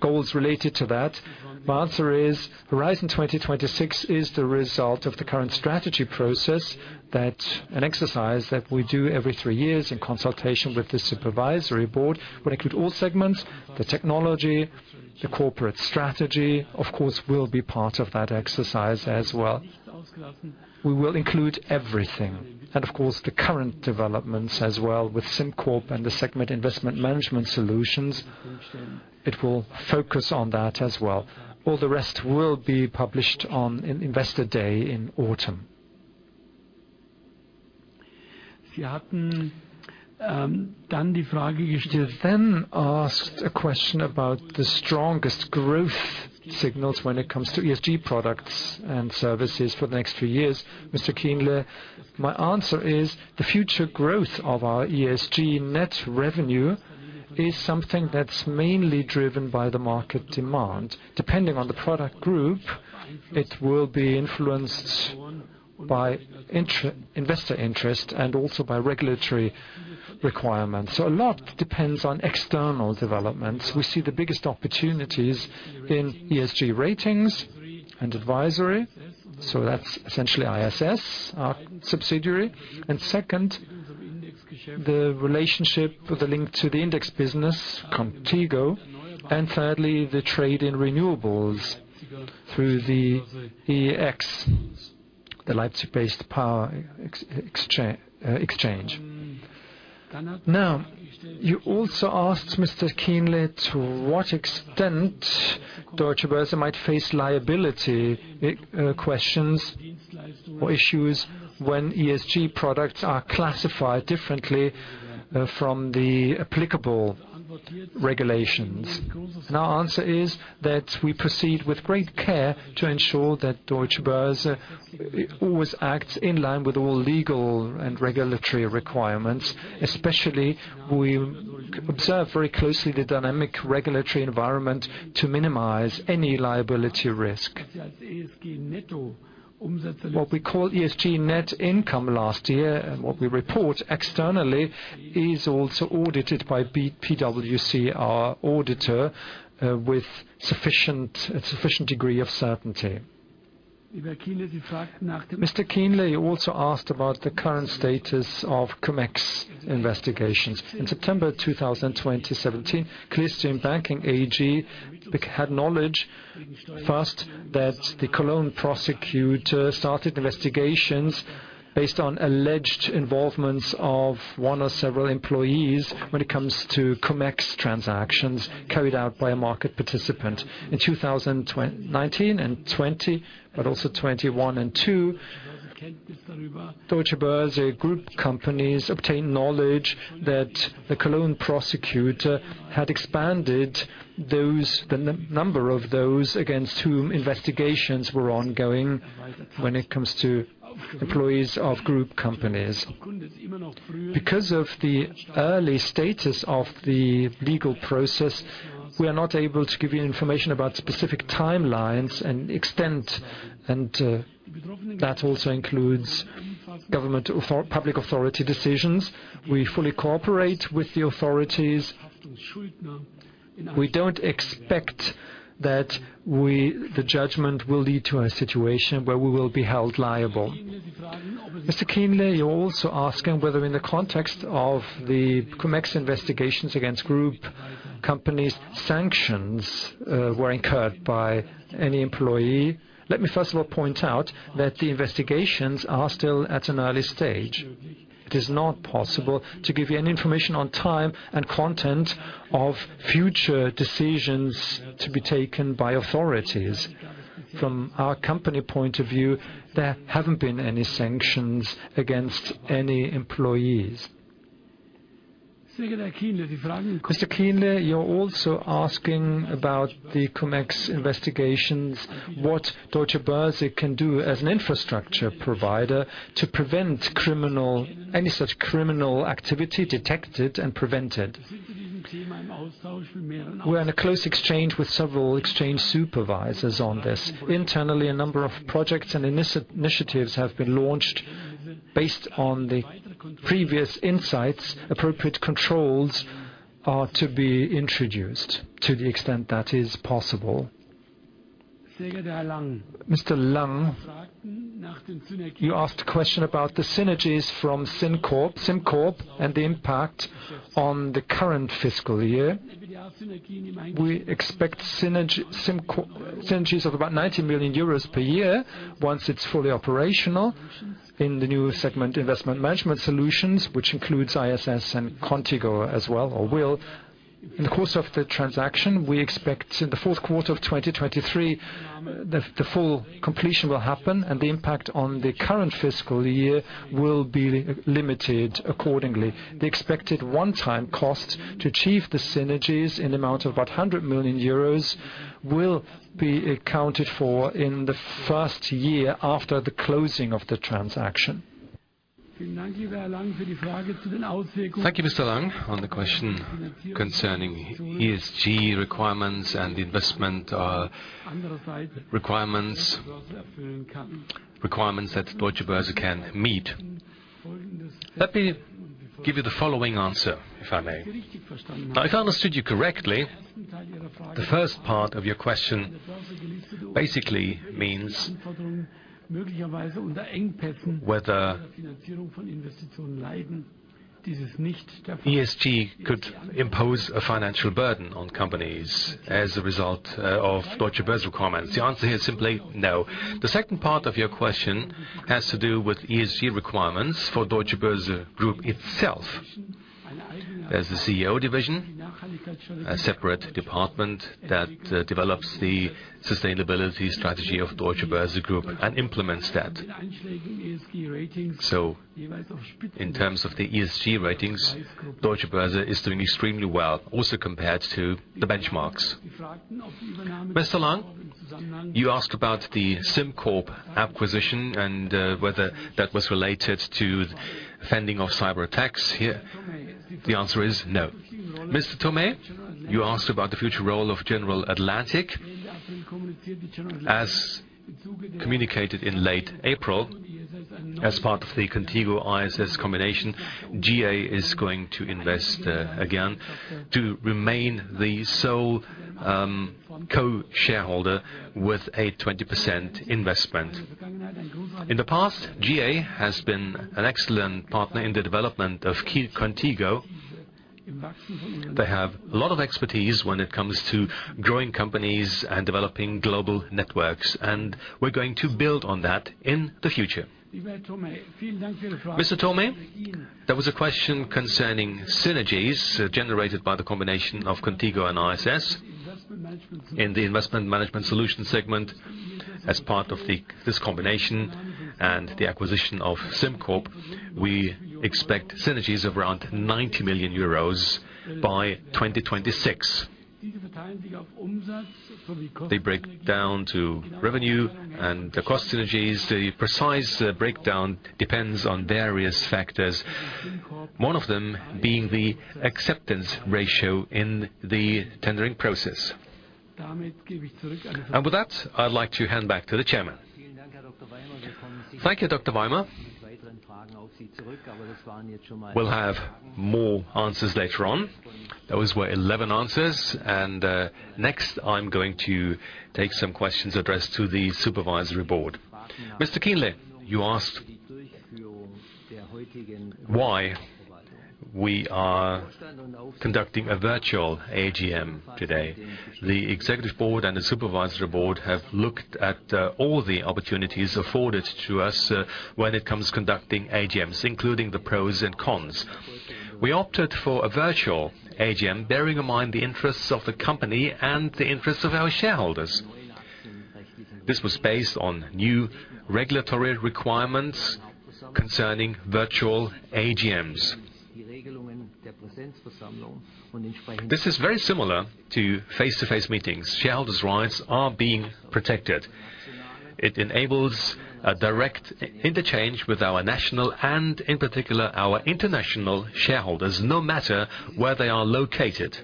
goals related to that. My answer is Horizon 2026 is the result of the current strategy process that an exercise that we do every three years in consultation with the Supervisory Board will include all segments. The technology, the corporate strategy, of course, will be part of that exercise as well. We will include everything and, of course, the current developments as well with SimCorp and the segment Investment Management Solutions. It will focus on that as well. All the rest will be published on an Investor Day in autumn. You asked a question about the strongest growth signals when it comes to ESG products and services for the next few years. Mr. Kienle, my answer is the future growth of our ESG net revenue is something that's mainly driven by the market demand. Depending on the product group, it will be influenced by investor interest and also by regulatory requirements. A lot depends on external developments. We see the biggest opportunities in ESG ratings and advisory, so that's essentially ISS, our subsidiary. Second, the relationship with the link to the index business, Qontigo. Thirdly, the trade in renewables through the EEX. The Leipzig-based power exchange. You also asked, Mr. Kienle, to what extent Deutsche Börse might face liability questions or issues when ESG products are classified differently from the applicable regulations. Our answer is that we proceed with great care to ensure that Deutsche Börse always acts in line with all legal and regulatory requirements, especially we observe very closely the dynamic regulatory environment to minimize any liability risk. What we call ESG net income last year, and what we report externally, is also audited by PwC, our auditor, with sufficient degree of certainty. Mr. Kienle, you also asked about the current status of Cum-Ex investigations. In September 2017, Clearstream Banking AG had knowledge, first, that the Cologne prosecutor started investigations based on alleged involvement of one or several employees when it comes to Cum-Ex transactions carried out by a market participant. In 2019 and 2020, but also 2021 and 2022, Deutsche Börse Group companies obtained knowledge that the Cologne prosecutor had expanded those, the number of those against whom investigations were ongoing when it comes to employees of Group companies. Because of the early status of the legal process, we are not able to give you information about specific timelines and extent and that also includes government or public authority decisions. We fully cooperate with the authorities. We don't expect that the judgment will lead to a situation where we will be held liable. Mr. Kienle, you're also asking whether in the context of the Cum-Ex investigations against group companies, sanctions were incurred by any employee. Let me first of all point out that the investigations are still at an early stage. It is not possible to give you any information on time and content of future decisions to be taken by authorities. From our company point of view, there haven't been any sanctions against any employees. Mr. Kienle, you're also asking about the Cum-Ex investigations, what Deutsche Börse can do as an infrastructure provider to prevent any such criminal activity detected and prevent it. We're in a close exchange with several exchange supervisors on this. Internally, a number of projects and initiatives have been launched based on the previous insights. Appropriate controls are to be introduced to the extent that is possible. Mr. Lang, you asked a question about the synergies from SimCorp and the impact on the current fiscal year. We expect synergies of about 90 million euros per year once it's fully operational in the new segment Investment Management Solutions, which includes ISS and Qontigo as well or will. In the course of the transaction, we expect in the Q4 of 2023, the full completion will happen and the impact on the current fiscal year will be limited accordingly. The expected one-time cost to achieve the synergies in amount of about 100 million euros will be accounted for in the first year after the closing of the transaction. Thank you, Mr. Lang, on the question concerning ESG requirements and investment requirements that Deutsche Börse can meet. Let me give you the following answer, if I may. If I understood you correctly, the first part of your question basically means whether ESG could impose a financial burden on companies as a result of Deutsche Börse requirements. The answer here is simply no. The second part of your question has to do with ESG requirements for Deutsche Börse Group itself. As a CEO division, a separate department that develops the sustainability strategy of Deutsche Börse Group and implements that. In terms of the ESG ratings, Deutsche Börse is doing extremely well, also compared to the benchmarks. Mr. Lang, you asked about the SimCorp acquisition and whether that was related to fending off cyberattacks. Here, the answer is no. Mr. Thomae, you asked about the future role of General Atlantic. As communicated in late April, as part of the Qontigo ISS combination, GA is going to invest again to remain the sole co-shareholder with a 20% investment. In the past, GA has been an excellent partner in the development of Clear Qontigo. They have a lot of expertise when it comes to growing companies and developing global networks, we're going to build on that in the future. Mr. Thomae, there was a question concerning synergies generated by the combination of Qontigo and ISS in the Investment Management Solutions segment. As part of this combination and the acquisition of SimCorp, we expect synergies of around 90 million euros by 2026. They break down to revenue and cost synergies. The precise breakdown depends on various factors, one of them being the acceptance ratio in the tendering process. With that, I'd like to hand back to the chairman. Thank you, Dr. Weimer. We'll have more answers later on. Those were 11 answers, and next, I'm going to take some questions addressed to the Supervisory Board. Mr. Kienle, you asked why we are conducting a virtual AGM today. The Executive Board and the Supervisory Board have looked at all the opportunities afforded to us when it comes conducting AGMs, including the pros and cons. We opted for a virtual AGM, bearing in mind the interests of the company and the interests of our shareholders. This was based on new regulatory requirements concerning virtual AGMs. This is very similar to face-to-face meetings. Shareholders' rights are being protected. It enables a direct interchange with our national and, in particular, our international shareholders, no matter where they are located.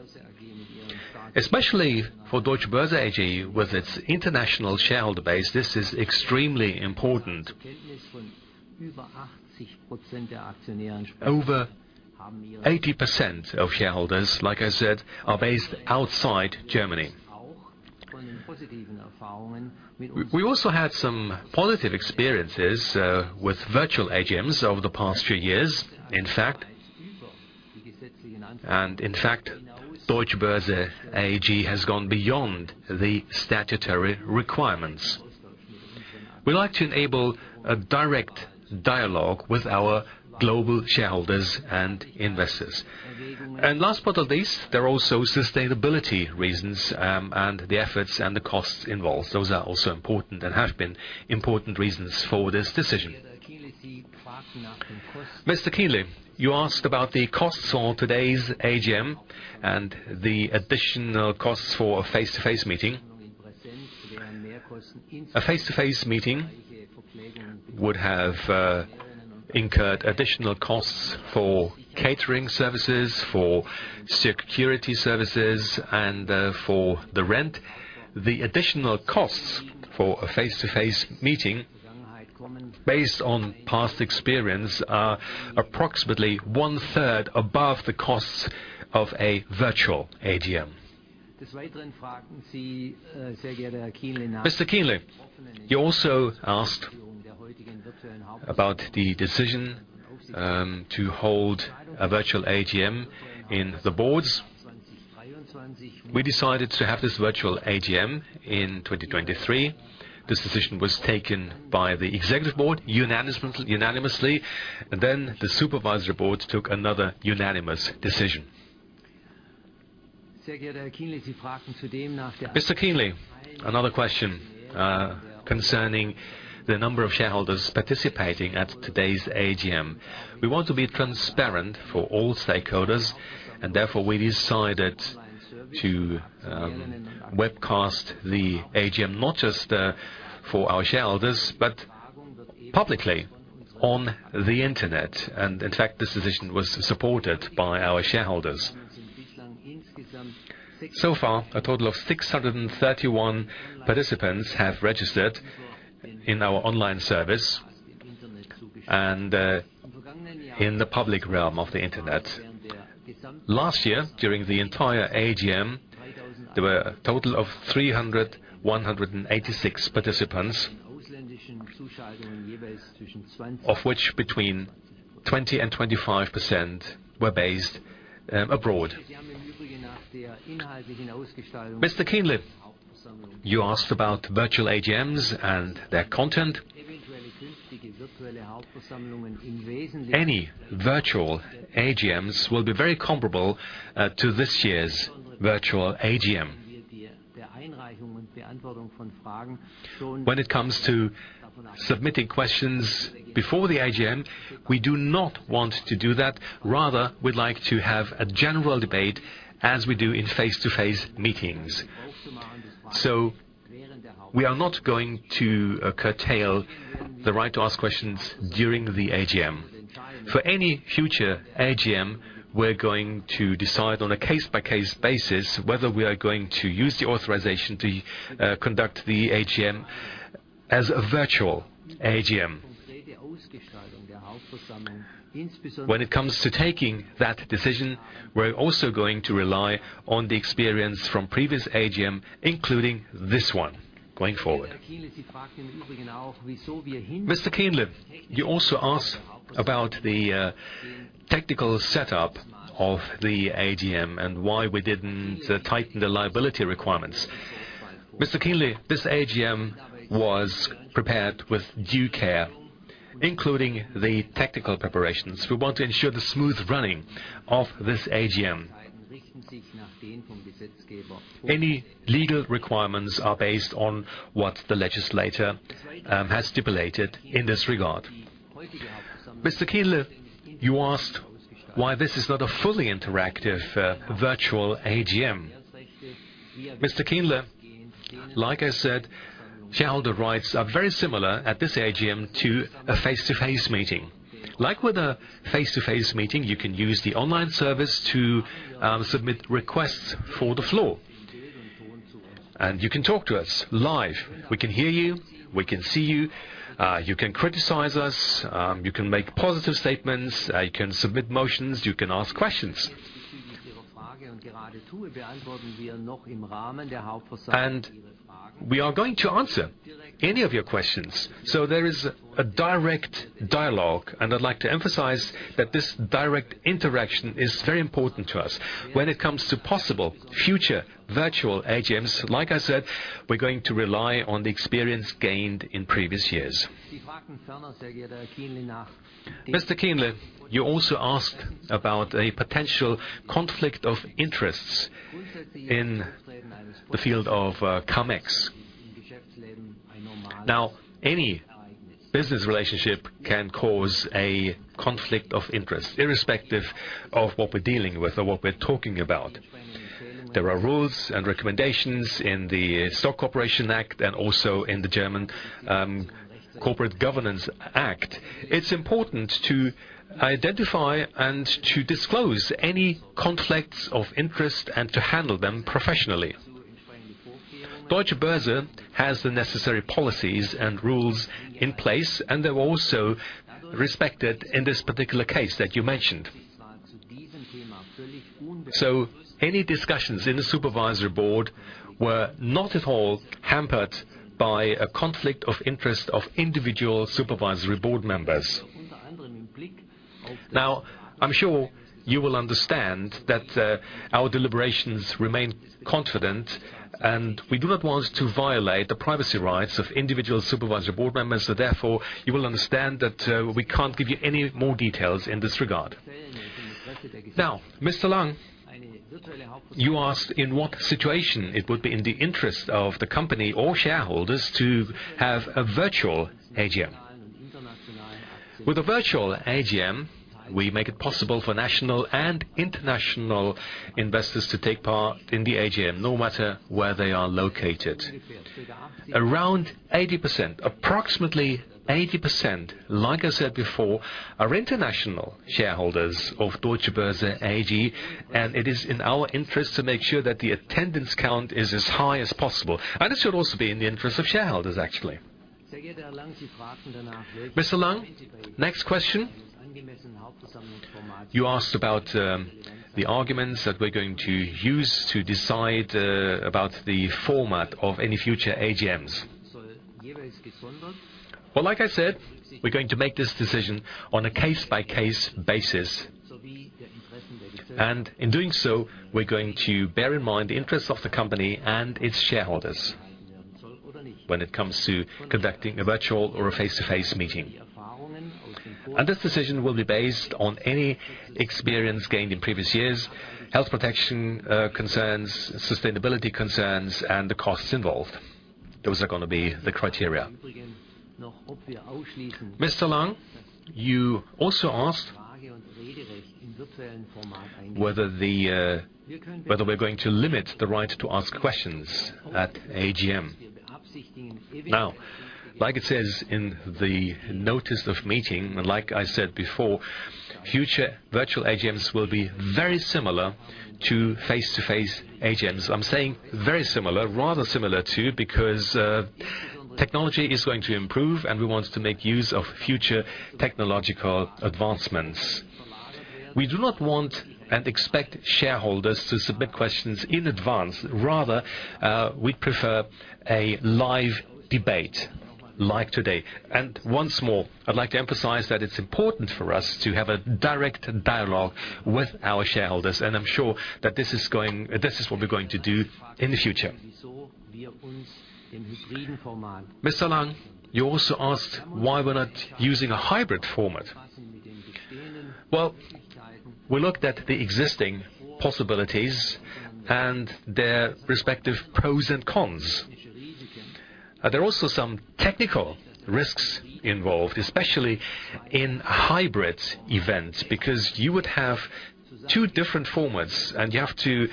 Especially for Deutsche Börse AG, with its international shareholder base, this is extremely important. Over 80% of shareholders, like I said, are based outside Germany. We also had some positive experiences with virtual AGMs over the past few years, in fact. In fact, Deutsche Börse AG has gone beyond the statutory requirements. We like to enable a direct dialog with our global shareholders and investors. Last but not least, there are also sustainability reasons, and the efforts and the costs involved. Those are also important and have been important reasons for this decision. Mr. Kienle, you asked about the costs on today's AGM and the additional costs for a face-to-face meeting. A face-to-face meeting would have incurred additional costs for catering services, for security services, and for the rent. The additional costs for a face-to-face meeting based on past experience are approximately one-third above the costs of a virtual AGM. Mr. Kienle, you also asked about the decision to hold a virtual AGM in the boards. We decided to have this virtual AGM in 2023. This decision was taken by the Executive Board unanimously. The Supervisory Board took another unanimous decision. Mr. Kienle, another question concerning the number of shareholders participating at today's AGM. We want to be transparent for all stakeholders, therefore we decided to webcast the AGM not just for our shareholders, but publicly on the Internet. In fact, this decision was supported by our shareholders. So far, a total of 631 participants have registered in our online service and in the public realm of the Internet. Last year, during the entire AGM, there were a total of 386 participants, of which between 20% and 25% were based abroad. Mr. Kienle, you asked about virtual AGMs and their content. Any virtual AGMs will be very comparable to this year's virtual AGM. When it comes to submitting questions before the AGM, we do not want to do that. We'd like to have a general debate as we do in face-to-face meetings. We are not going to curtail the right to ask questions during the AGM. For any future AGM, we're going to decide on a case-by-case basis whether we are going to use the authorization to conduct the AGM as a virtual AGM. When it comes to taking that decision, we're also going to rely on the experience from previous AGM, including this one going forward. Mr. Kienle, you also asked about the technical setup of the AGM and why we didn't tighten the liability requirements. Mr. Kienle, this AGM was prepared with due care, including the technical preparations. We want to ensure the smooth running of this AGM. Any legal requirements are based on what the legislator has stipulated in this regard. Mr. Kienle, you asked why this is not a fully interactive, virtual AGM. Mr. Kienle, like I said, shareholder rights are very similar at this AGM to a face-to-face meeting. Like with a face-to-face meeting, you can use the online service to submit requests for the floor, and you can talk to us live. We can hear you, we can see you. You can criticize us, you can make positive statements, you can submit motions, you can ask questions. We are going to answer any of your questions. There is a direct dialogue, and I'd like to emphasize that this direct interaction is very important to us. When it comes to possible future virtual AGMs, like I said, we're going to rely on the experience gained in previous years. Mr. Kienle, you also asked about a potential conflict of interests in the field of Cum-Ex. Any business relationship can cause a conflict of interest, irrespective of what we're dealing with or what we're talking about. There are rules and recommendations in the Stock Corporation Act and also in the German Corporate Governance Act. It's important to identify and to disclose any conflicts of interest and to handle them professionally. Deutsche Börse has the necessary policies and rules in place, and they're also respected in this particular case that you mentioned. Any discussions in the supervisory board were not at all hampered by a conflict of interest of individual supervisory board members. I'm sure you will understand that our deliberations remain confident, and we do not want to violate the privacy rights of individual supervisory board members. Therefore, you will understand that we can't give you any more details in this regard. Mr. Lang, you asked in what situation it would be in the interest of the company or shareholders to have a virtual AGM. With a virtual AGM, we make it possible for national and international investors to take part in the AGM, no matter where they are located. Around 80%, approximately 80%, like I said before, are international shareholders of Deutsche Börse AG, and it is in our interest to make sure that the attendance count is as high as possible. It should also be in the interest of shareholders, actually. Mr. Lang, next question. You asked about the arguments that we're going to use to decide about the format of any future AGMs. Well, like I said, we're going to make this decision on a case-by-case basis. In doing so, we're going to bear in mind the interests of the company and its shareholders when it comes to conducting a virtual or a face-to-face meeting. This decision will be based on any experience gained in previous years, health protection concerns, sustainability concerns, and the costs involved. Those are gonna be the criteria. Mr. Lang, you also asked whether the whether we're going to limit the right to ask questions at AGM. Now, like it says in the notice of meeting, and like I said before, future virtual AGMs will be very similar to face-to-face AGMs. I'm saying very similar, rather similar to, because technology is going to improve and we want to make use of future technological advancements. We do not want and expect shareholders to submit questions in advance. Rather, we prefer a live debate like today. Once more, I'd like to emphasize that it's important for us to have a direct dialogue with our shareholders, and I'm sure that this is what we're going to do in the future. Mr. Lang, you also asked why we're not using a hybrid format. Well, we looked at the existing possibilities and their respective pros and cons. There are also some technical risks involved, especially in hybrid events, because you would have two different formats, and you have to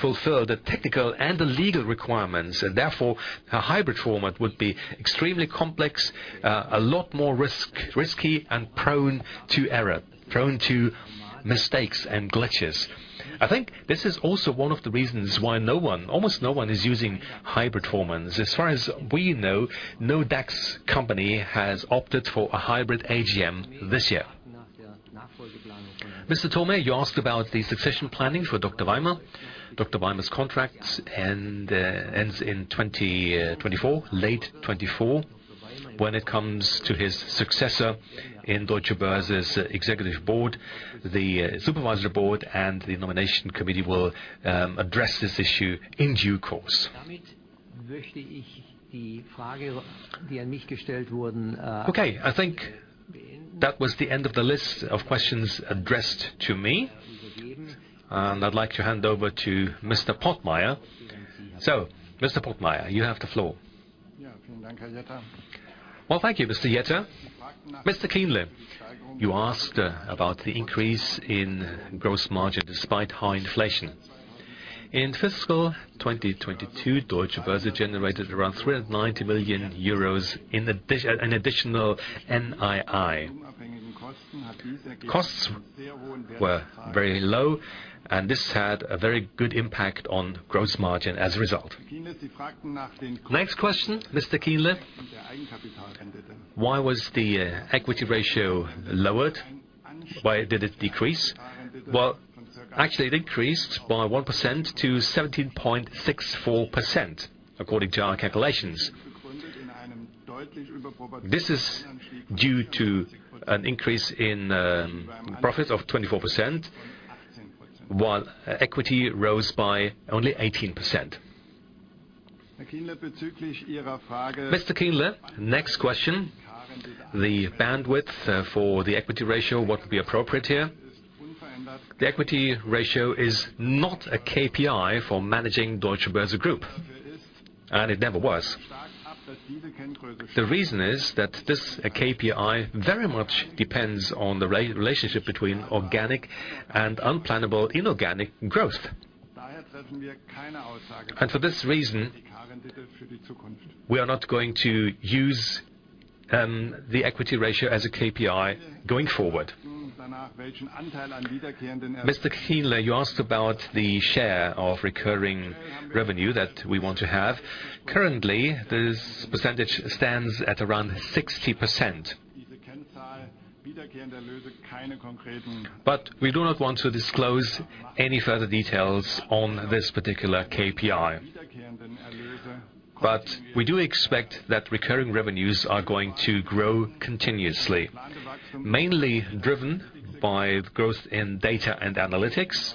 fulfill the technical and the legal requirements. Therefore, a hybrid format would be extremely complex, a lot more risky and prone to error, prone to mistakes and glitches. I think this is also one of the reasons why no one, almost no one, is using hybrid formats. As far as we know, no DAX company has opted for a hybrid AGM this year. Mr. Thomae, you asked about the succession planning for Dr. Weimer. Dr. Weimer's contract ends in 2024, late 2024. When it comes to his successor in Deutsche Börse's executive board, the supervisory board and the nomination committee will address this issue in due course. Okay. I think that was the end of the list of questions addressed to me, and I'd like to hand over to Gregor Pottmeyer. Gregor Pottmeyer, you have the floor. Thank you, Mr. Jetter. Mr. Kienle, you asked about the increase in gross margin despite high inflation. In fiscal 2022, Deutsche Börse generated around 390 million euros in an additional NII. Costs were very low, and this had a very good impact on gross margin as a result. Next question, Mr. Kienle. Why was the equity ratio lowered? Why did it decrease? Actually it increased by 1% to 17.64% according to our calculations. This is due to an increase in profits of 24%, while equity rose by only 18%. Mr. Kienle, next question, the bandwidth for the equity ratio, what would be appropriate here? The equity ratio is not a KPI for managing Deutsche Börse Group, and it never was. The reason is that this KPI very much depends on the re-relationship between organic and unplannable inorganic growth. For this reason, we are not going to use the equity ratio as a KPI going forward. Mr. Kienle, you asked about the share of recurring revenue that we want to have. Currently, this percentage stands at around 60%. We do not want to disclose any further details on this particular KPI. We do expect that recurring revenues are going to grow continuously, mainly driven by growth in Data & Analytics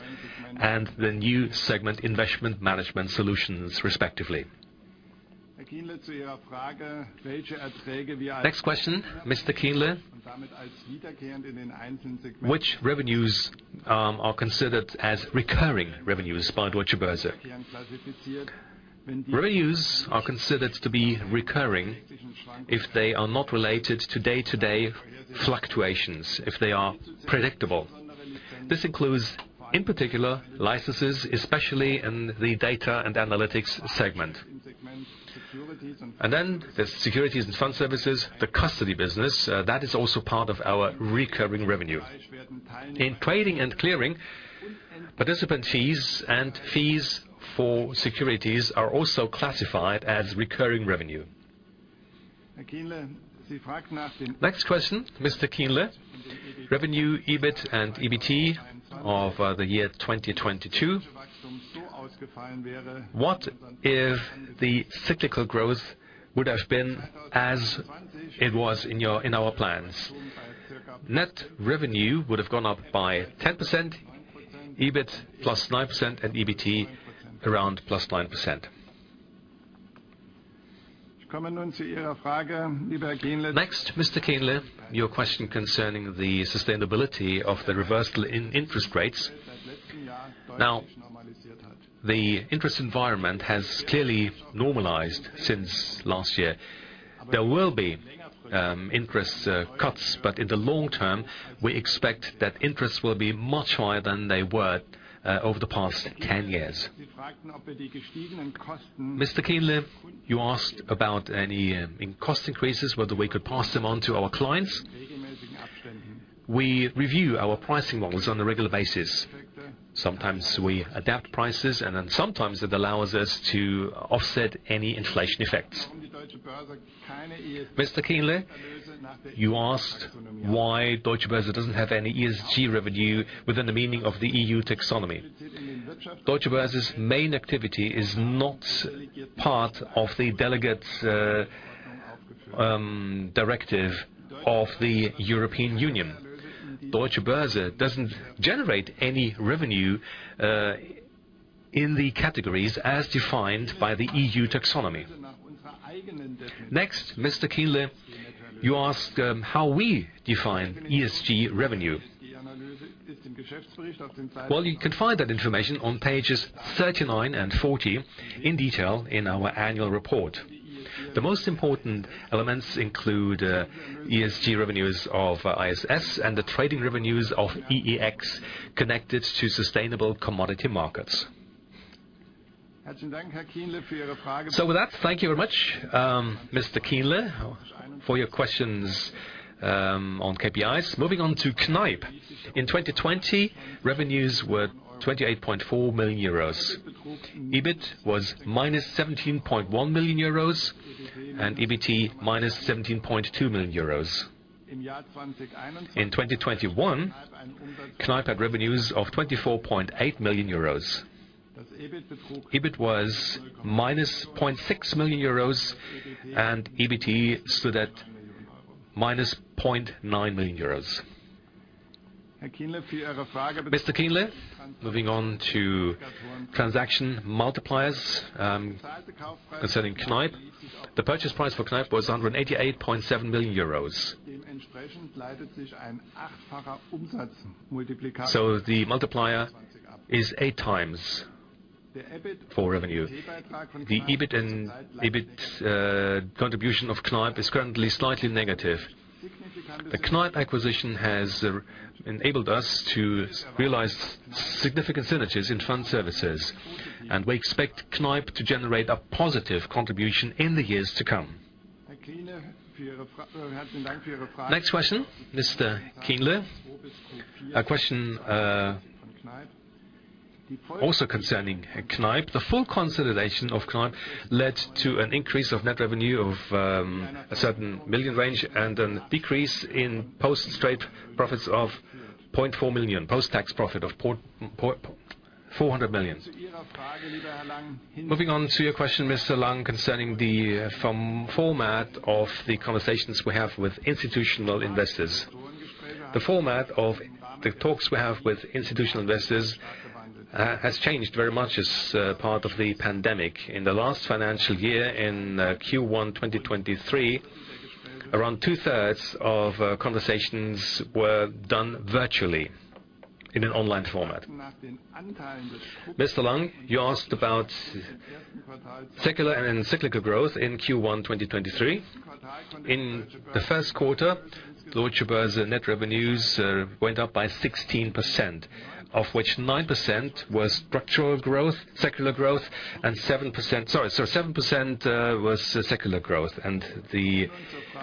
and the new segment Investment Management Solutions, respectively. Next question, Mr. Kienle. Which revenues are considered as recurring revenues by Deutsche Börse? Revenues are considered to be recurring if they are not related to day-to-day fluctuations, if they are predictable. This includes, in particular, licenses, especially in the Data & Analytics segment. There's securities and fund services. The custody business, that is also part of our recurring revenue. In Trading & Clearing, participant fees and fees for securities are also classified as recurring revenue. Next question, Mr. Kienle. Revenue, EBIT and EBT of the year 2022. What if the cyclical growth would have been as it was in our plans? Net revenue would have gone up by 10%, EBIT plus 9% and EBT around plus 9%. Next, Mr. Kienle, your question concerning the sustainability of the reversal in interest rates. The interest environment has clearly normalized since last year. There will be interest cuts, but in the long term, we expect that interests will be much higher than they were over the past 10 years. Mr. Kienle, you asked about any cost increases, whether we could pass them on to our clients. We review our pricing models on a regular basis. Sometimes we adapt prices, sometimes it allows us to offset any inflation effects. Mr. Kienle, you asked why Deutsche Börse doesn't have any ESG revenue within the meaning of the EU taxonomy. Deutsche Börse's main activity is not part of the delegates directive of the European Union. Deutsche Börse doesn't generate any revenue in the categories as defined by the EU taxonomy. Mr. Kienle, you ask how we define ESG revenue. Well, you can find that information on pages 39 and 40 in detail in our annual report. The most important elements include ESG revenues of ISS and the trading revenues of EEX connected to sustainable commodity markets. With that, thank you very much, Mr. Kienle for your questions on KPIs. Moving on to Kneip. In 2020, revenues were 28.4 million euros. EBIT was minus 17.1 million euros and EBT minus 17.2 million euros. In 2021, Kneip had revenues of 24.8 million euros. EBIT was minus 0.6 million euros and EBT stood at minus EUR 0.9 million. Mr. Kienle, moving on to transaction multipliers concerning Kneip. The purchase price for Kneip was 188.7 million euros. The multiplier is 8x for revenue. The EBIT contribution of Kneip is currently slightly negative. The Kneip acquisition has enabled us to realize significant synergies in fund services, and we expect Kneip to generate a positive contribution in the years to come. Next question, Mr. Kienle. A question also concerning Kneip. The full consolidation of Kneip led to an increase of net revenue of a certain million range and a decrease in post-tax profit of 400 million. Moving on to your question, Mr. Lang, concerning the form, format of the conversations we have with institutional investors. The format of the talks we have with institutional investors has changed very much as part of the pandemic. In the last financial year, in Q12023, around two-thirds of conversations were done virtually in an online format. Mr. Lang, you asked about secular and uncyclical growth in Q12023. In the first quarter, Deutsche Börse net revenues went up by 16%, of which 9% was structural growth, secular growth, and 7% was secular growth, and the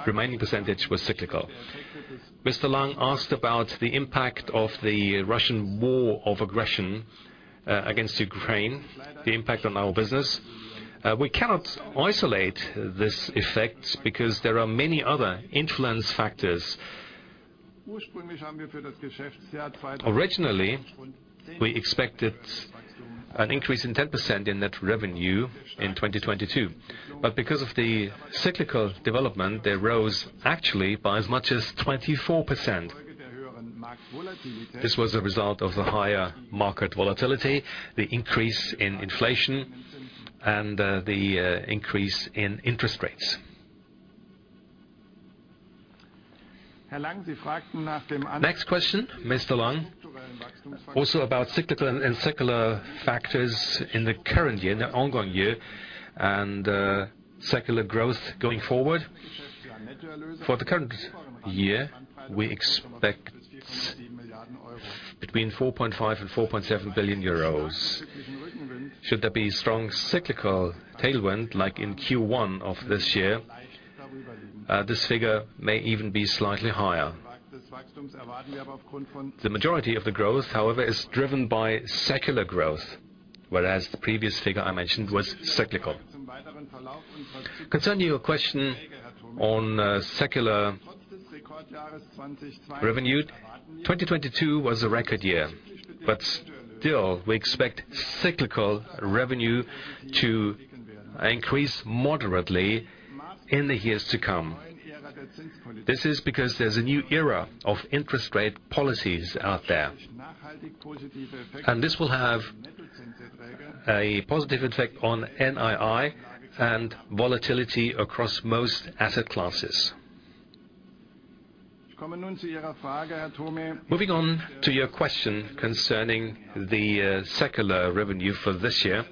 remaining percentage was cyclical. Lang asked about the impact of the Russian war of aggression, against Ukraine, the impact on our business. We cannot isolate this effect because there are many other influence factors. Originally, we expected an increase in 10% in net revenue in 2022. Because of the cyclical development, they rose actually by as much as 24%. This was a result of the higher market volatility, the increase in inflation, and the increase in interest rates. Next question, Mr. Lang. Also about cyclical and secular factors in the current year, in the ongoing year, and secular growth going forward. For the current year, we expect between 4.5 billion and 4.7 billion euros. Should there be strong cyclical tailwind, like in Q1 of this year, this figure may even be slightly higher. The majority of the growth, however, is driven by secular growth, whereas the previous figure I mentioned was cyclical. Concerning your question on secular revenue, 2022 was a record year, but still, we expect cyclical revenue to increase moderately in the years to come. This is because there's a new era of interest rate policies out there. This will have a positive effect on NII and volatility across most asset classes. Moving on to your question concerning the secular revenue for this year.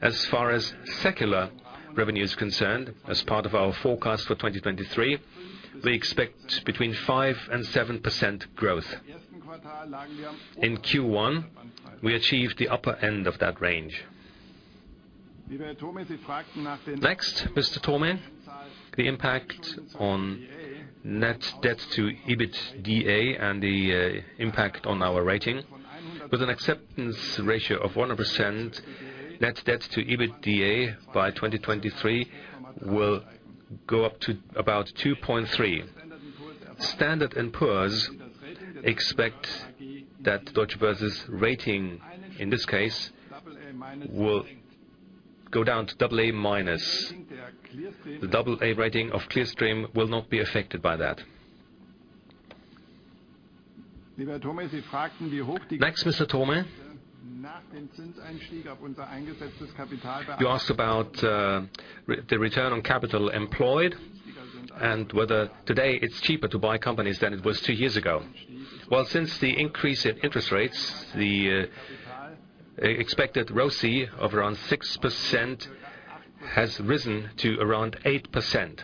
As far as secular revenue is concerned, as part of our forecast for 2023, we expect between 5%-7% growth. In Q1, we achieved the upper end of that range. Next, Mr. Thomae, the impact on net debt to EBITDA and the impact on our rating. With an acceptance ratio of 100%, net debt to EBITDA by 2023 will go up to about 2.3. Standard and Poor's expect that Deutsche Börse's rating in this case will go down to AA-. The AA rating of Clearstream will not be affected by that. Next, Mr. Thomae. You asked about the return on capital employed and whether today it's cheaper to buy companies than it was two years ago. Well, since the increase in interest rates, the expected ROCE of around 6% has risen to around 8%.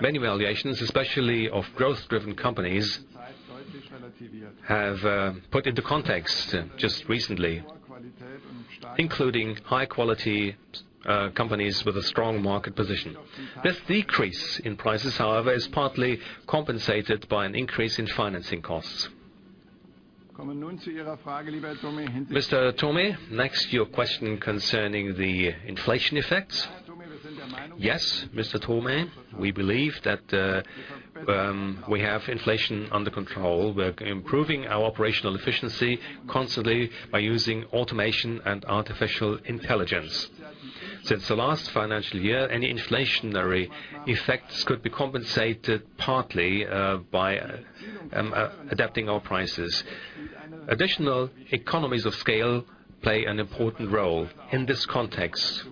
Many valuations, especially of growth-driven companies, have put into context just recently, including high-quality companies with a strong market position. This decrease in prices, however, is partly compensated by an increase in financing costs. Mr. Thomae, next, your question concerning the inflation effects. Yes Mr. Thomae, we believe that we have inflation under control. We're improving our operational efficiency constantly by using automation and artificial intelligence. Since the last financial year, any inflationary effects could be compensated partly by adapting our prices. Additional economies of scale play an important role in this context,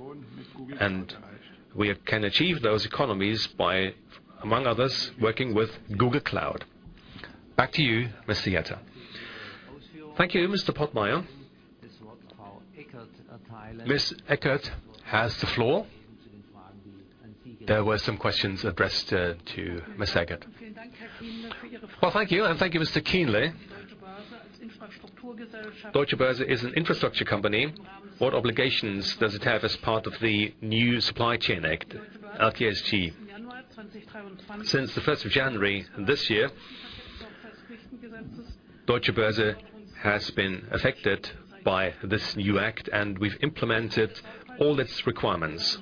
and we can achieve those economies by, among others, working with Google Cloud. Back to you, Mr. Jetta. Thank you, Gregor Pottmeyer. Ms. Eckert has the floor. There were some questions addressed to Ms. Eckert. Thank you and thank you, Mr. Kienle. Deutsche Börse is an infrastructure company. What obligations does it have as part of the new Supply Chain Act, LkSG? Since the 1st of January this year, Deutsche Börse has been affected by this new act, and we've implemented all its requirements.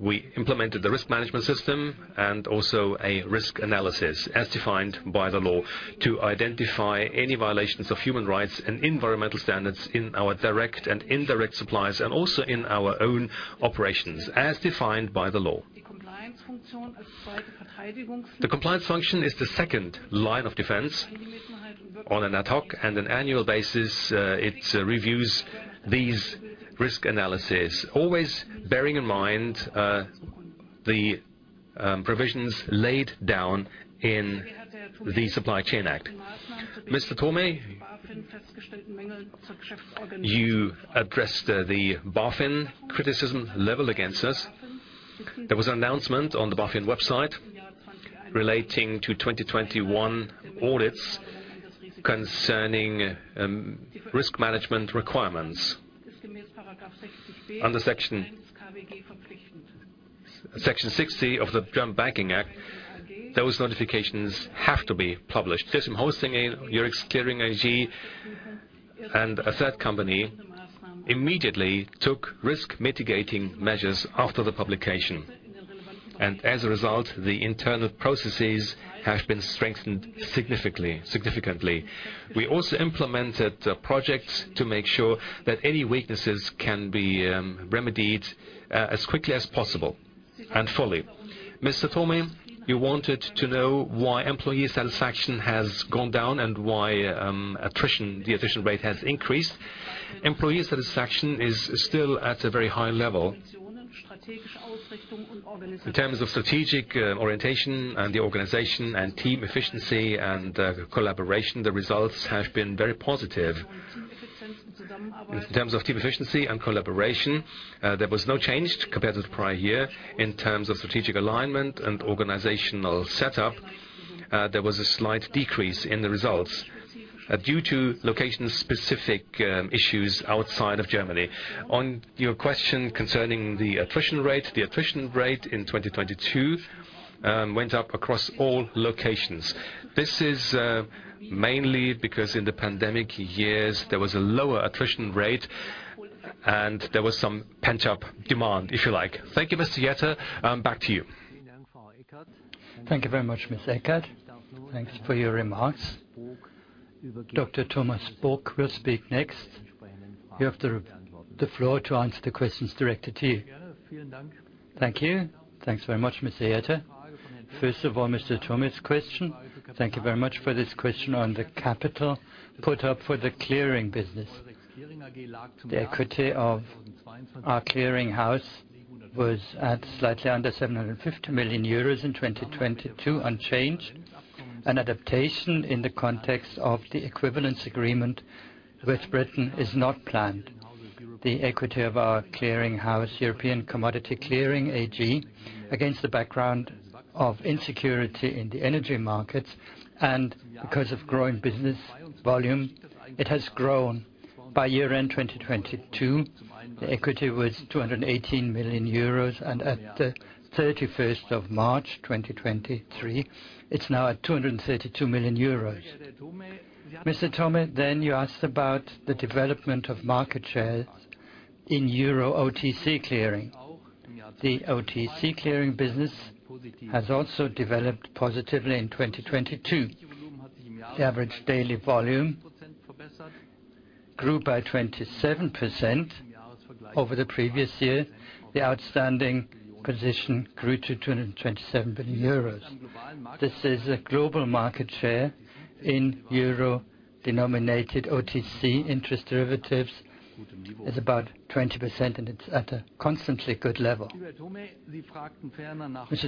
We implemented the risk management system and also a risk analysis as defined by the law to identify any violations of human rights and environmental standards in our direct and indirect suppliers and also in our own operations as defined by the law. The compliance function is the second line of defense. On an ad hoc and an annual basis, it reviews these risk analysis, always bearing in mind the provisions laid down in the Supply Chain Act. Mr. Thomae, you addressed the BaFin criticism leveled against us. There was an announcement on the BaFin website relating to 2021 audits concerning risk management requirements. Under Section 60 of the German Banking Act, those notifications have to be published. Clearstream Hosting, Eurex Clearing AG, and a third company immediately took risk mitigating measures after the publication. As a result, the internal processes have been strengthened significantly. We also implemented projects to make sure that any weaknesses can be remedied as quickly as possible and fully. Mr. Thomae, you wanted to know why employee satisfaction has gone down and why the attrition rate has increased. Employee satisfaction is still at a very high level. In terms of strategic orientation and the organization and team efficiency and collaboration, the results have been very positive. In terms of team efficiency and collaboration, there was no change compared to the prior year. In terms of strategic alignment and organizational setup, there was a slight decrease in the results, due to location-specific issues outside of Germany. On your question concerning the attrition rate, the attrition rate in 2022 went up across all locations. This is mainly because in the pandemic years there was a lower attrition rate and there was some pent-up demand, if you like. Thank you, Mr. Jetter. Back to you. Thank you very much, Ms. Eckert. Thanks for your remarks. Dr. Thomas Book will speak next. You have the floor to answer the questions directed to you. Thank you. Thanks very much, Mr. Jetter. First of all, Mr. Thomae's question. Thank you very much for this question on the capital put up for the clearing business. The equity of our clearing house was at slightly under 750 million euros in 2022, unchanged. An adaptation in the context of the equivalence agreement with Britain is not planned. The equity of our clearing house, European Commodity Clearing AG, against the background of insecurity in the energy markets and because of growing business volume, it has grown. By year-end 2022, the equity was 218 million euros, and at the 31st of March, 2023, it's now at 232 million euros. Mr. Thomae, you asked about the development of market share in euro OTC clearing. The OTC clearing business has also developed positively in 2022. The average daily volume grew by 27% over the previous year. The outstanding position grew to 227 billion euros. This is a global market share in euro-denominated OTC interest derivatives. It's about 20%. It's at a constantly good level. Mr.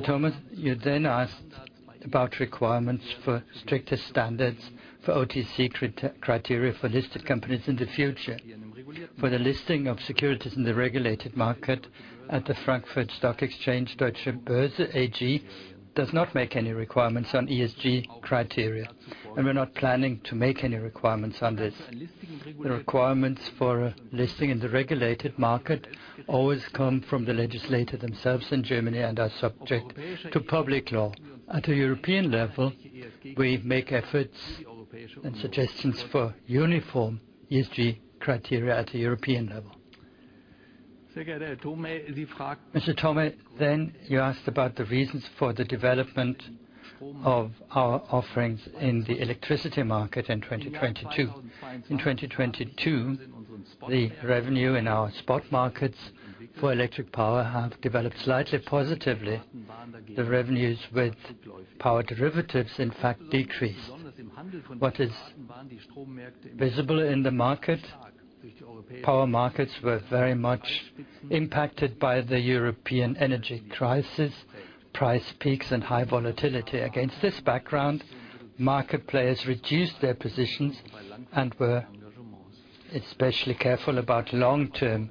Thomae, you asked about requirements for stricter standards for OTC criteria for listed companies in the future. For the listing of securities in the regulated market at the Frankfurt Stock Exchange, Deutsche Börse AG does not make any requirements on ESG criteria. We're not planning to make any requirements on this. The requirements for listing in the regulated market always come from the legislator themselves in Germany and are subject to public law. At a European level, we make efforts and suggestions for uniform ESG criteria at a European level. Mr. Thomae, you asked about the reasons for the development of our offerings in the electricity market in 2022. In 2022, the revenue in our spot markets for electric power have developed slightly positively. The revenues with power derivatives in fact decreased. What is visible in the market, power markets were very much impacted by the European energy crisis, price peaks and high volatility. Against this background, market players reduced their positions and were especially careful about long-term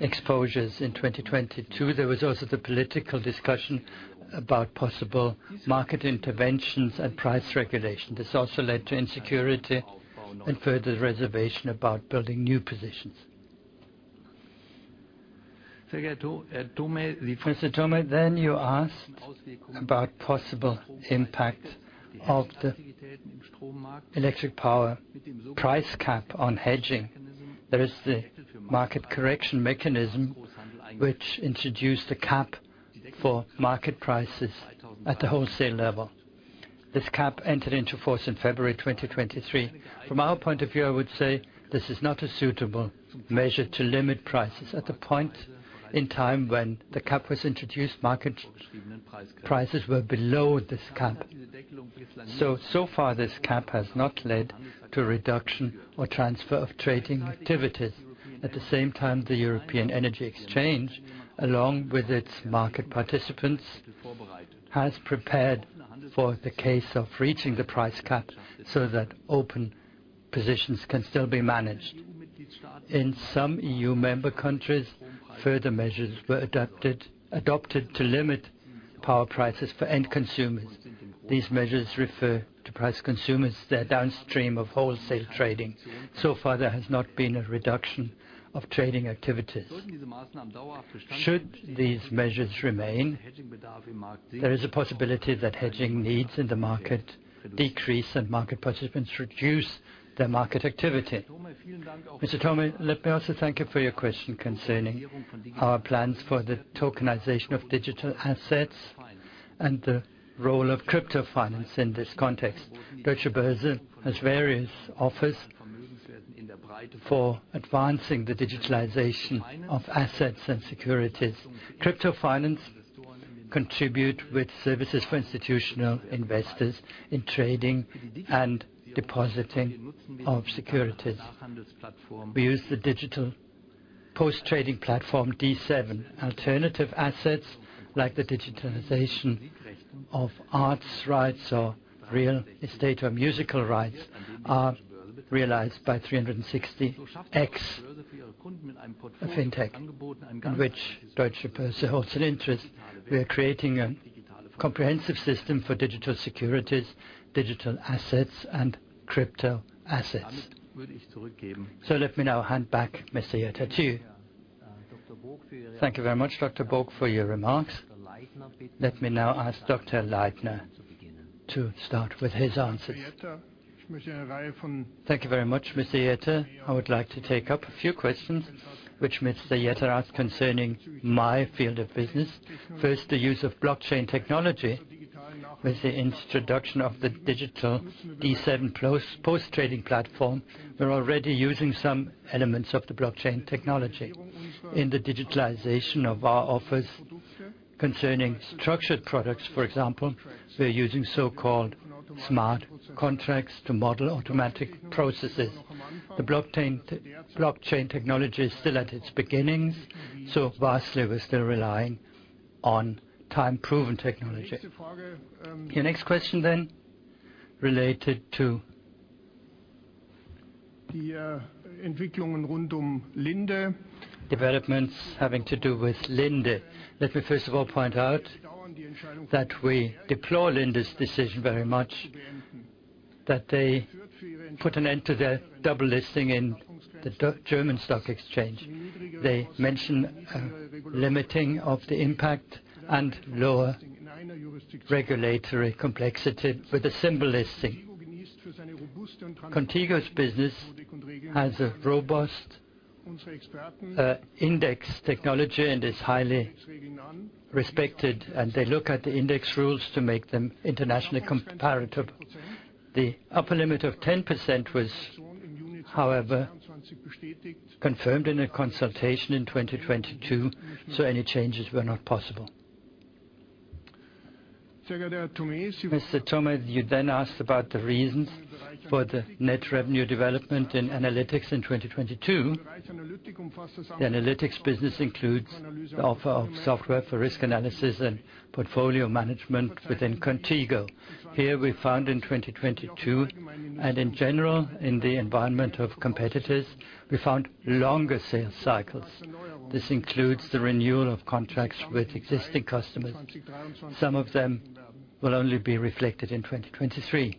exposures in 2022. There was also the political discussion about possible market interventions and price regulation. This also led to insecurity and further reservation about building new positions. Mr. Thomae, you asked about possible impact of the electric power price cap on hedging. There is the Market Correction Mechanism which introduced a cap for market prices at the wholesale level. This cap entered into force in February 2023. From our point of view, I would say this is not a suitable measure to limit prices. At the point in time when the cap was introduced, market prices were below this cap. So far this cap has not led to a reduction or transfer of trading activities. At the same time, the European Energy Exchange, along with its market participants, has prepared for the case of reaching the price cap so that open positions can still be managed. In some EU member countries, further measures were adopted to limit power prices for end consumers. These measures refer to price consumers, they're downstream of wholesale trading. So far, there has not been a reduction of trading activities. Should these measures remain, there is a possibility that hedging needs in the market decrease and market participants reduce their market activity. Mr. Thomae, let me also thank you for your question concerning our plans for the tokenization of digital assets and the role of Crypto Finance in this context. Deutsche Börse has various offers for advancing the digitalization of assets and securities. Crypto Finance contribute with services for institutional investors in trading and depositing of securities. We use the digital post-trading platform, D7. Alternative assets like the digitalization of arts rights or real estate or musical rights are realized by 360X Fintech, in which Deutsche Börse holds an interest. We are creating a comprehensive system for digital securities, digital assets, and crypto assets. Let me now hand back, Mr. Jetter, to you. Thank you very much, Dr. Book, for your remarks. Let me now ask Dr. Leithner to start with his answers. Thank you very much, Mr. Jetter. I would like to take up a few questions which Mr. Jetter asked concerning my field of business. First, the use of blockchain technology with the introduction of the digital D7 post-trading platform. We're already using some elements of the blockchain technology. In the digitalization of our offers concerning structured products, for example, we're using so-called smart contracts to model automatic processes. The blockchain technology is still at its beginnings, so vastly we're still relying on time-proven technology. Your next question then related to developments having to do with Linde. Let me first of all point out that we deplore Linde's decision very much, that they put an end to their double listing in the German stock exchange. They mention limiting of the impact and lower regulatory complexity with a single listing. Qontigo's business has a robust index technology and is highly respected, and they look at the index rules to make them internationally comparable. The upper limit of 10% was, however, confirmed in a consultation in 2022, so any changes were not possible. Mr. Thomae, you then asked about the reasons for the net revenue development in analytics in 2022. The analytics business includes the offer of software for risk analysis and portfolio management within Qontigo. Here we found in 2022, and in general in the environment of competitors, we found longer sales cycles. This includes the renewal of contracts with existing customers. Some of them will only be reflected in 2023.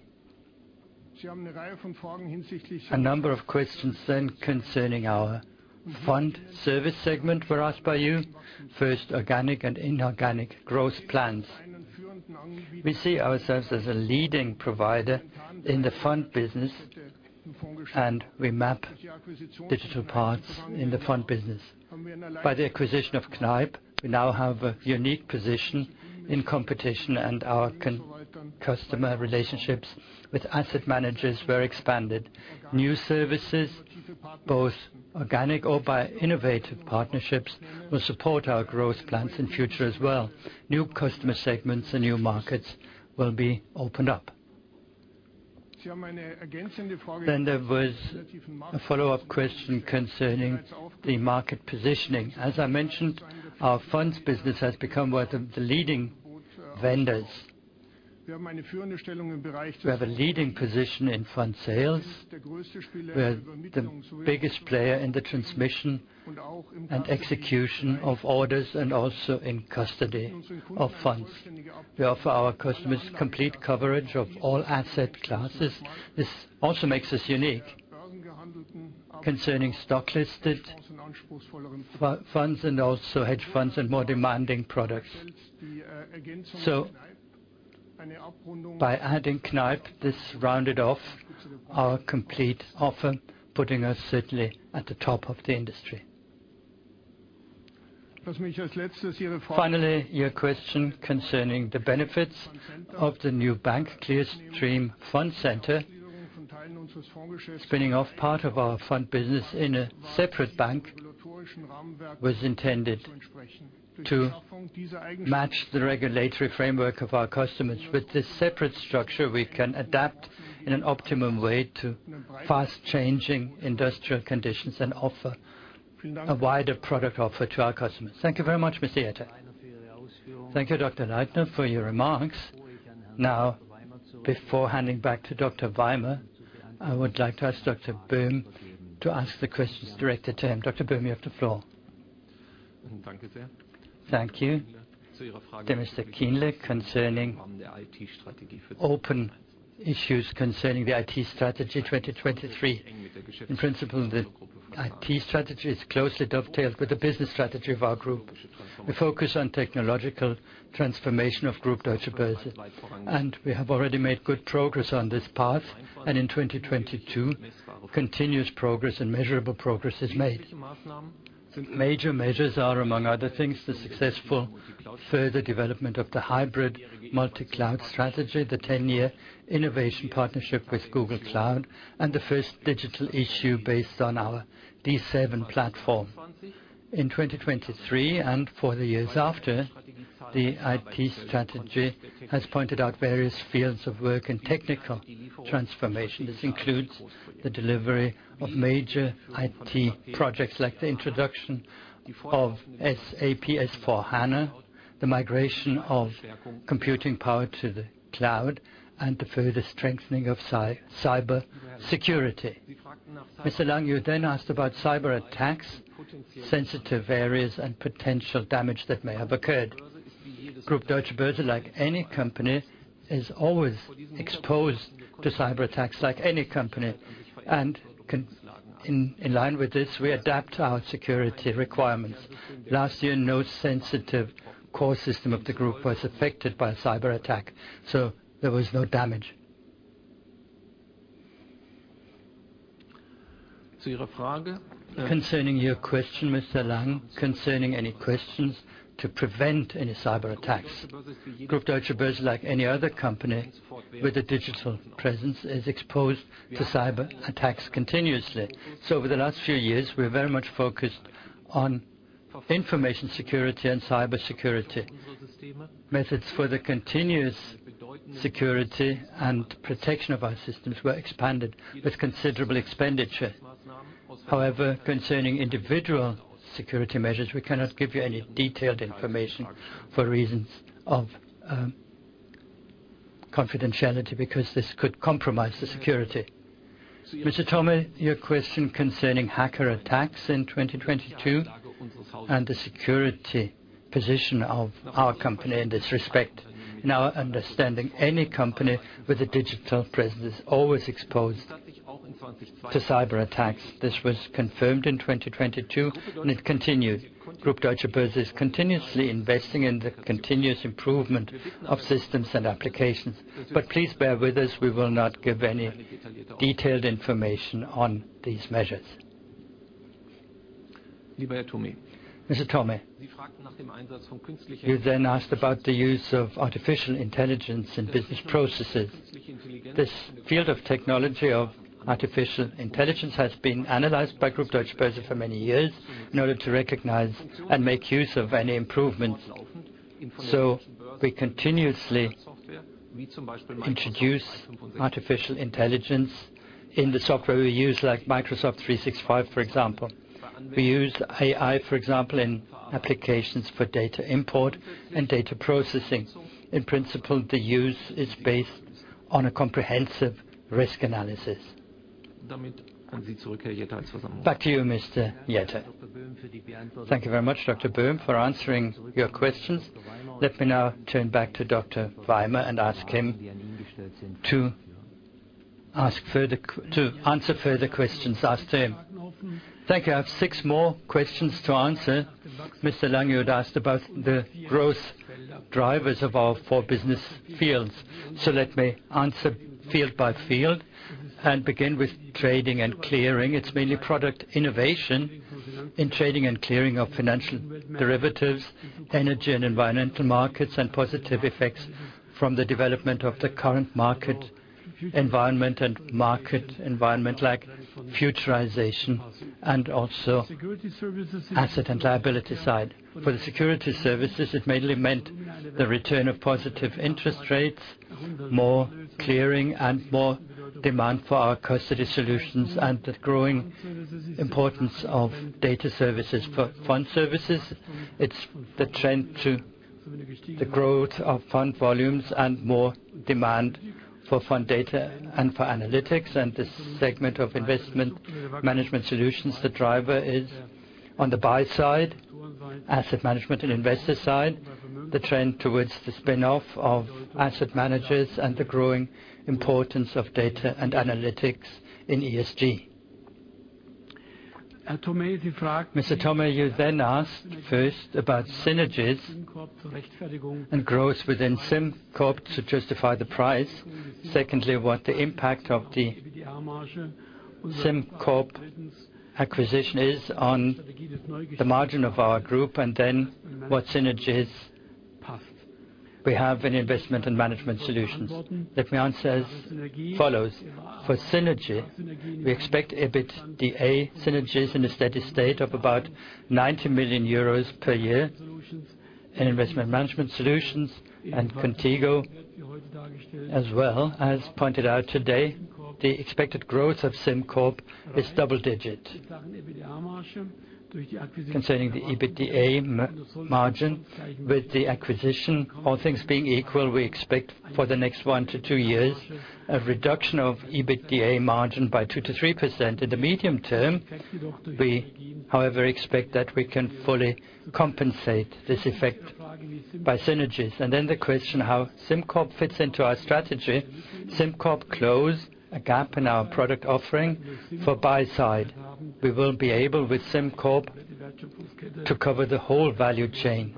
A number of questions then concerning our fund service segment were asked by you. First, organic and inorganic growth plans. We see ourselves as a leading provider in the fund business, and we map digital parts in the fund business. By the acquisition of Kneip, we now have a unique position in competition, and our customer relationships with asset managers were expanded. New services, both organic or by innovative partnerships, will support our growth plans in future as well. New customer segments and new markets will be opened up. There was a follow-up question concerning the market positioning. As I mentioned, our funds business has become one of the leading vendors. We have a leading position in fund sales. We are the biggest player in the transmission and execution of orders, and also in custody of funds. We offer our customers complete coverage of all asset classes. This also makes us unique concerning stock-listed funds, and also hedge funds and more demanding products. By adding Kneip, this rounded off our complete offer, putting us certainly at the top of the industry. Finally, your question concerning the benefits of the new bank Clearstream Fund Centre, spinning off part of our fund business in a separate bank, was intended to match the regulatory framework of our customers. With this separate structure, we can adapt in an optimum way to fast-changing industrial conditions and offer a wider product offer to our customers. Thank you very much, Mr. Jetter. Thank you, Dr. Leithner, for your remarks. Before handing back to Dr. Weimer, I would like to ask Dr. Böhm to ask the questions directed to him. Dr. Böhm, you have the floor. Thank you. To Mr. Kienle, concerning open issues concerning the IT strategy 2023. In principle, the IT strategy is closely dovetailed with the business strategy of our group. We focus on technological transformation of Deutsche Börse Group, and we have already made good progress on this path. In 2022, continuous progress and measurable progress is made. Major measures are, among other things, the successful further development of the hybrid multi-cloud strategy, the 10-year innovation partnership with Google Cloud, and the first digital issue based on our D7 platform. In 2023, and for the years after, the IT strategy has pointed out various fields of work and technical transformation. This includes the delivery of major IT projects like the introduction of SAP S/4HANA, the migration of computing power to the cloud, and the further strengthening of cybersecurity. Mr. Lang, you then asked about cyberattacks, sensitive areas, and potential damage that may have occurred. Deutsche Börse Group, like any company, is always exposed to cyberattacks, like any company. In line with this, we adapt our security requirements. Last year, no sensitive core system of the group was affected by a cyberattack. There was no damage. Concerning your question, Mr. Lang, concerning any questions to prevent any cyberattacks. Deutsche Börse Group like any other company with a digital presence, is exposed to cyberattacks continuously. Over the last few years, we're very much focused on information security and cybersecurity. Methods for the continuous security and protection of our systems were expanded with considerable expenditure. However, concerning individual security measures, we cannot give you any detailed information for reasons of confidentiality, because this could compromise the security. Mr. Thomae, your question concerning hacker attacks in 2022 and the security position of our company in this respect. In our understanding, any company with a digital presence is always exposed to cyberattacks. This was confirmed in 2022. It continued. Deutsche Börse Group is continuously investing in the continuous improvement of systems and applications. Please bear with us, we will not give any detailed information on these measures. Mr. Thomae, you then asked about the use of artificial intelligence in business processes. This field of technology of artificial intelligence has been analyzed by Deutsche Börse Group for many years in order to recognize and make use of any improvements. We continuously introduce artificial intelligence in the software we use, like Microsoft 365, for example. We use AI, for example, in applications for data import and data processing. In principle, the use is based on a comprehensive risk analysis. Back to you, Mr. Jetter. Thank you very much, Dr. Böhm, for answering your questions. Let me now turn back to Dr. Weimer and ask him to answer further questions asked to him. Thank you. I have six more questions to answer. Mr. Lang, you had asked about the growth drivers of our four business fields. Let me answer field by field and begin with Trading & Clearing. It's mainly product innovation in Trading & Clearing of financial derivatives, energy and environmental markets, and positive effects from the development of the current market environment like futurization and also asset and liability side. For the Security Services, it mainly meant the return of positive interest rates, more clearing, and more demand for our custody solutions, and the growing importance of data services. For Fund Services, it's the growth of fund volumes and more demand for fund data and for analytics and this segment of Investment Management Solutions. The driver is on the buy side, asset management and investor side, the trend towards the spin-off of asset managers and the growing importance of Data & Analytics in ESG. Mr. Thomae, you asked first about synergies and growth within SimCorp to justify the price. Secondly, what the impact of the SimCorp acquisition is on the margin of our group, what synergies we have in Investment Management Solutions. Let me answer as follows. For synergy, we expect EBITDA synergies in a steady state of about 90 million euros per year in Investment Management Solutions and Qontigo as well. As pointed out today, the expected growth of SimCorp is double-digit. Concerning the EBITDA margin with the acquisition, all things being equal, we expect for the next one to two years, a reduction of EBITDA margin by 2%-3%. In the medium term, we, however, expect that we can fully compensate this effect by synergies. The question how SimCorp fits into our strategy. SimCorp closed a gap in our product offering for buy side. We will be able with SimCorp to cover the whole value chain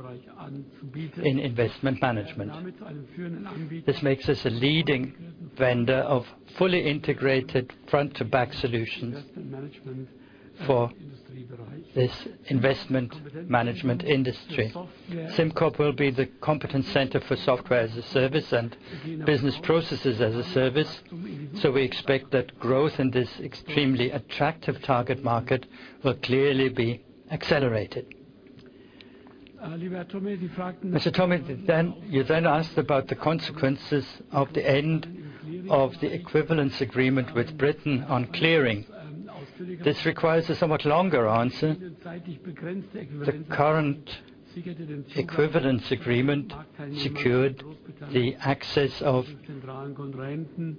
in investment management. This makes us a leading vendor of fully integrated front-to-back solutions for this investment management industry. SimCorp will be the competence center for Software-as-a-Service and Business Processes-as-a-Service. We expect that growth in this extremely attractive target market will clearly be accelerated. Mr. Thomae, you then asked about the consequences of the end of the equivalence agreement with Britain on clearing. This requires a somewhat longer answer. The current equivalence agreement secured the access of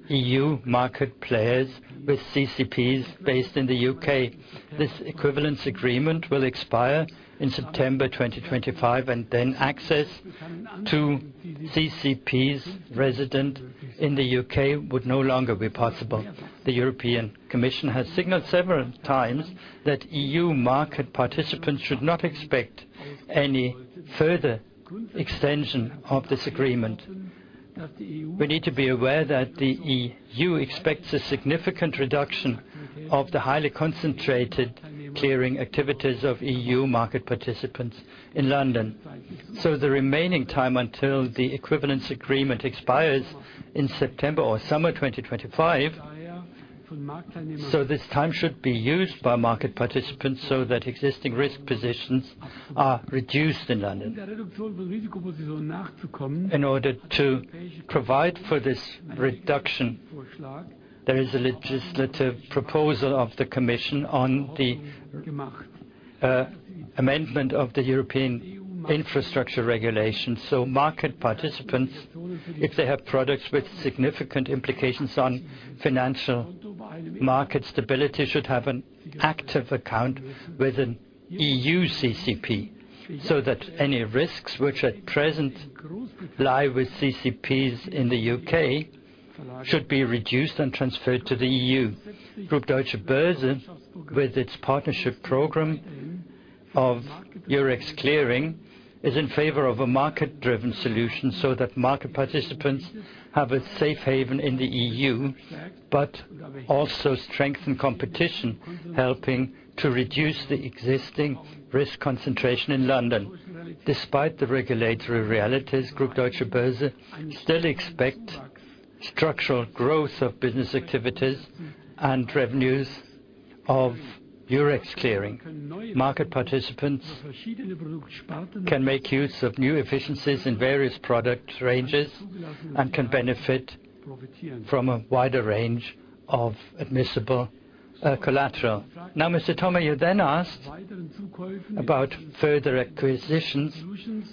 EU market players with CCPs based in the U.K. This equivalence agreement will expire in September 2025, and then access to CCPs resident in the U.K. would no longer be possible. The European Commission has signaled several times that EU market participants should not expect any further extension of this agreement. The remaining time until the equivalence agreement expires in September or summer 2025, so this time should be used by market participants so that existing risk positions are reduced in London. In order to provide for this reduction, there is a legislative proposal of the Commission on the amendment of the European infrastructure regulations. Market participants, if they have products with significant implications on financial market stability, should have an active account with an EU CCP, so that any risks which at present lie with CCPs in the U.K. should be reduced and transferred to the EU. Deutsche Börse Group, with its partnership program of Eurex Clearing, is in favor of a market-driven solution so that market participants have a safe haven in the EU, but also strengthen competition, helping to reduce the existing risk concentration in London. Despite the regulatory realities, Deutsche Börse Group still expect structural growth of business activities and revenues of Eurex Clearing. Market participants can make use of new efficiencies in various product ranges and can benefit from a wider range of admissible collateral. Mr. Thomae, you then asked about further acquisitions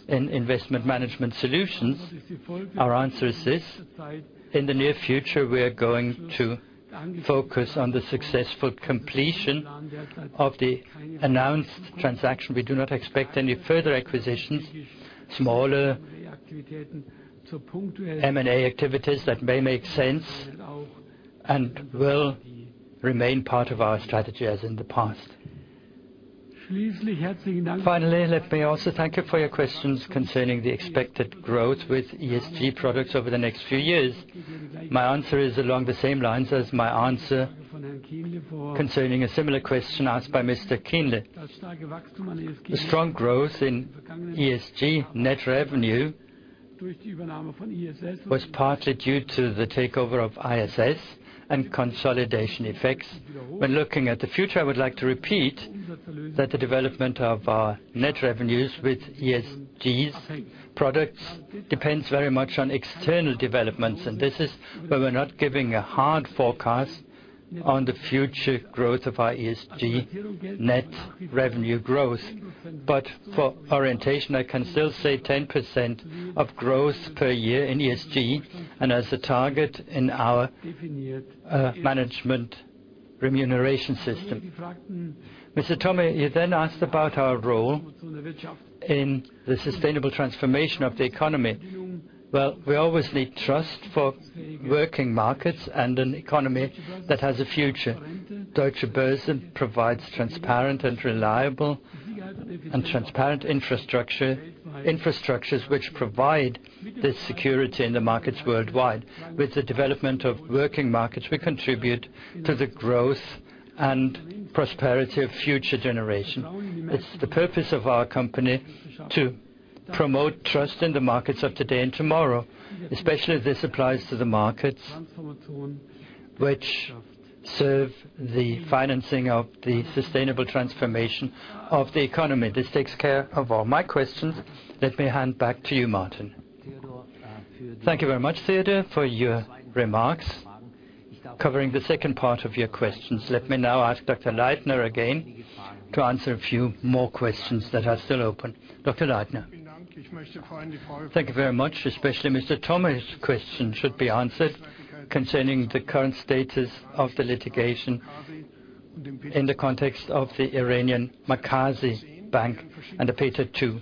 in Investment Management Solutions. Our answer is this: In the near future, we are going to focus on the successful completion of the announced transaction. We do not expect any further acquisitions, smaller M&A activities that may make sense and will remain part of our strategy as in the past. Finally, let me also thank you for your questions concerning the expected growth with ESG products over the next few years. My answer is along the same lines as my answer concerning a similar question asked by Mr. Kienle. The strong growth in ESG net revenue was partly due to the takeover of ISS and consolidation effects. When looking at the future, I would like to repeat that the development of our net revenues with ESG products depends very much on external developments, and this is why we're not giving a hard forecast on the future growth of our ESG net revenue growth. For orientation, I can still say 10% of growth per year in ESG and as a target in our management remuneration system. Mr. Thomae, you then asked about our role in the sustainable transformation of the economy. Well, we always need trust for working markets and an economy that has a future. Deutsche Börse provides transparent and reliable infrastructure, infrastructures which provide the security in the markets worldwide. With the development of working markets, we contribute to the growth and prosperity of future generation. It's the purpose of our company to promote trust in the markets of today and tomorrow, especially this applies to the markets which serve the financing of the sustainable transformation of the economy. This takes care of all my questions. Let me hand back to you, Martin. Thank you very much, Theodor, for your remarks covering the second part of your questions. Let me now ask Dr. Leithner again to answer a few more questions that are still open. Dr. Leithner. Thank you very much. Especially Mr. Thomae's question should be answered concerning the current status of the litigation in the context of the Iranian Bank Markazi and the Peterson II.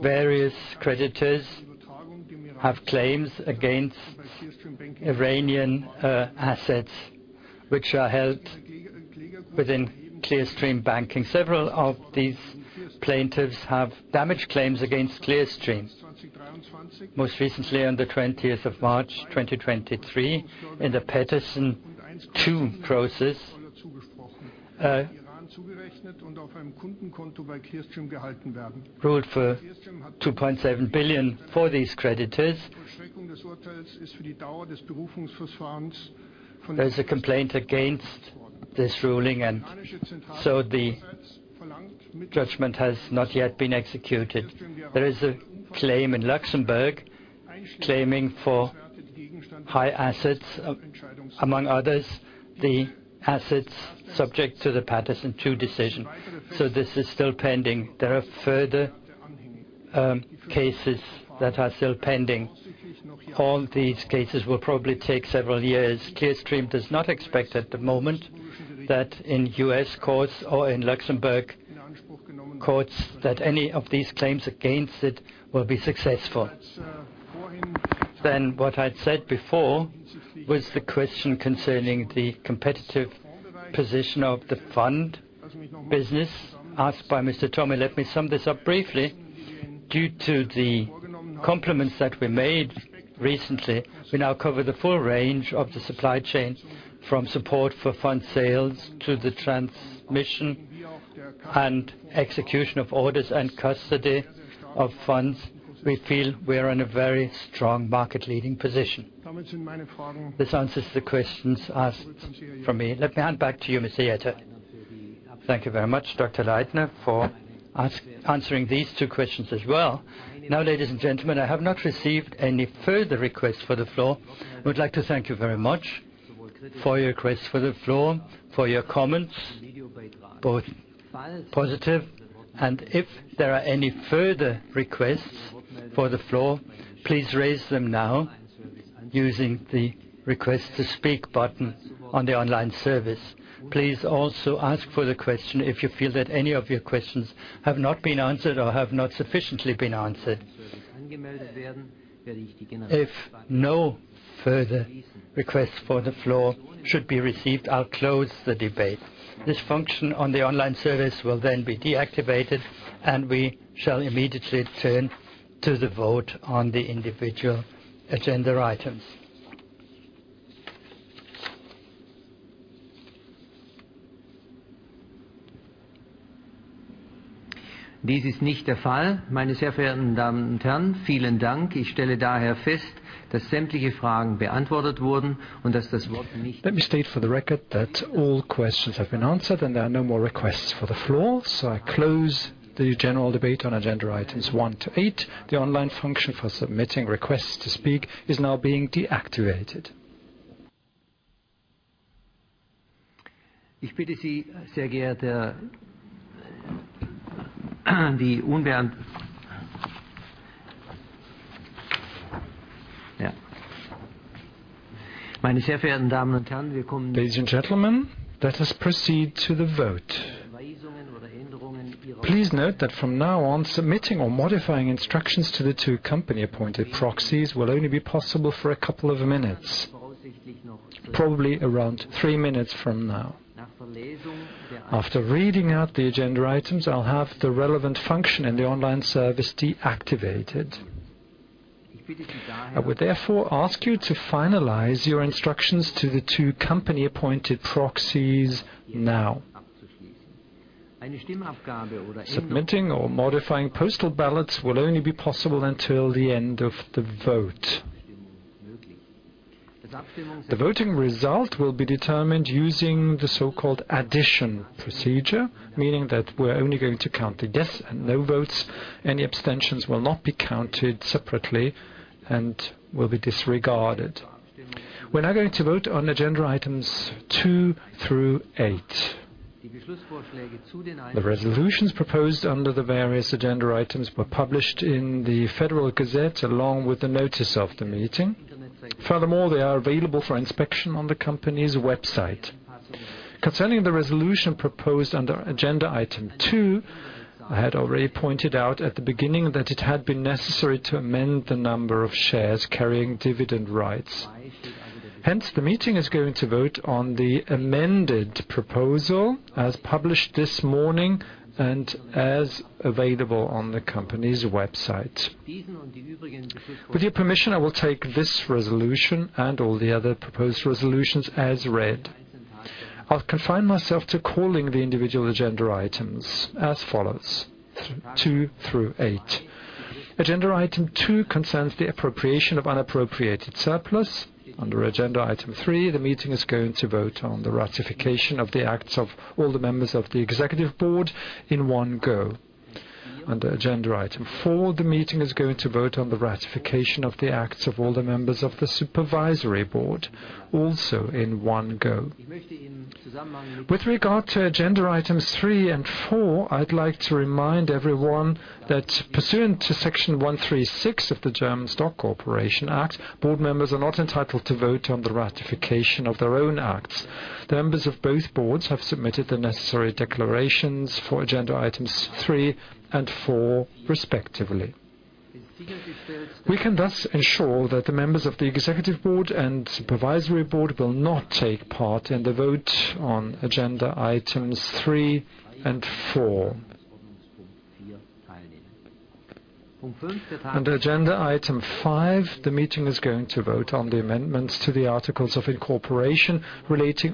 Various creditors have claims against Iranian assets which are held within Clearstream Banking. Several of these plaintiffs have damage claims against Clearstream, most recently on March 20th, 2023 in the Peterson II process. Ruled for 2.7 billion for these creditors. There's a complaint against this ruling, the judgment has not yet been executed. There is a claim in Luxembourg claiming for high assets, among others, the assets subject to the Peterson II decision. This is still pending. There are further cases that are still pending. All these cases will probably take several years. Clearstream does not expect at the moment that in U.S. courts or in Luxembourg courts that any of these claims against it will be successful. What I'd said before was the question concerning the competitive position of the fund business asked by Mr. Thomae. Let me sum this up briefly. Due to the complements that we made recently, we now cover the full range of the supply chain from support for fund sales to the transmission and execution of orders and custody of funds. We feel we are in a very strong market-leading position. This answers the questions asked from me. Let me hand back to you, Mr. Jetter. Thank you very much, Dr. Leithner, for answering these two questions as well. Now, ladies and gentlemen, I have not received any further requests for the floor. I would like to thank you very much for your requests for the floor, for your comments, both positive. If there are any further requests for the floor, please raise them now using the Request to speak button on the online service. Please also ask for the question if you feel that any of your questions have not been answered or have not sufficiently been answered. If no further requests for the floor should be received, I'll close the debate. This function on the online service will then be deactivated, and we shall immediately turn to the vote on the individual agenda items. Let me state for the record that all questions have been answered, and there are no more requests for the floor. I close the general debate on Agenda Items 1-8. The online function for submitting requests to speak is now being deactivated. Ladies and gentlemen, let us proceed to the vote. Please note that from now on, submitting or modifying instructions to the two company-appointed proxies will only be possible for a couple of minutes, probably around three minutes from now. After reading out the agenda items, I'll have the relevant function in the online service deactivated. I would therefore ask you to finalize your instructions to the two company-appointed proxies now. Submitting or modifying postal ballots will only be possible until the end of the vote. The voting result will be determined using the so-called addition procedure, meaning that we're only going to count the yes and no votes. Any abstentions will not be counted separately and will be disregarded. We're now going to vote on Agenda Items 2 through 8. The resolutions proposed under the various agenda items were published in the Federal Gazette, along with the notice of the meeting. They are available for inspection on the company's website. Concerning the resolution proposed under Agenda Item 2, I had already pointed out at the beginning that it had been necessary to amend the number of shares carrying dividend rights. The meeting is going to vote on the amended proposal as published this morning and as available on the company's website. With your permission, I will take this resolution and all the other proposed resolutions as read. I'll confine myself to calling the individual agenda items as follows: two through eight. Agenda Item 2 concerns the appropriation of unappropriated surplus. Under Agenda Item 3, the meeting is going to vote on the ratification of the acts of all the members of the executive board in one go. Under Agenda Item 4, the meeting is going to vote on the ratification of the acts of all the members of the supervisory board, also in one go. With regard to Agenda Items 3 and 4, I'd like to remind everyone that pursuant to Section 136 of the German Stock Corporation Act, board members are not entitled to vote on the ratification of their own acts. The members of both boards have submitted the necessary declarations for Agenda Items 3 and 4, respectively. We can thus ensure that the members of the executive board and supervisory board will not take part in the vote on Agenda Items 3 and 4. Under Agenda Item 5, the meeting is going to vote on the amendments to the articles of incorporation relating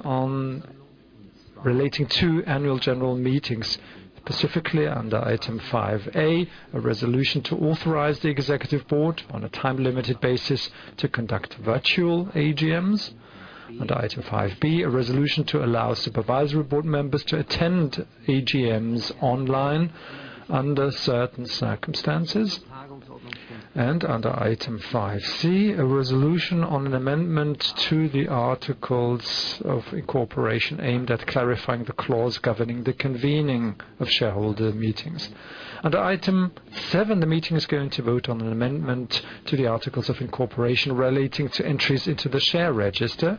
to annual general meetings. Specifically under Item 5A, a resolution to authorize the executive board on a time-limited basis to conduct virtual AGMs. Under Item 5B, a resolution to allow supervisory board members to attend AGMs online under certain circumstances. Under Item 5C, a resolution on an amendment to the articles of incorporation aimed at clarifying the clause governing the convening of shareholder meetings. Under Item 7, the meeting is going to vote on an amendment to the articles of incorporation relating to entries into the share register.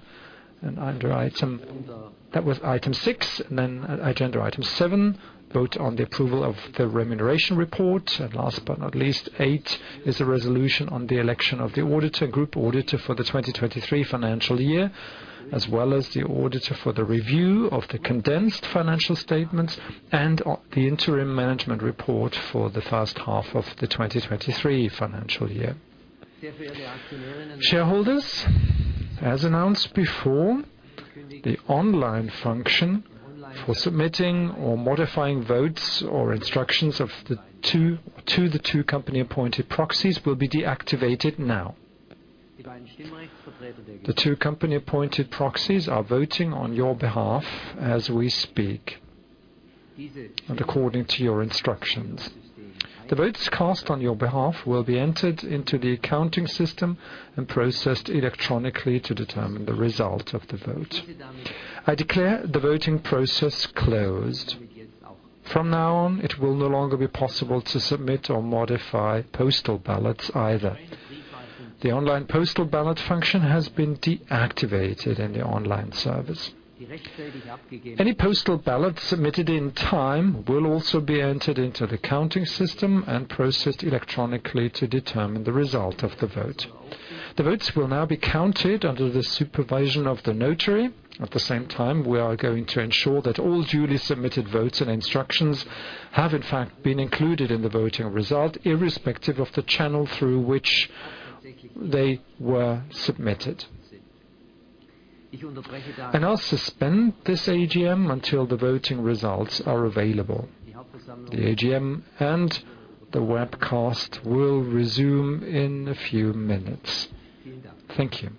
That was Item 6. Agenda Item 7, vote on the approval of the remuneration report. Last but not least, 8 is a resolution on the election of the auditor, group auditor for the 2023 financial year, as well as the auditor for the review of the condensed financial statements and the interim management report for the first half of the 2023 financial year. Shareholders, as announced before, the online function for submitting or modifying votes or instructions to the two company-appointed proxies will be deactivated now. The two company-appointed proxies are voting on your behalf as we speak and according to your instructions. The votes cast on your behalf will be entered into the accounting system and processed electronically to determine the result of the vote. I declare the voting process closed. From now on, it will no longer be possible to submit or modify postal ballots either. The online postal ballot function has been deactivated in the online service. Any postal ballot submitted in time will also be entered into the counting system and processed electronically to determine the result of the vote. The votes will now be counted under the supervision of the notary. At the same time, we are going to ensure that all duly submitted votes and instructions have in fact been included in the voting result, irrespective of the channel through which they were submitted. I'll suspend this AGM until the voting results are available. The AGM and the webcast will resume in a few minutes. Thank you.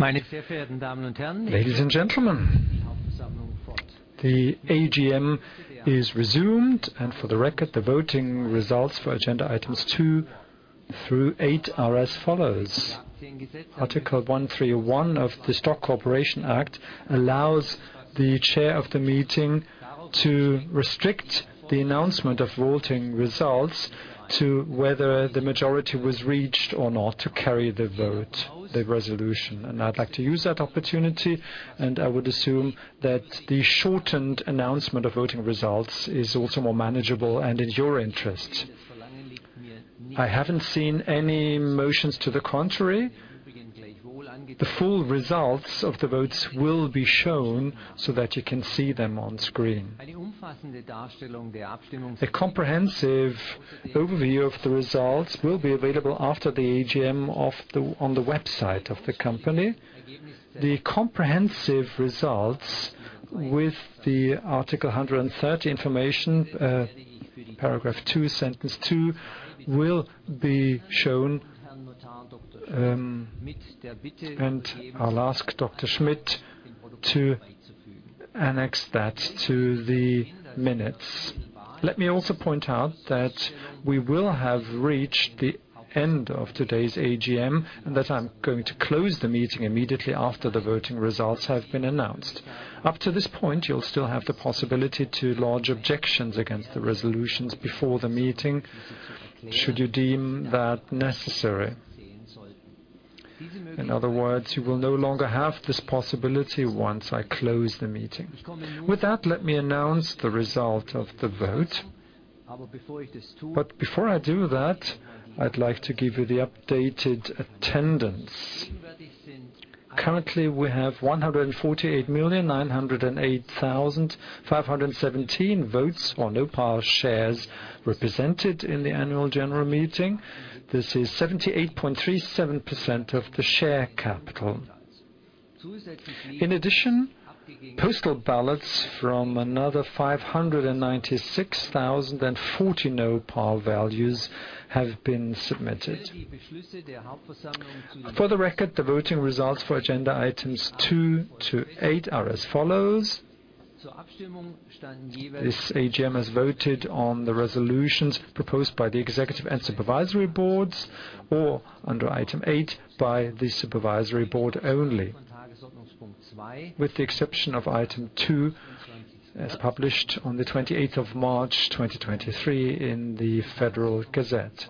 Ladies and gentlemen, the AGM is resumed. For the record, the voting results for Agenda Items 2. Through eight are as follows: Article 1301 of the Stock Corporation Act allows the chair of the meeting to restrict the announcement of voting results to whether the majority was reached or not to carry the vote, the resolution. I'd like to use that opportunity, and I would assume that the shortened announcement of voting results is also more manageable and in your interest. I haven't seen any motions to the contrary. The full results of the votes will be shown so that you can see them on screen. A comprehensive overview of the results will be available after the AGM on the website of the company. The comprehensive results with the Article 130 information, paragraph two, sentence two, will be shown. I'll ask Dr. Schmidt to annex that to the minutes. Let me also point out that we will have reached the end of today's AGM, and that I'm going to close the meeting immediately after the voting results have been announced. Up to this point, you'll still have the possibility to lodge objections against the resolutions before the meeting should you deem that necessary. In other words, you will no longer have this possibility once I close the meeting. With that, let me announce the result of the vote. Before I do that, I'd like to give you the updated attendance. Currently, we have 148,908,517 votes or no-par shares represented in the annual general meeting. This is 78.37% of the share capital. In addition, postal ballots from another 596,040 no-par values have been submitted. For the record, the voting results for Agenda Items 2-8 are as follows: This AGM has voted on the resolutions proposed by the Executive and Supervisory Boards or under Item 8 by the Supervisory Board only, with the exception of Item 2, as published on the 28th of March, 2023 in the Federal Gazette.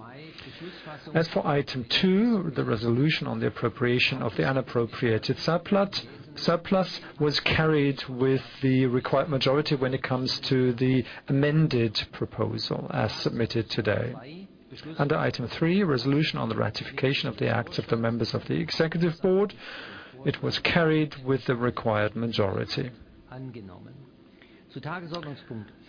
As for Item 2, the resolution on the appropriation of the unappropriated surplus was carried with the required majority when it comes to the amended proposal as submitted today. Under Item 3, resolution on the ratification of the acts of the members of the Executive Board, it was carried with the required majority.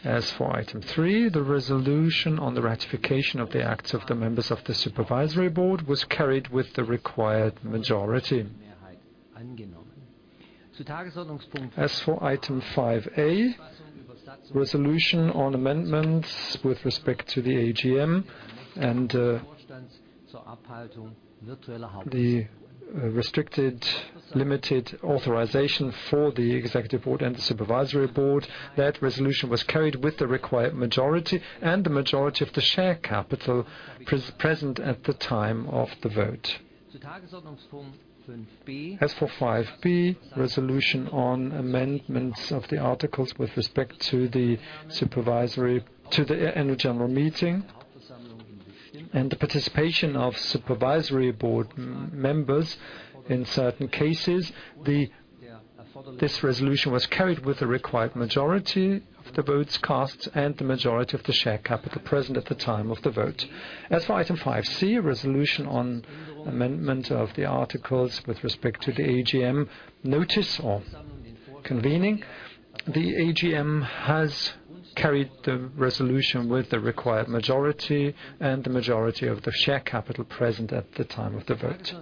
As for Item 3, the resolution on the ratification of the acts of the members of the Supervisory Board was carried with the required majority. As for Item 5A, resolution on amendments with respect to the AGM and the restricted limited authorization for the executive board and the supervisory board. That resolution was carried with the required majority and the majority of the share capital present at the time of the vote. As for Item 5B, resolution on amendments of the articles with respect to the supervisory to the annual general meeting and the participation of supervisory board members in certain cases, this resolution was carried with the required majority of the votes cast and the majority of the share capital present at the time of the vote. As for Item 5C, resolution on amendment of the articles with respect to the AGM notice of convening, the AGM has carried the resolution with the required majority and the majority of the share capital present at the time of the vote.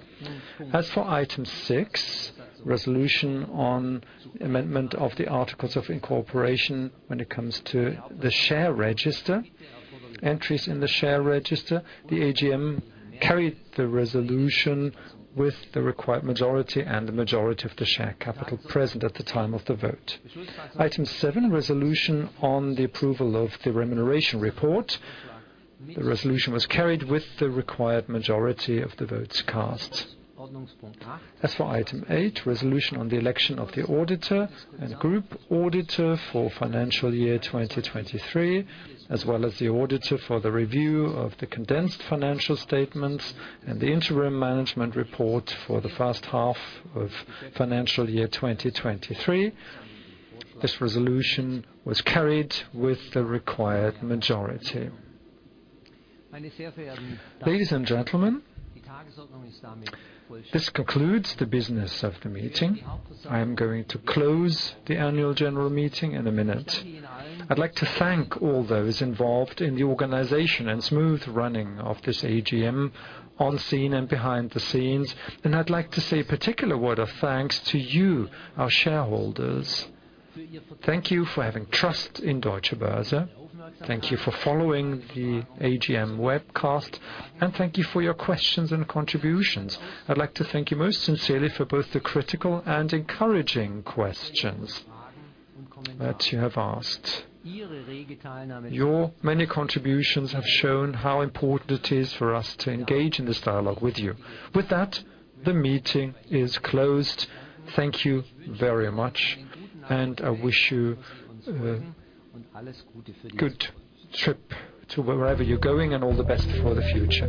As for Item 6, resolution on amendment of the articles of incorporation when it comes to the share register, entries in the share register, the AGM carried the resolution with the required majority and the majority of the share capital present at the time of the vote. Item 7, resolution on the approval of the remuneration report. The resolution was carried with the required majority of the votes cast. As for Item 8, resolution on the election of the auditor and group auditor for financial year 2023, as well as the auditor for the review of the condensed financial statements and the interim management report for the first half of financial year 2023. This resolution was carried with the required majority. Ladies and gentlemen, this concludes the business of the meeting. I am going to close the annual general meeting in a minute. I'd like to thank all those involved in the organization and smooth running of this AGM on scene and behind the scenes. I'd like to say a particular word of thanks to you, our shareholders. Thank you for having trust in Deutsche Börse. Thank you for following the AGM webcast, and thank you for your questions and contributions. I'd like to thank you most sincerely for both the critical and encouraging questions that you have asked. Your many contributions have shown how important it is for us to engage in this dialogue with you. With that, the meeting is closed. Thank you very much, and I wish you a good trip to wherever you're going, and all the best for the future.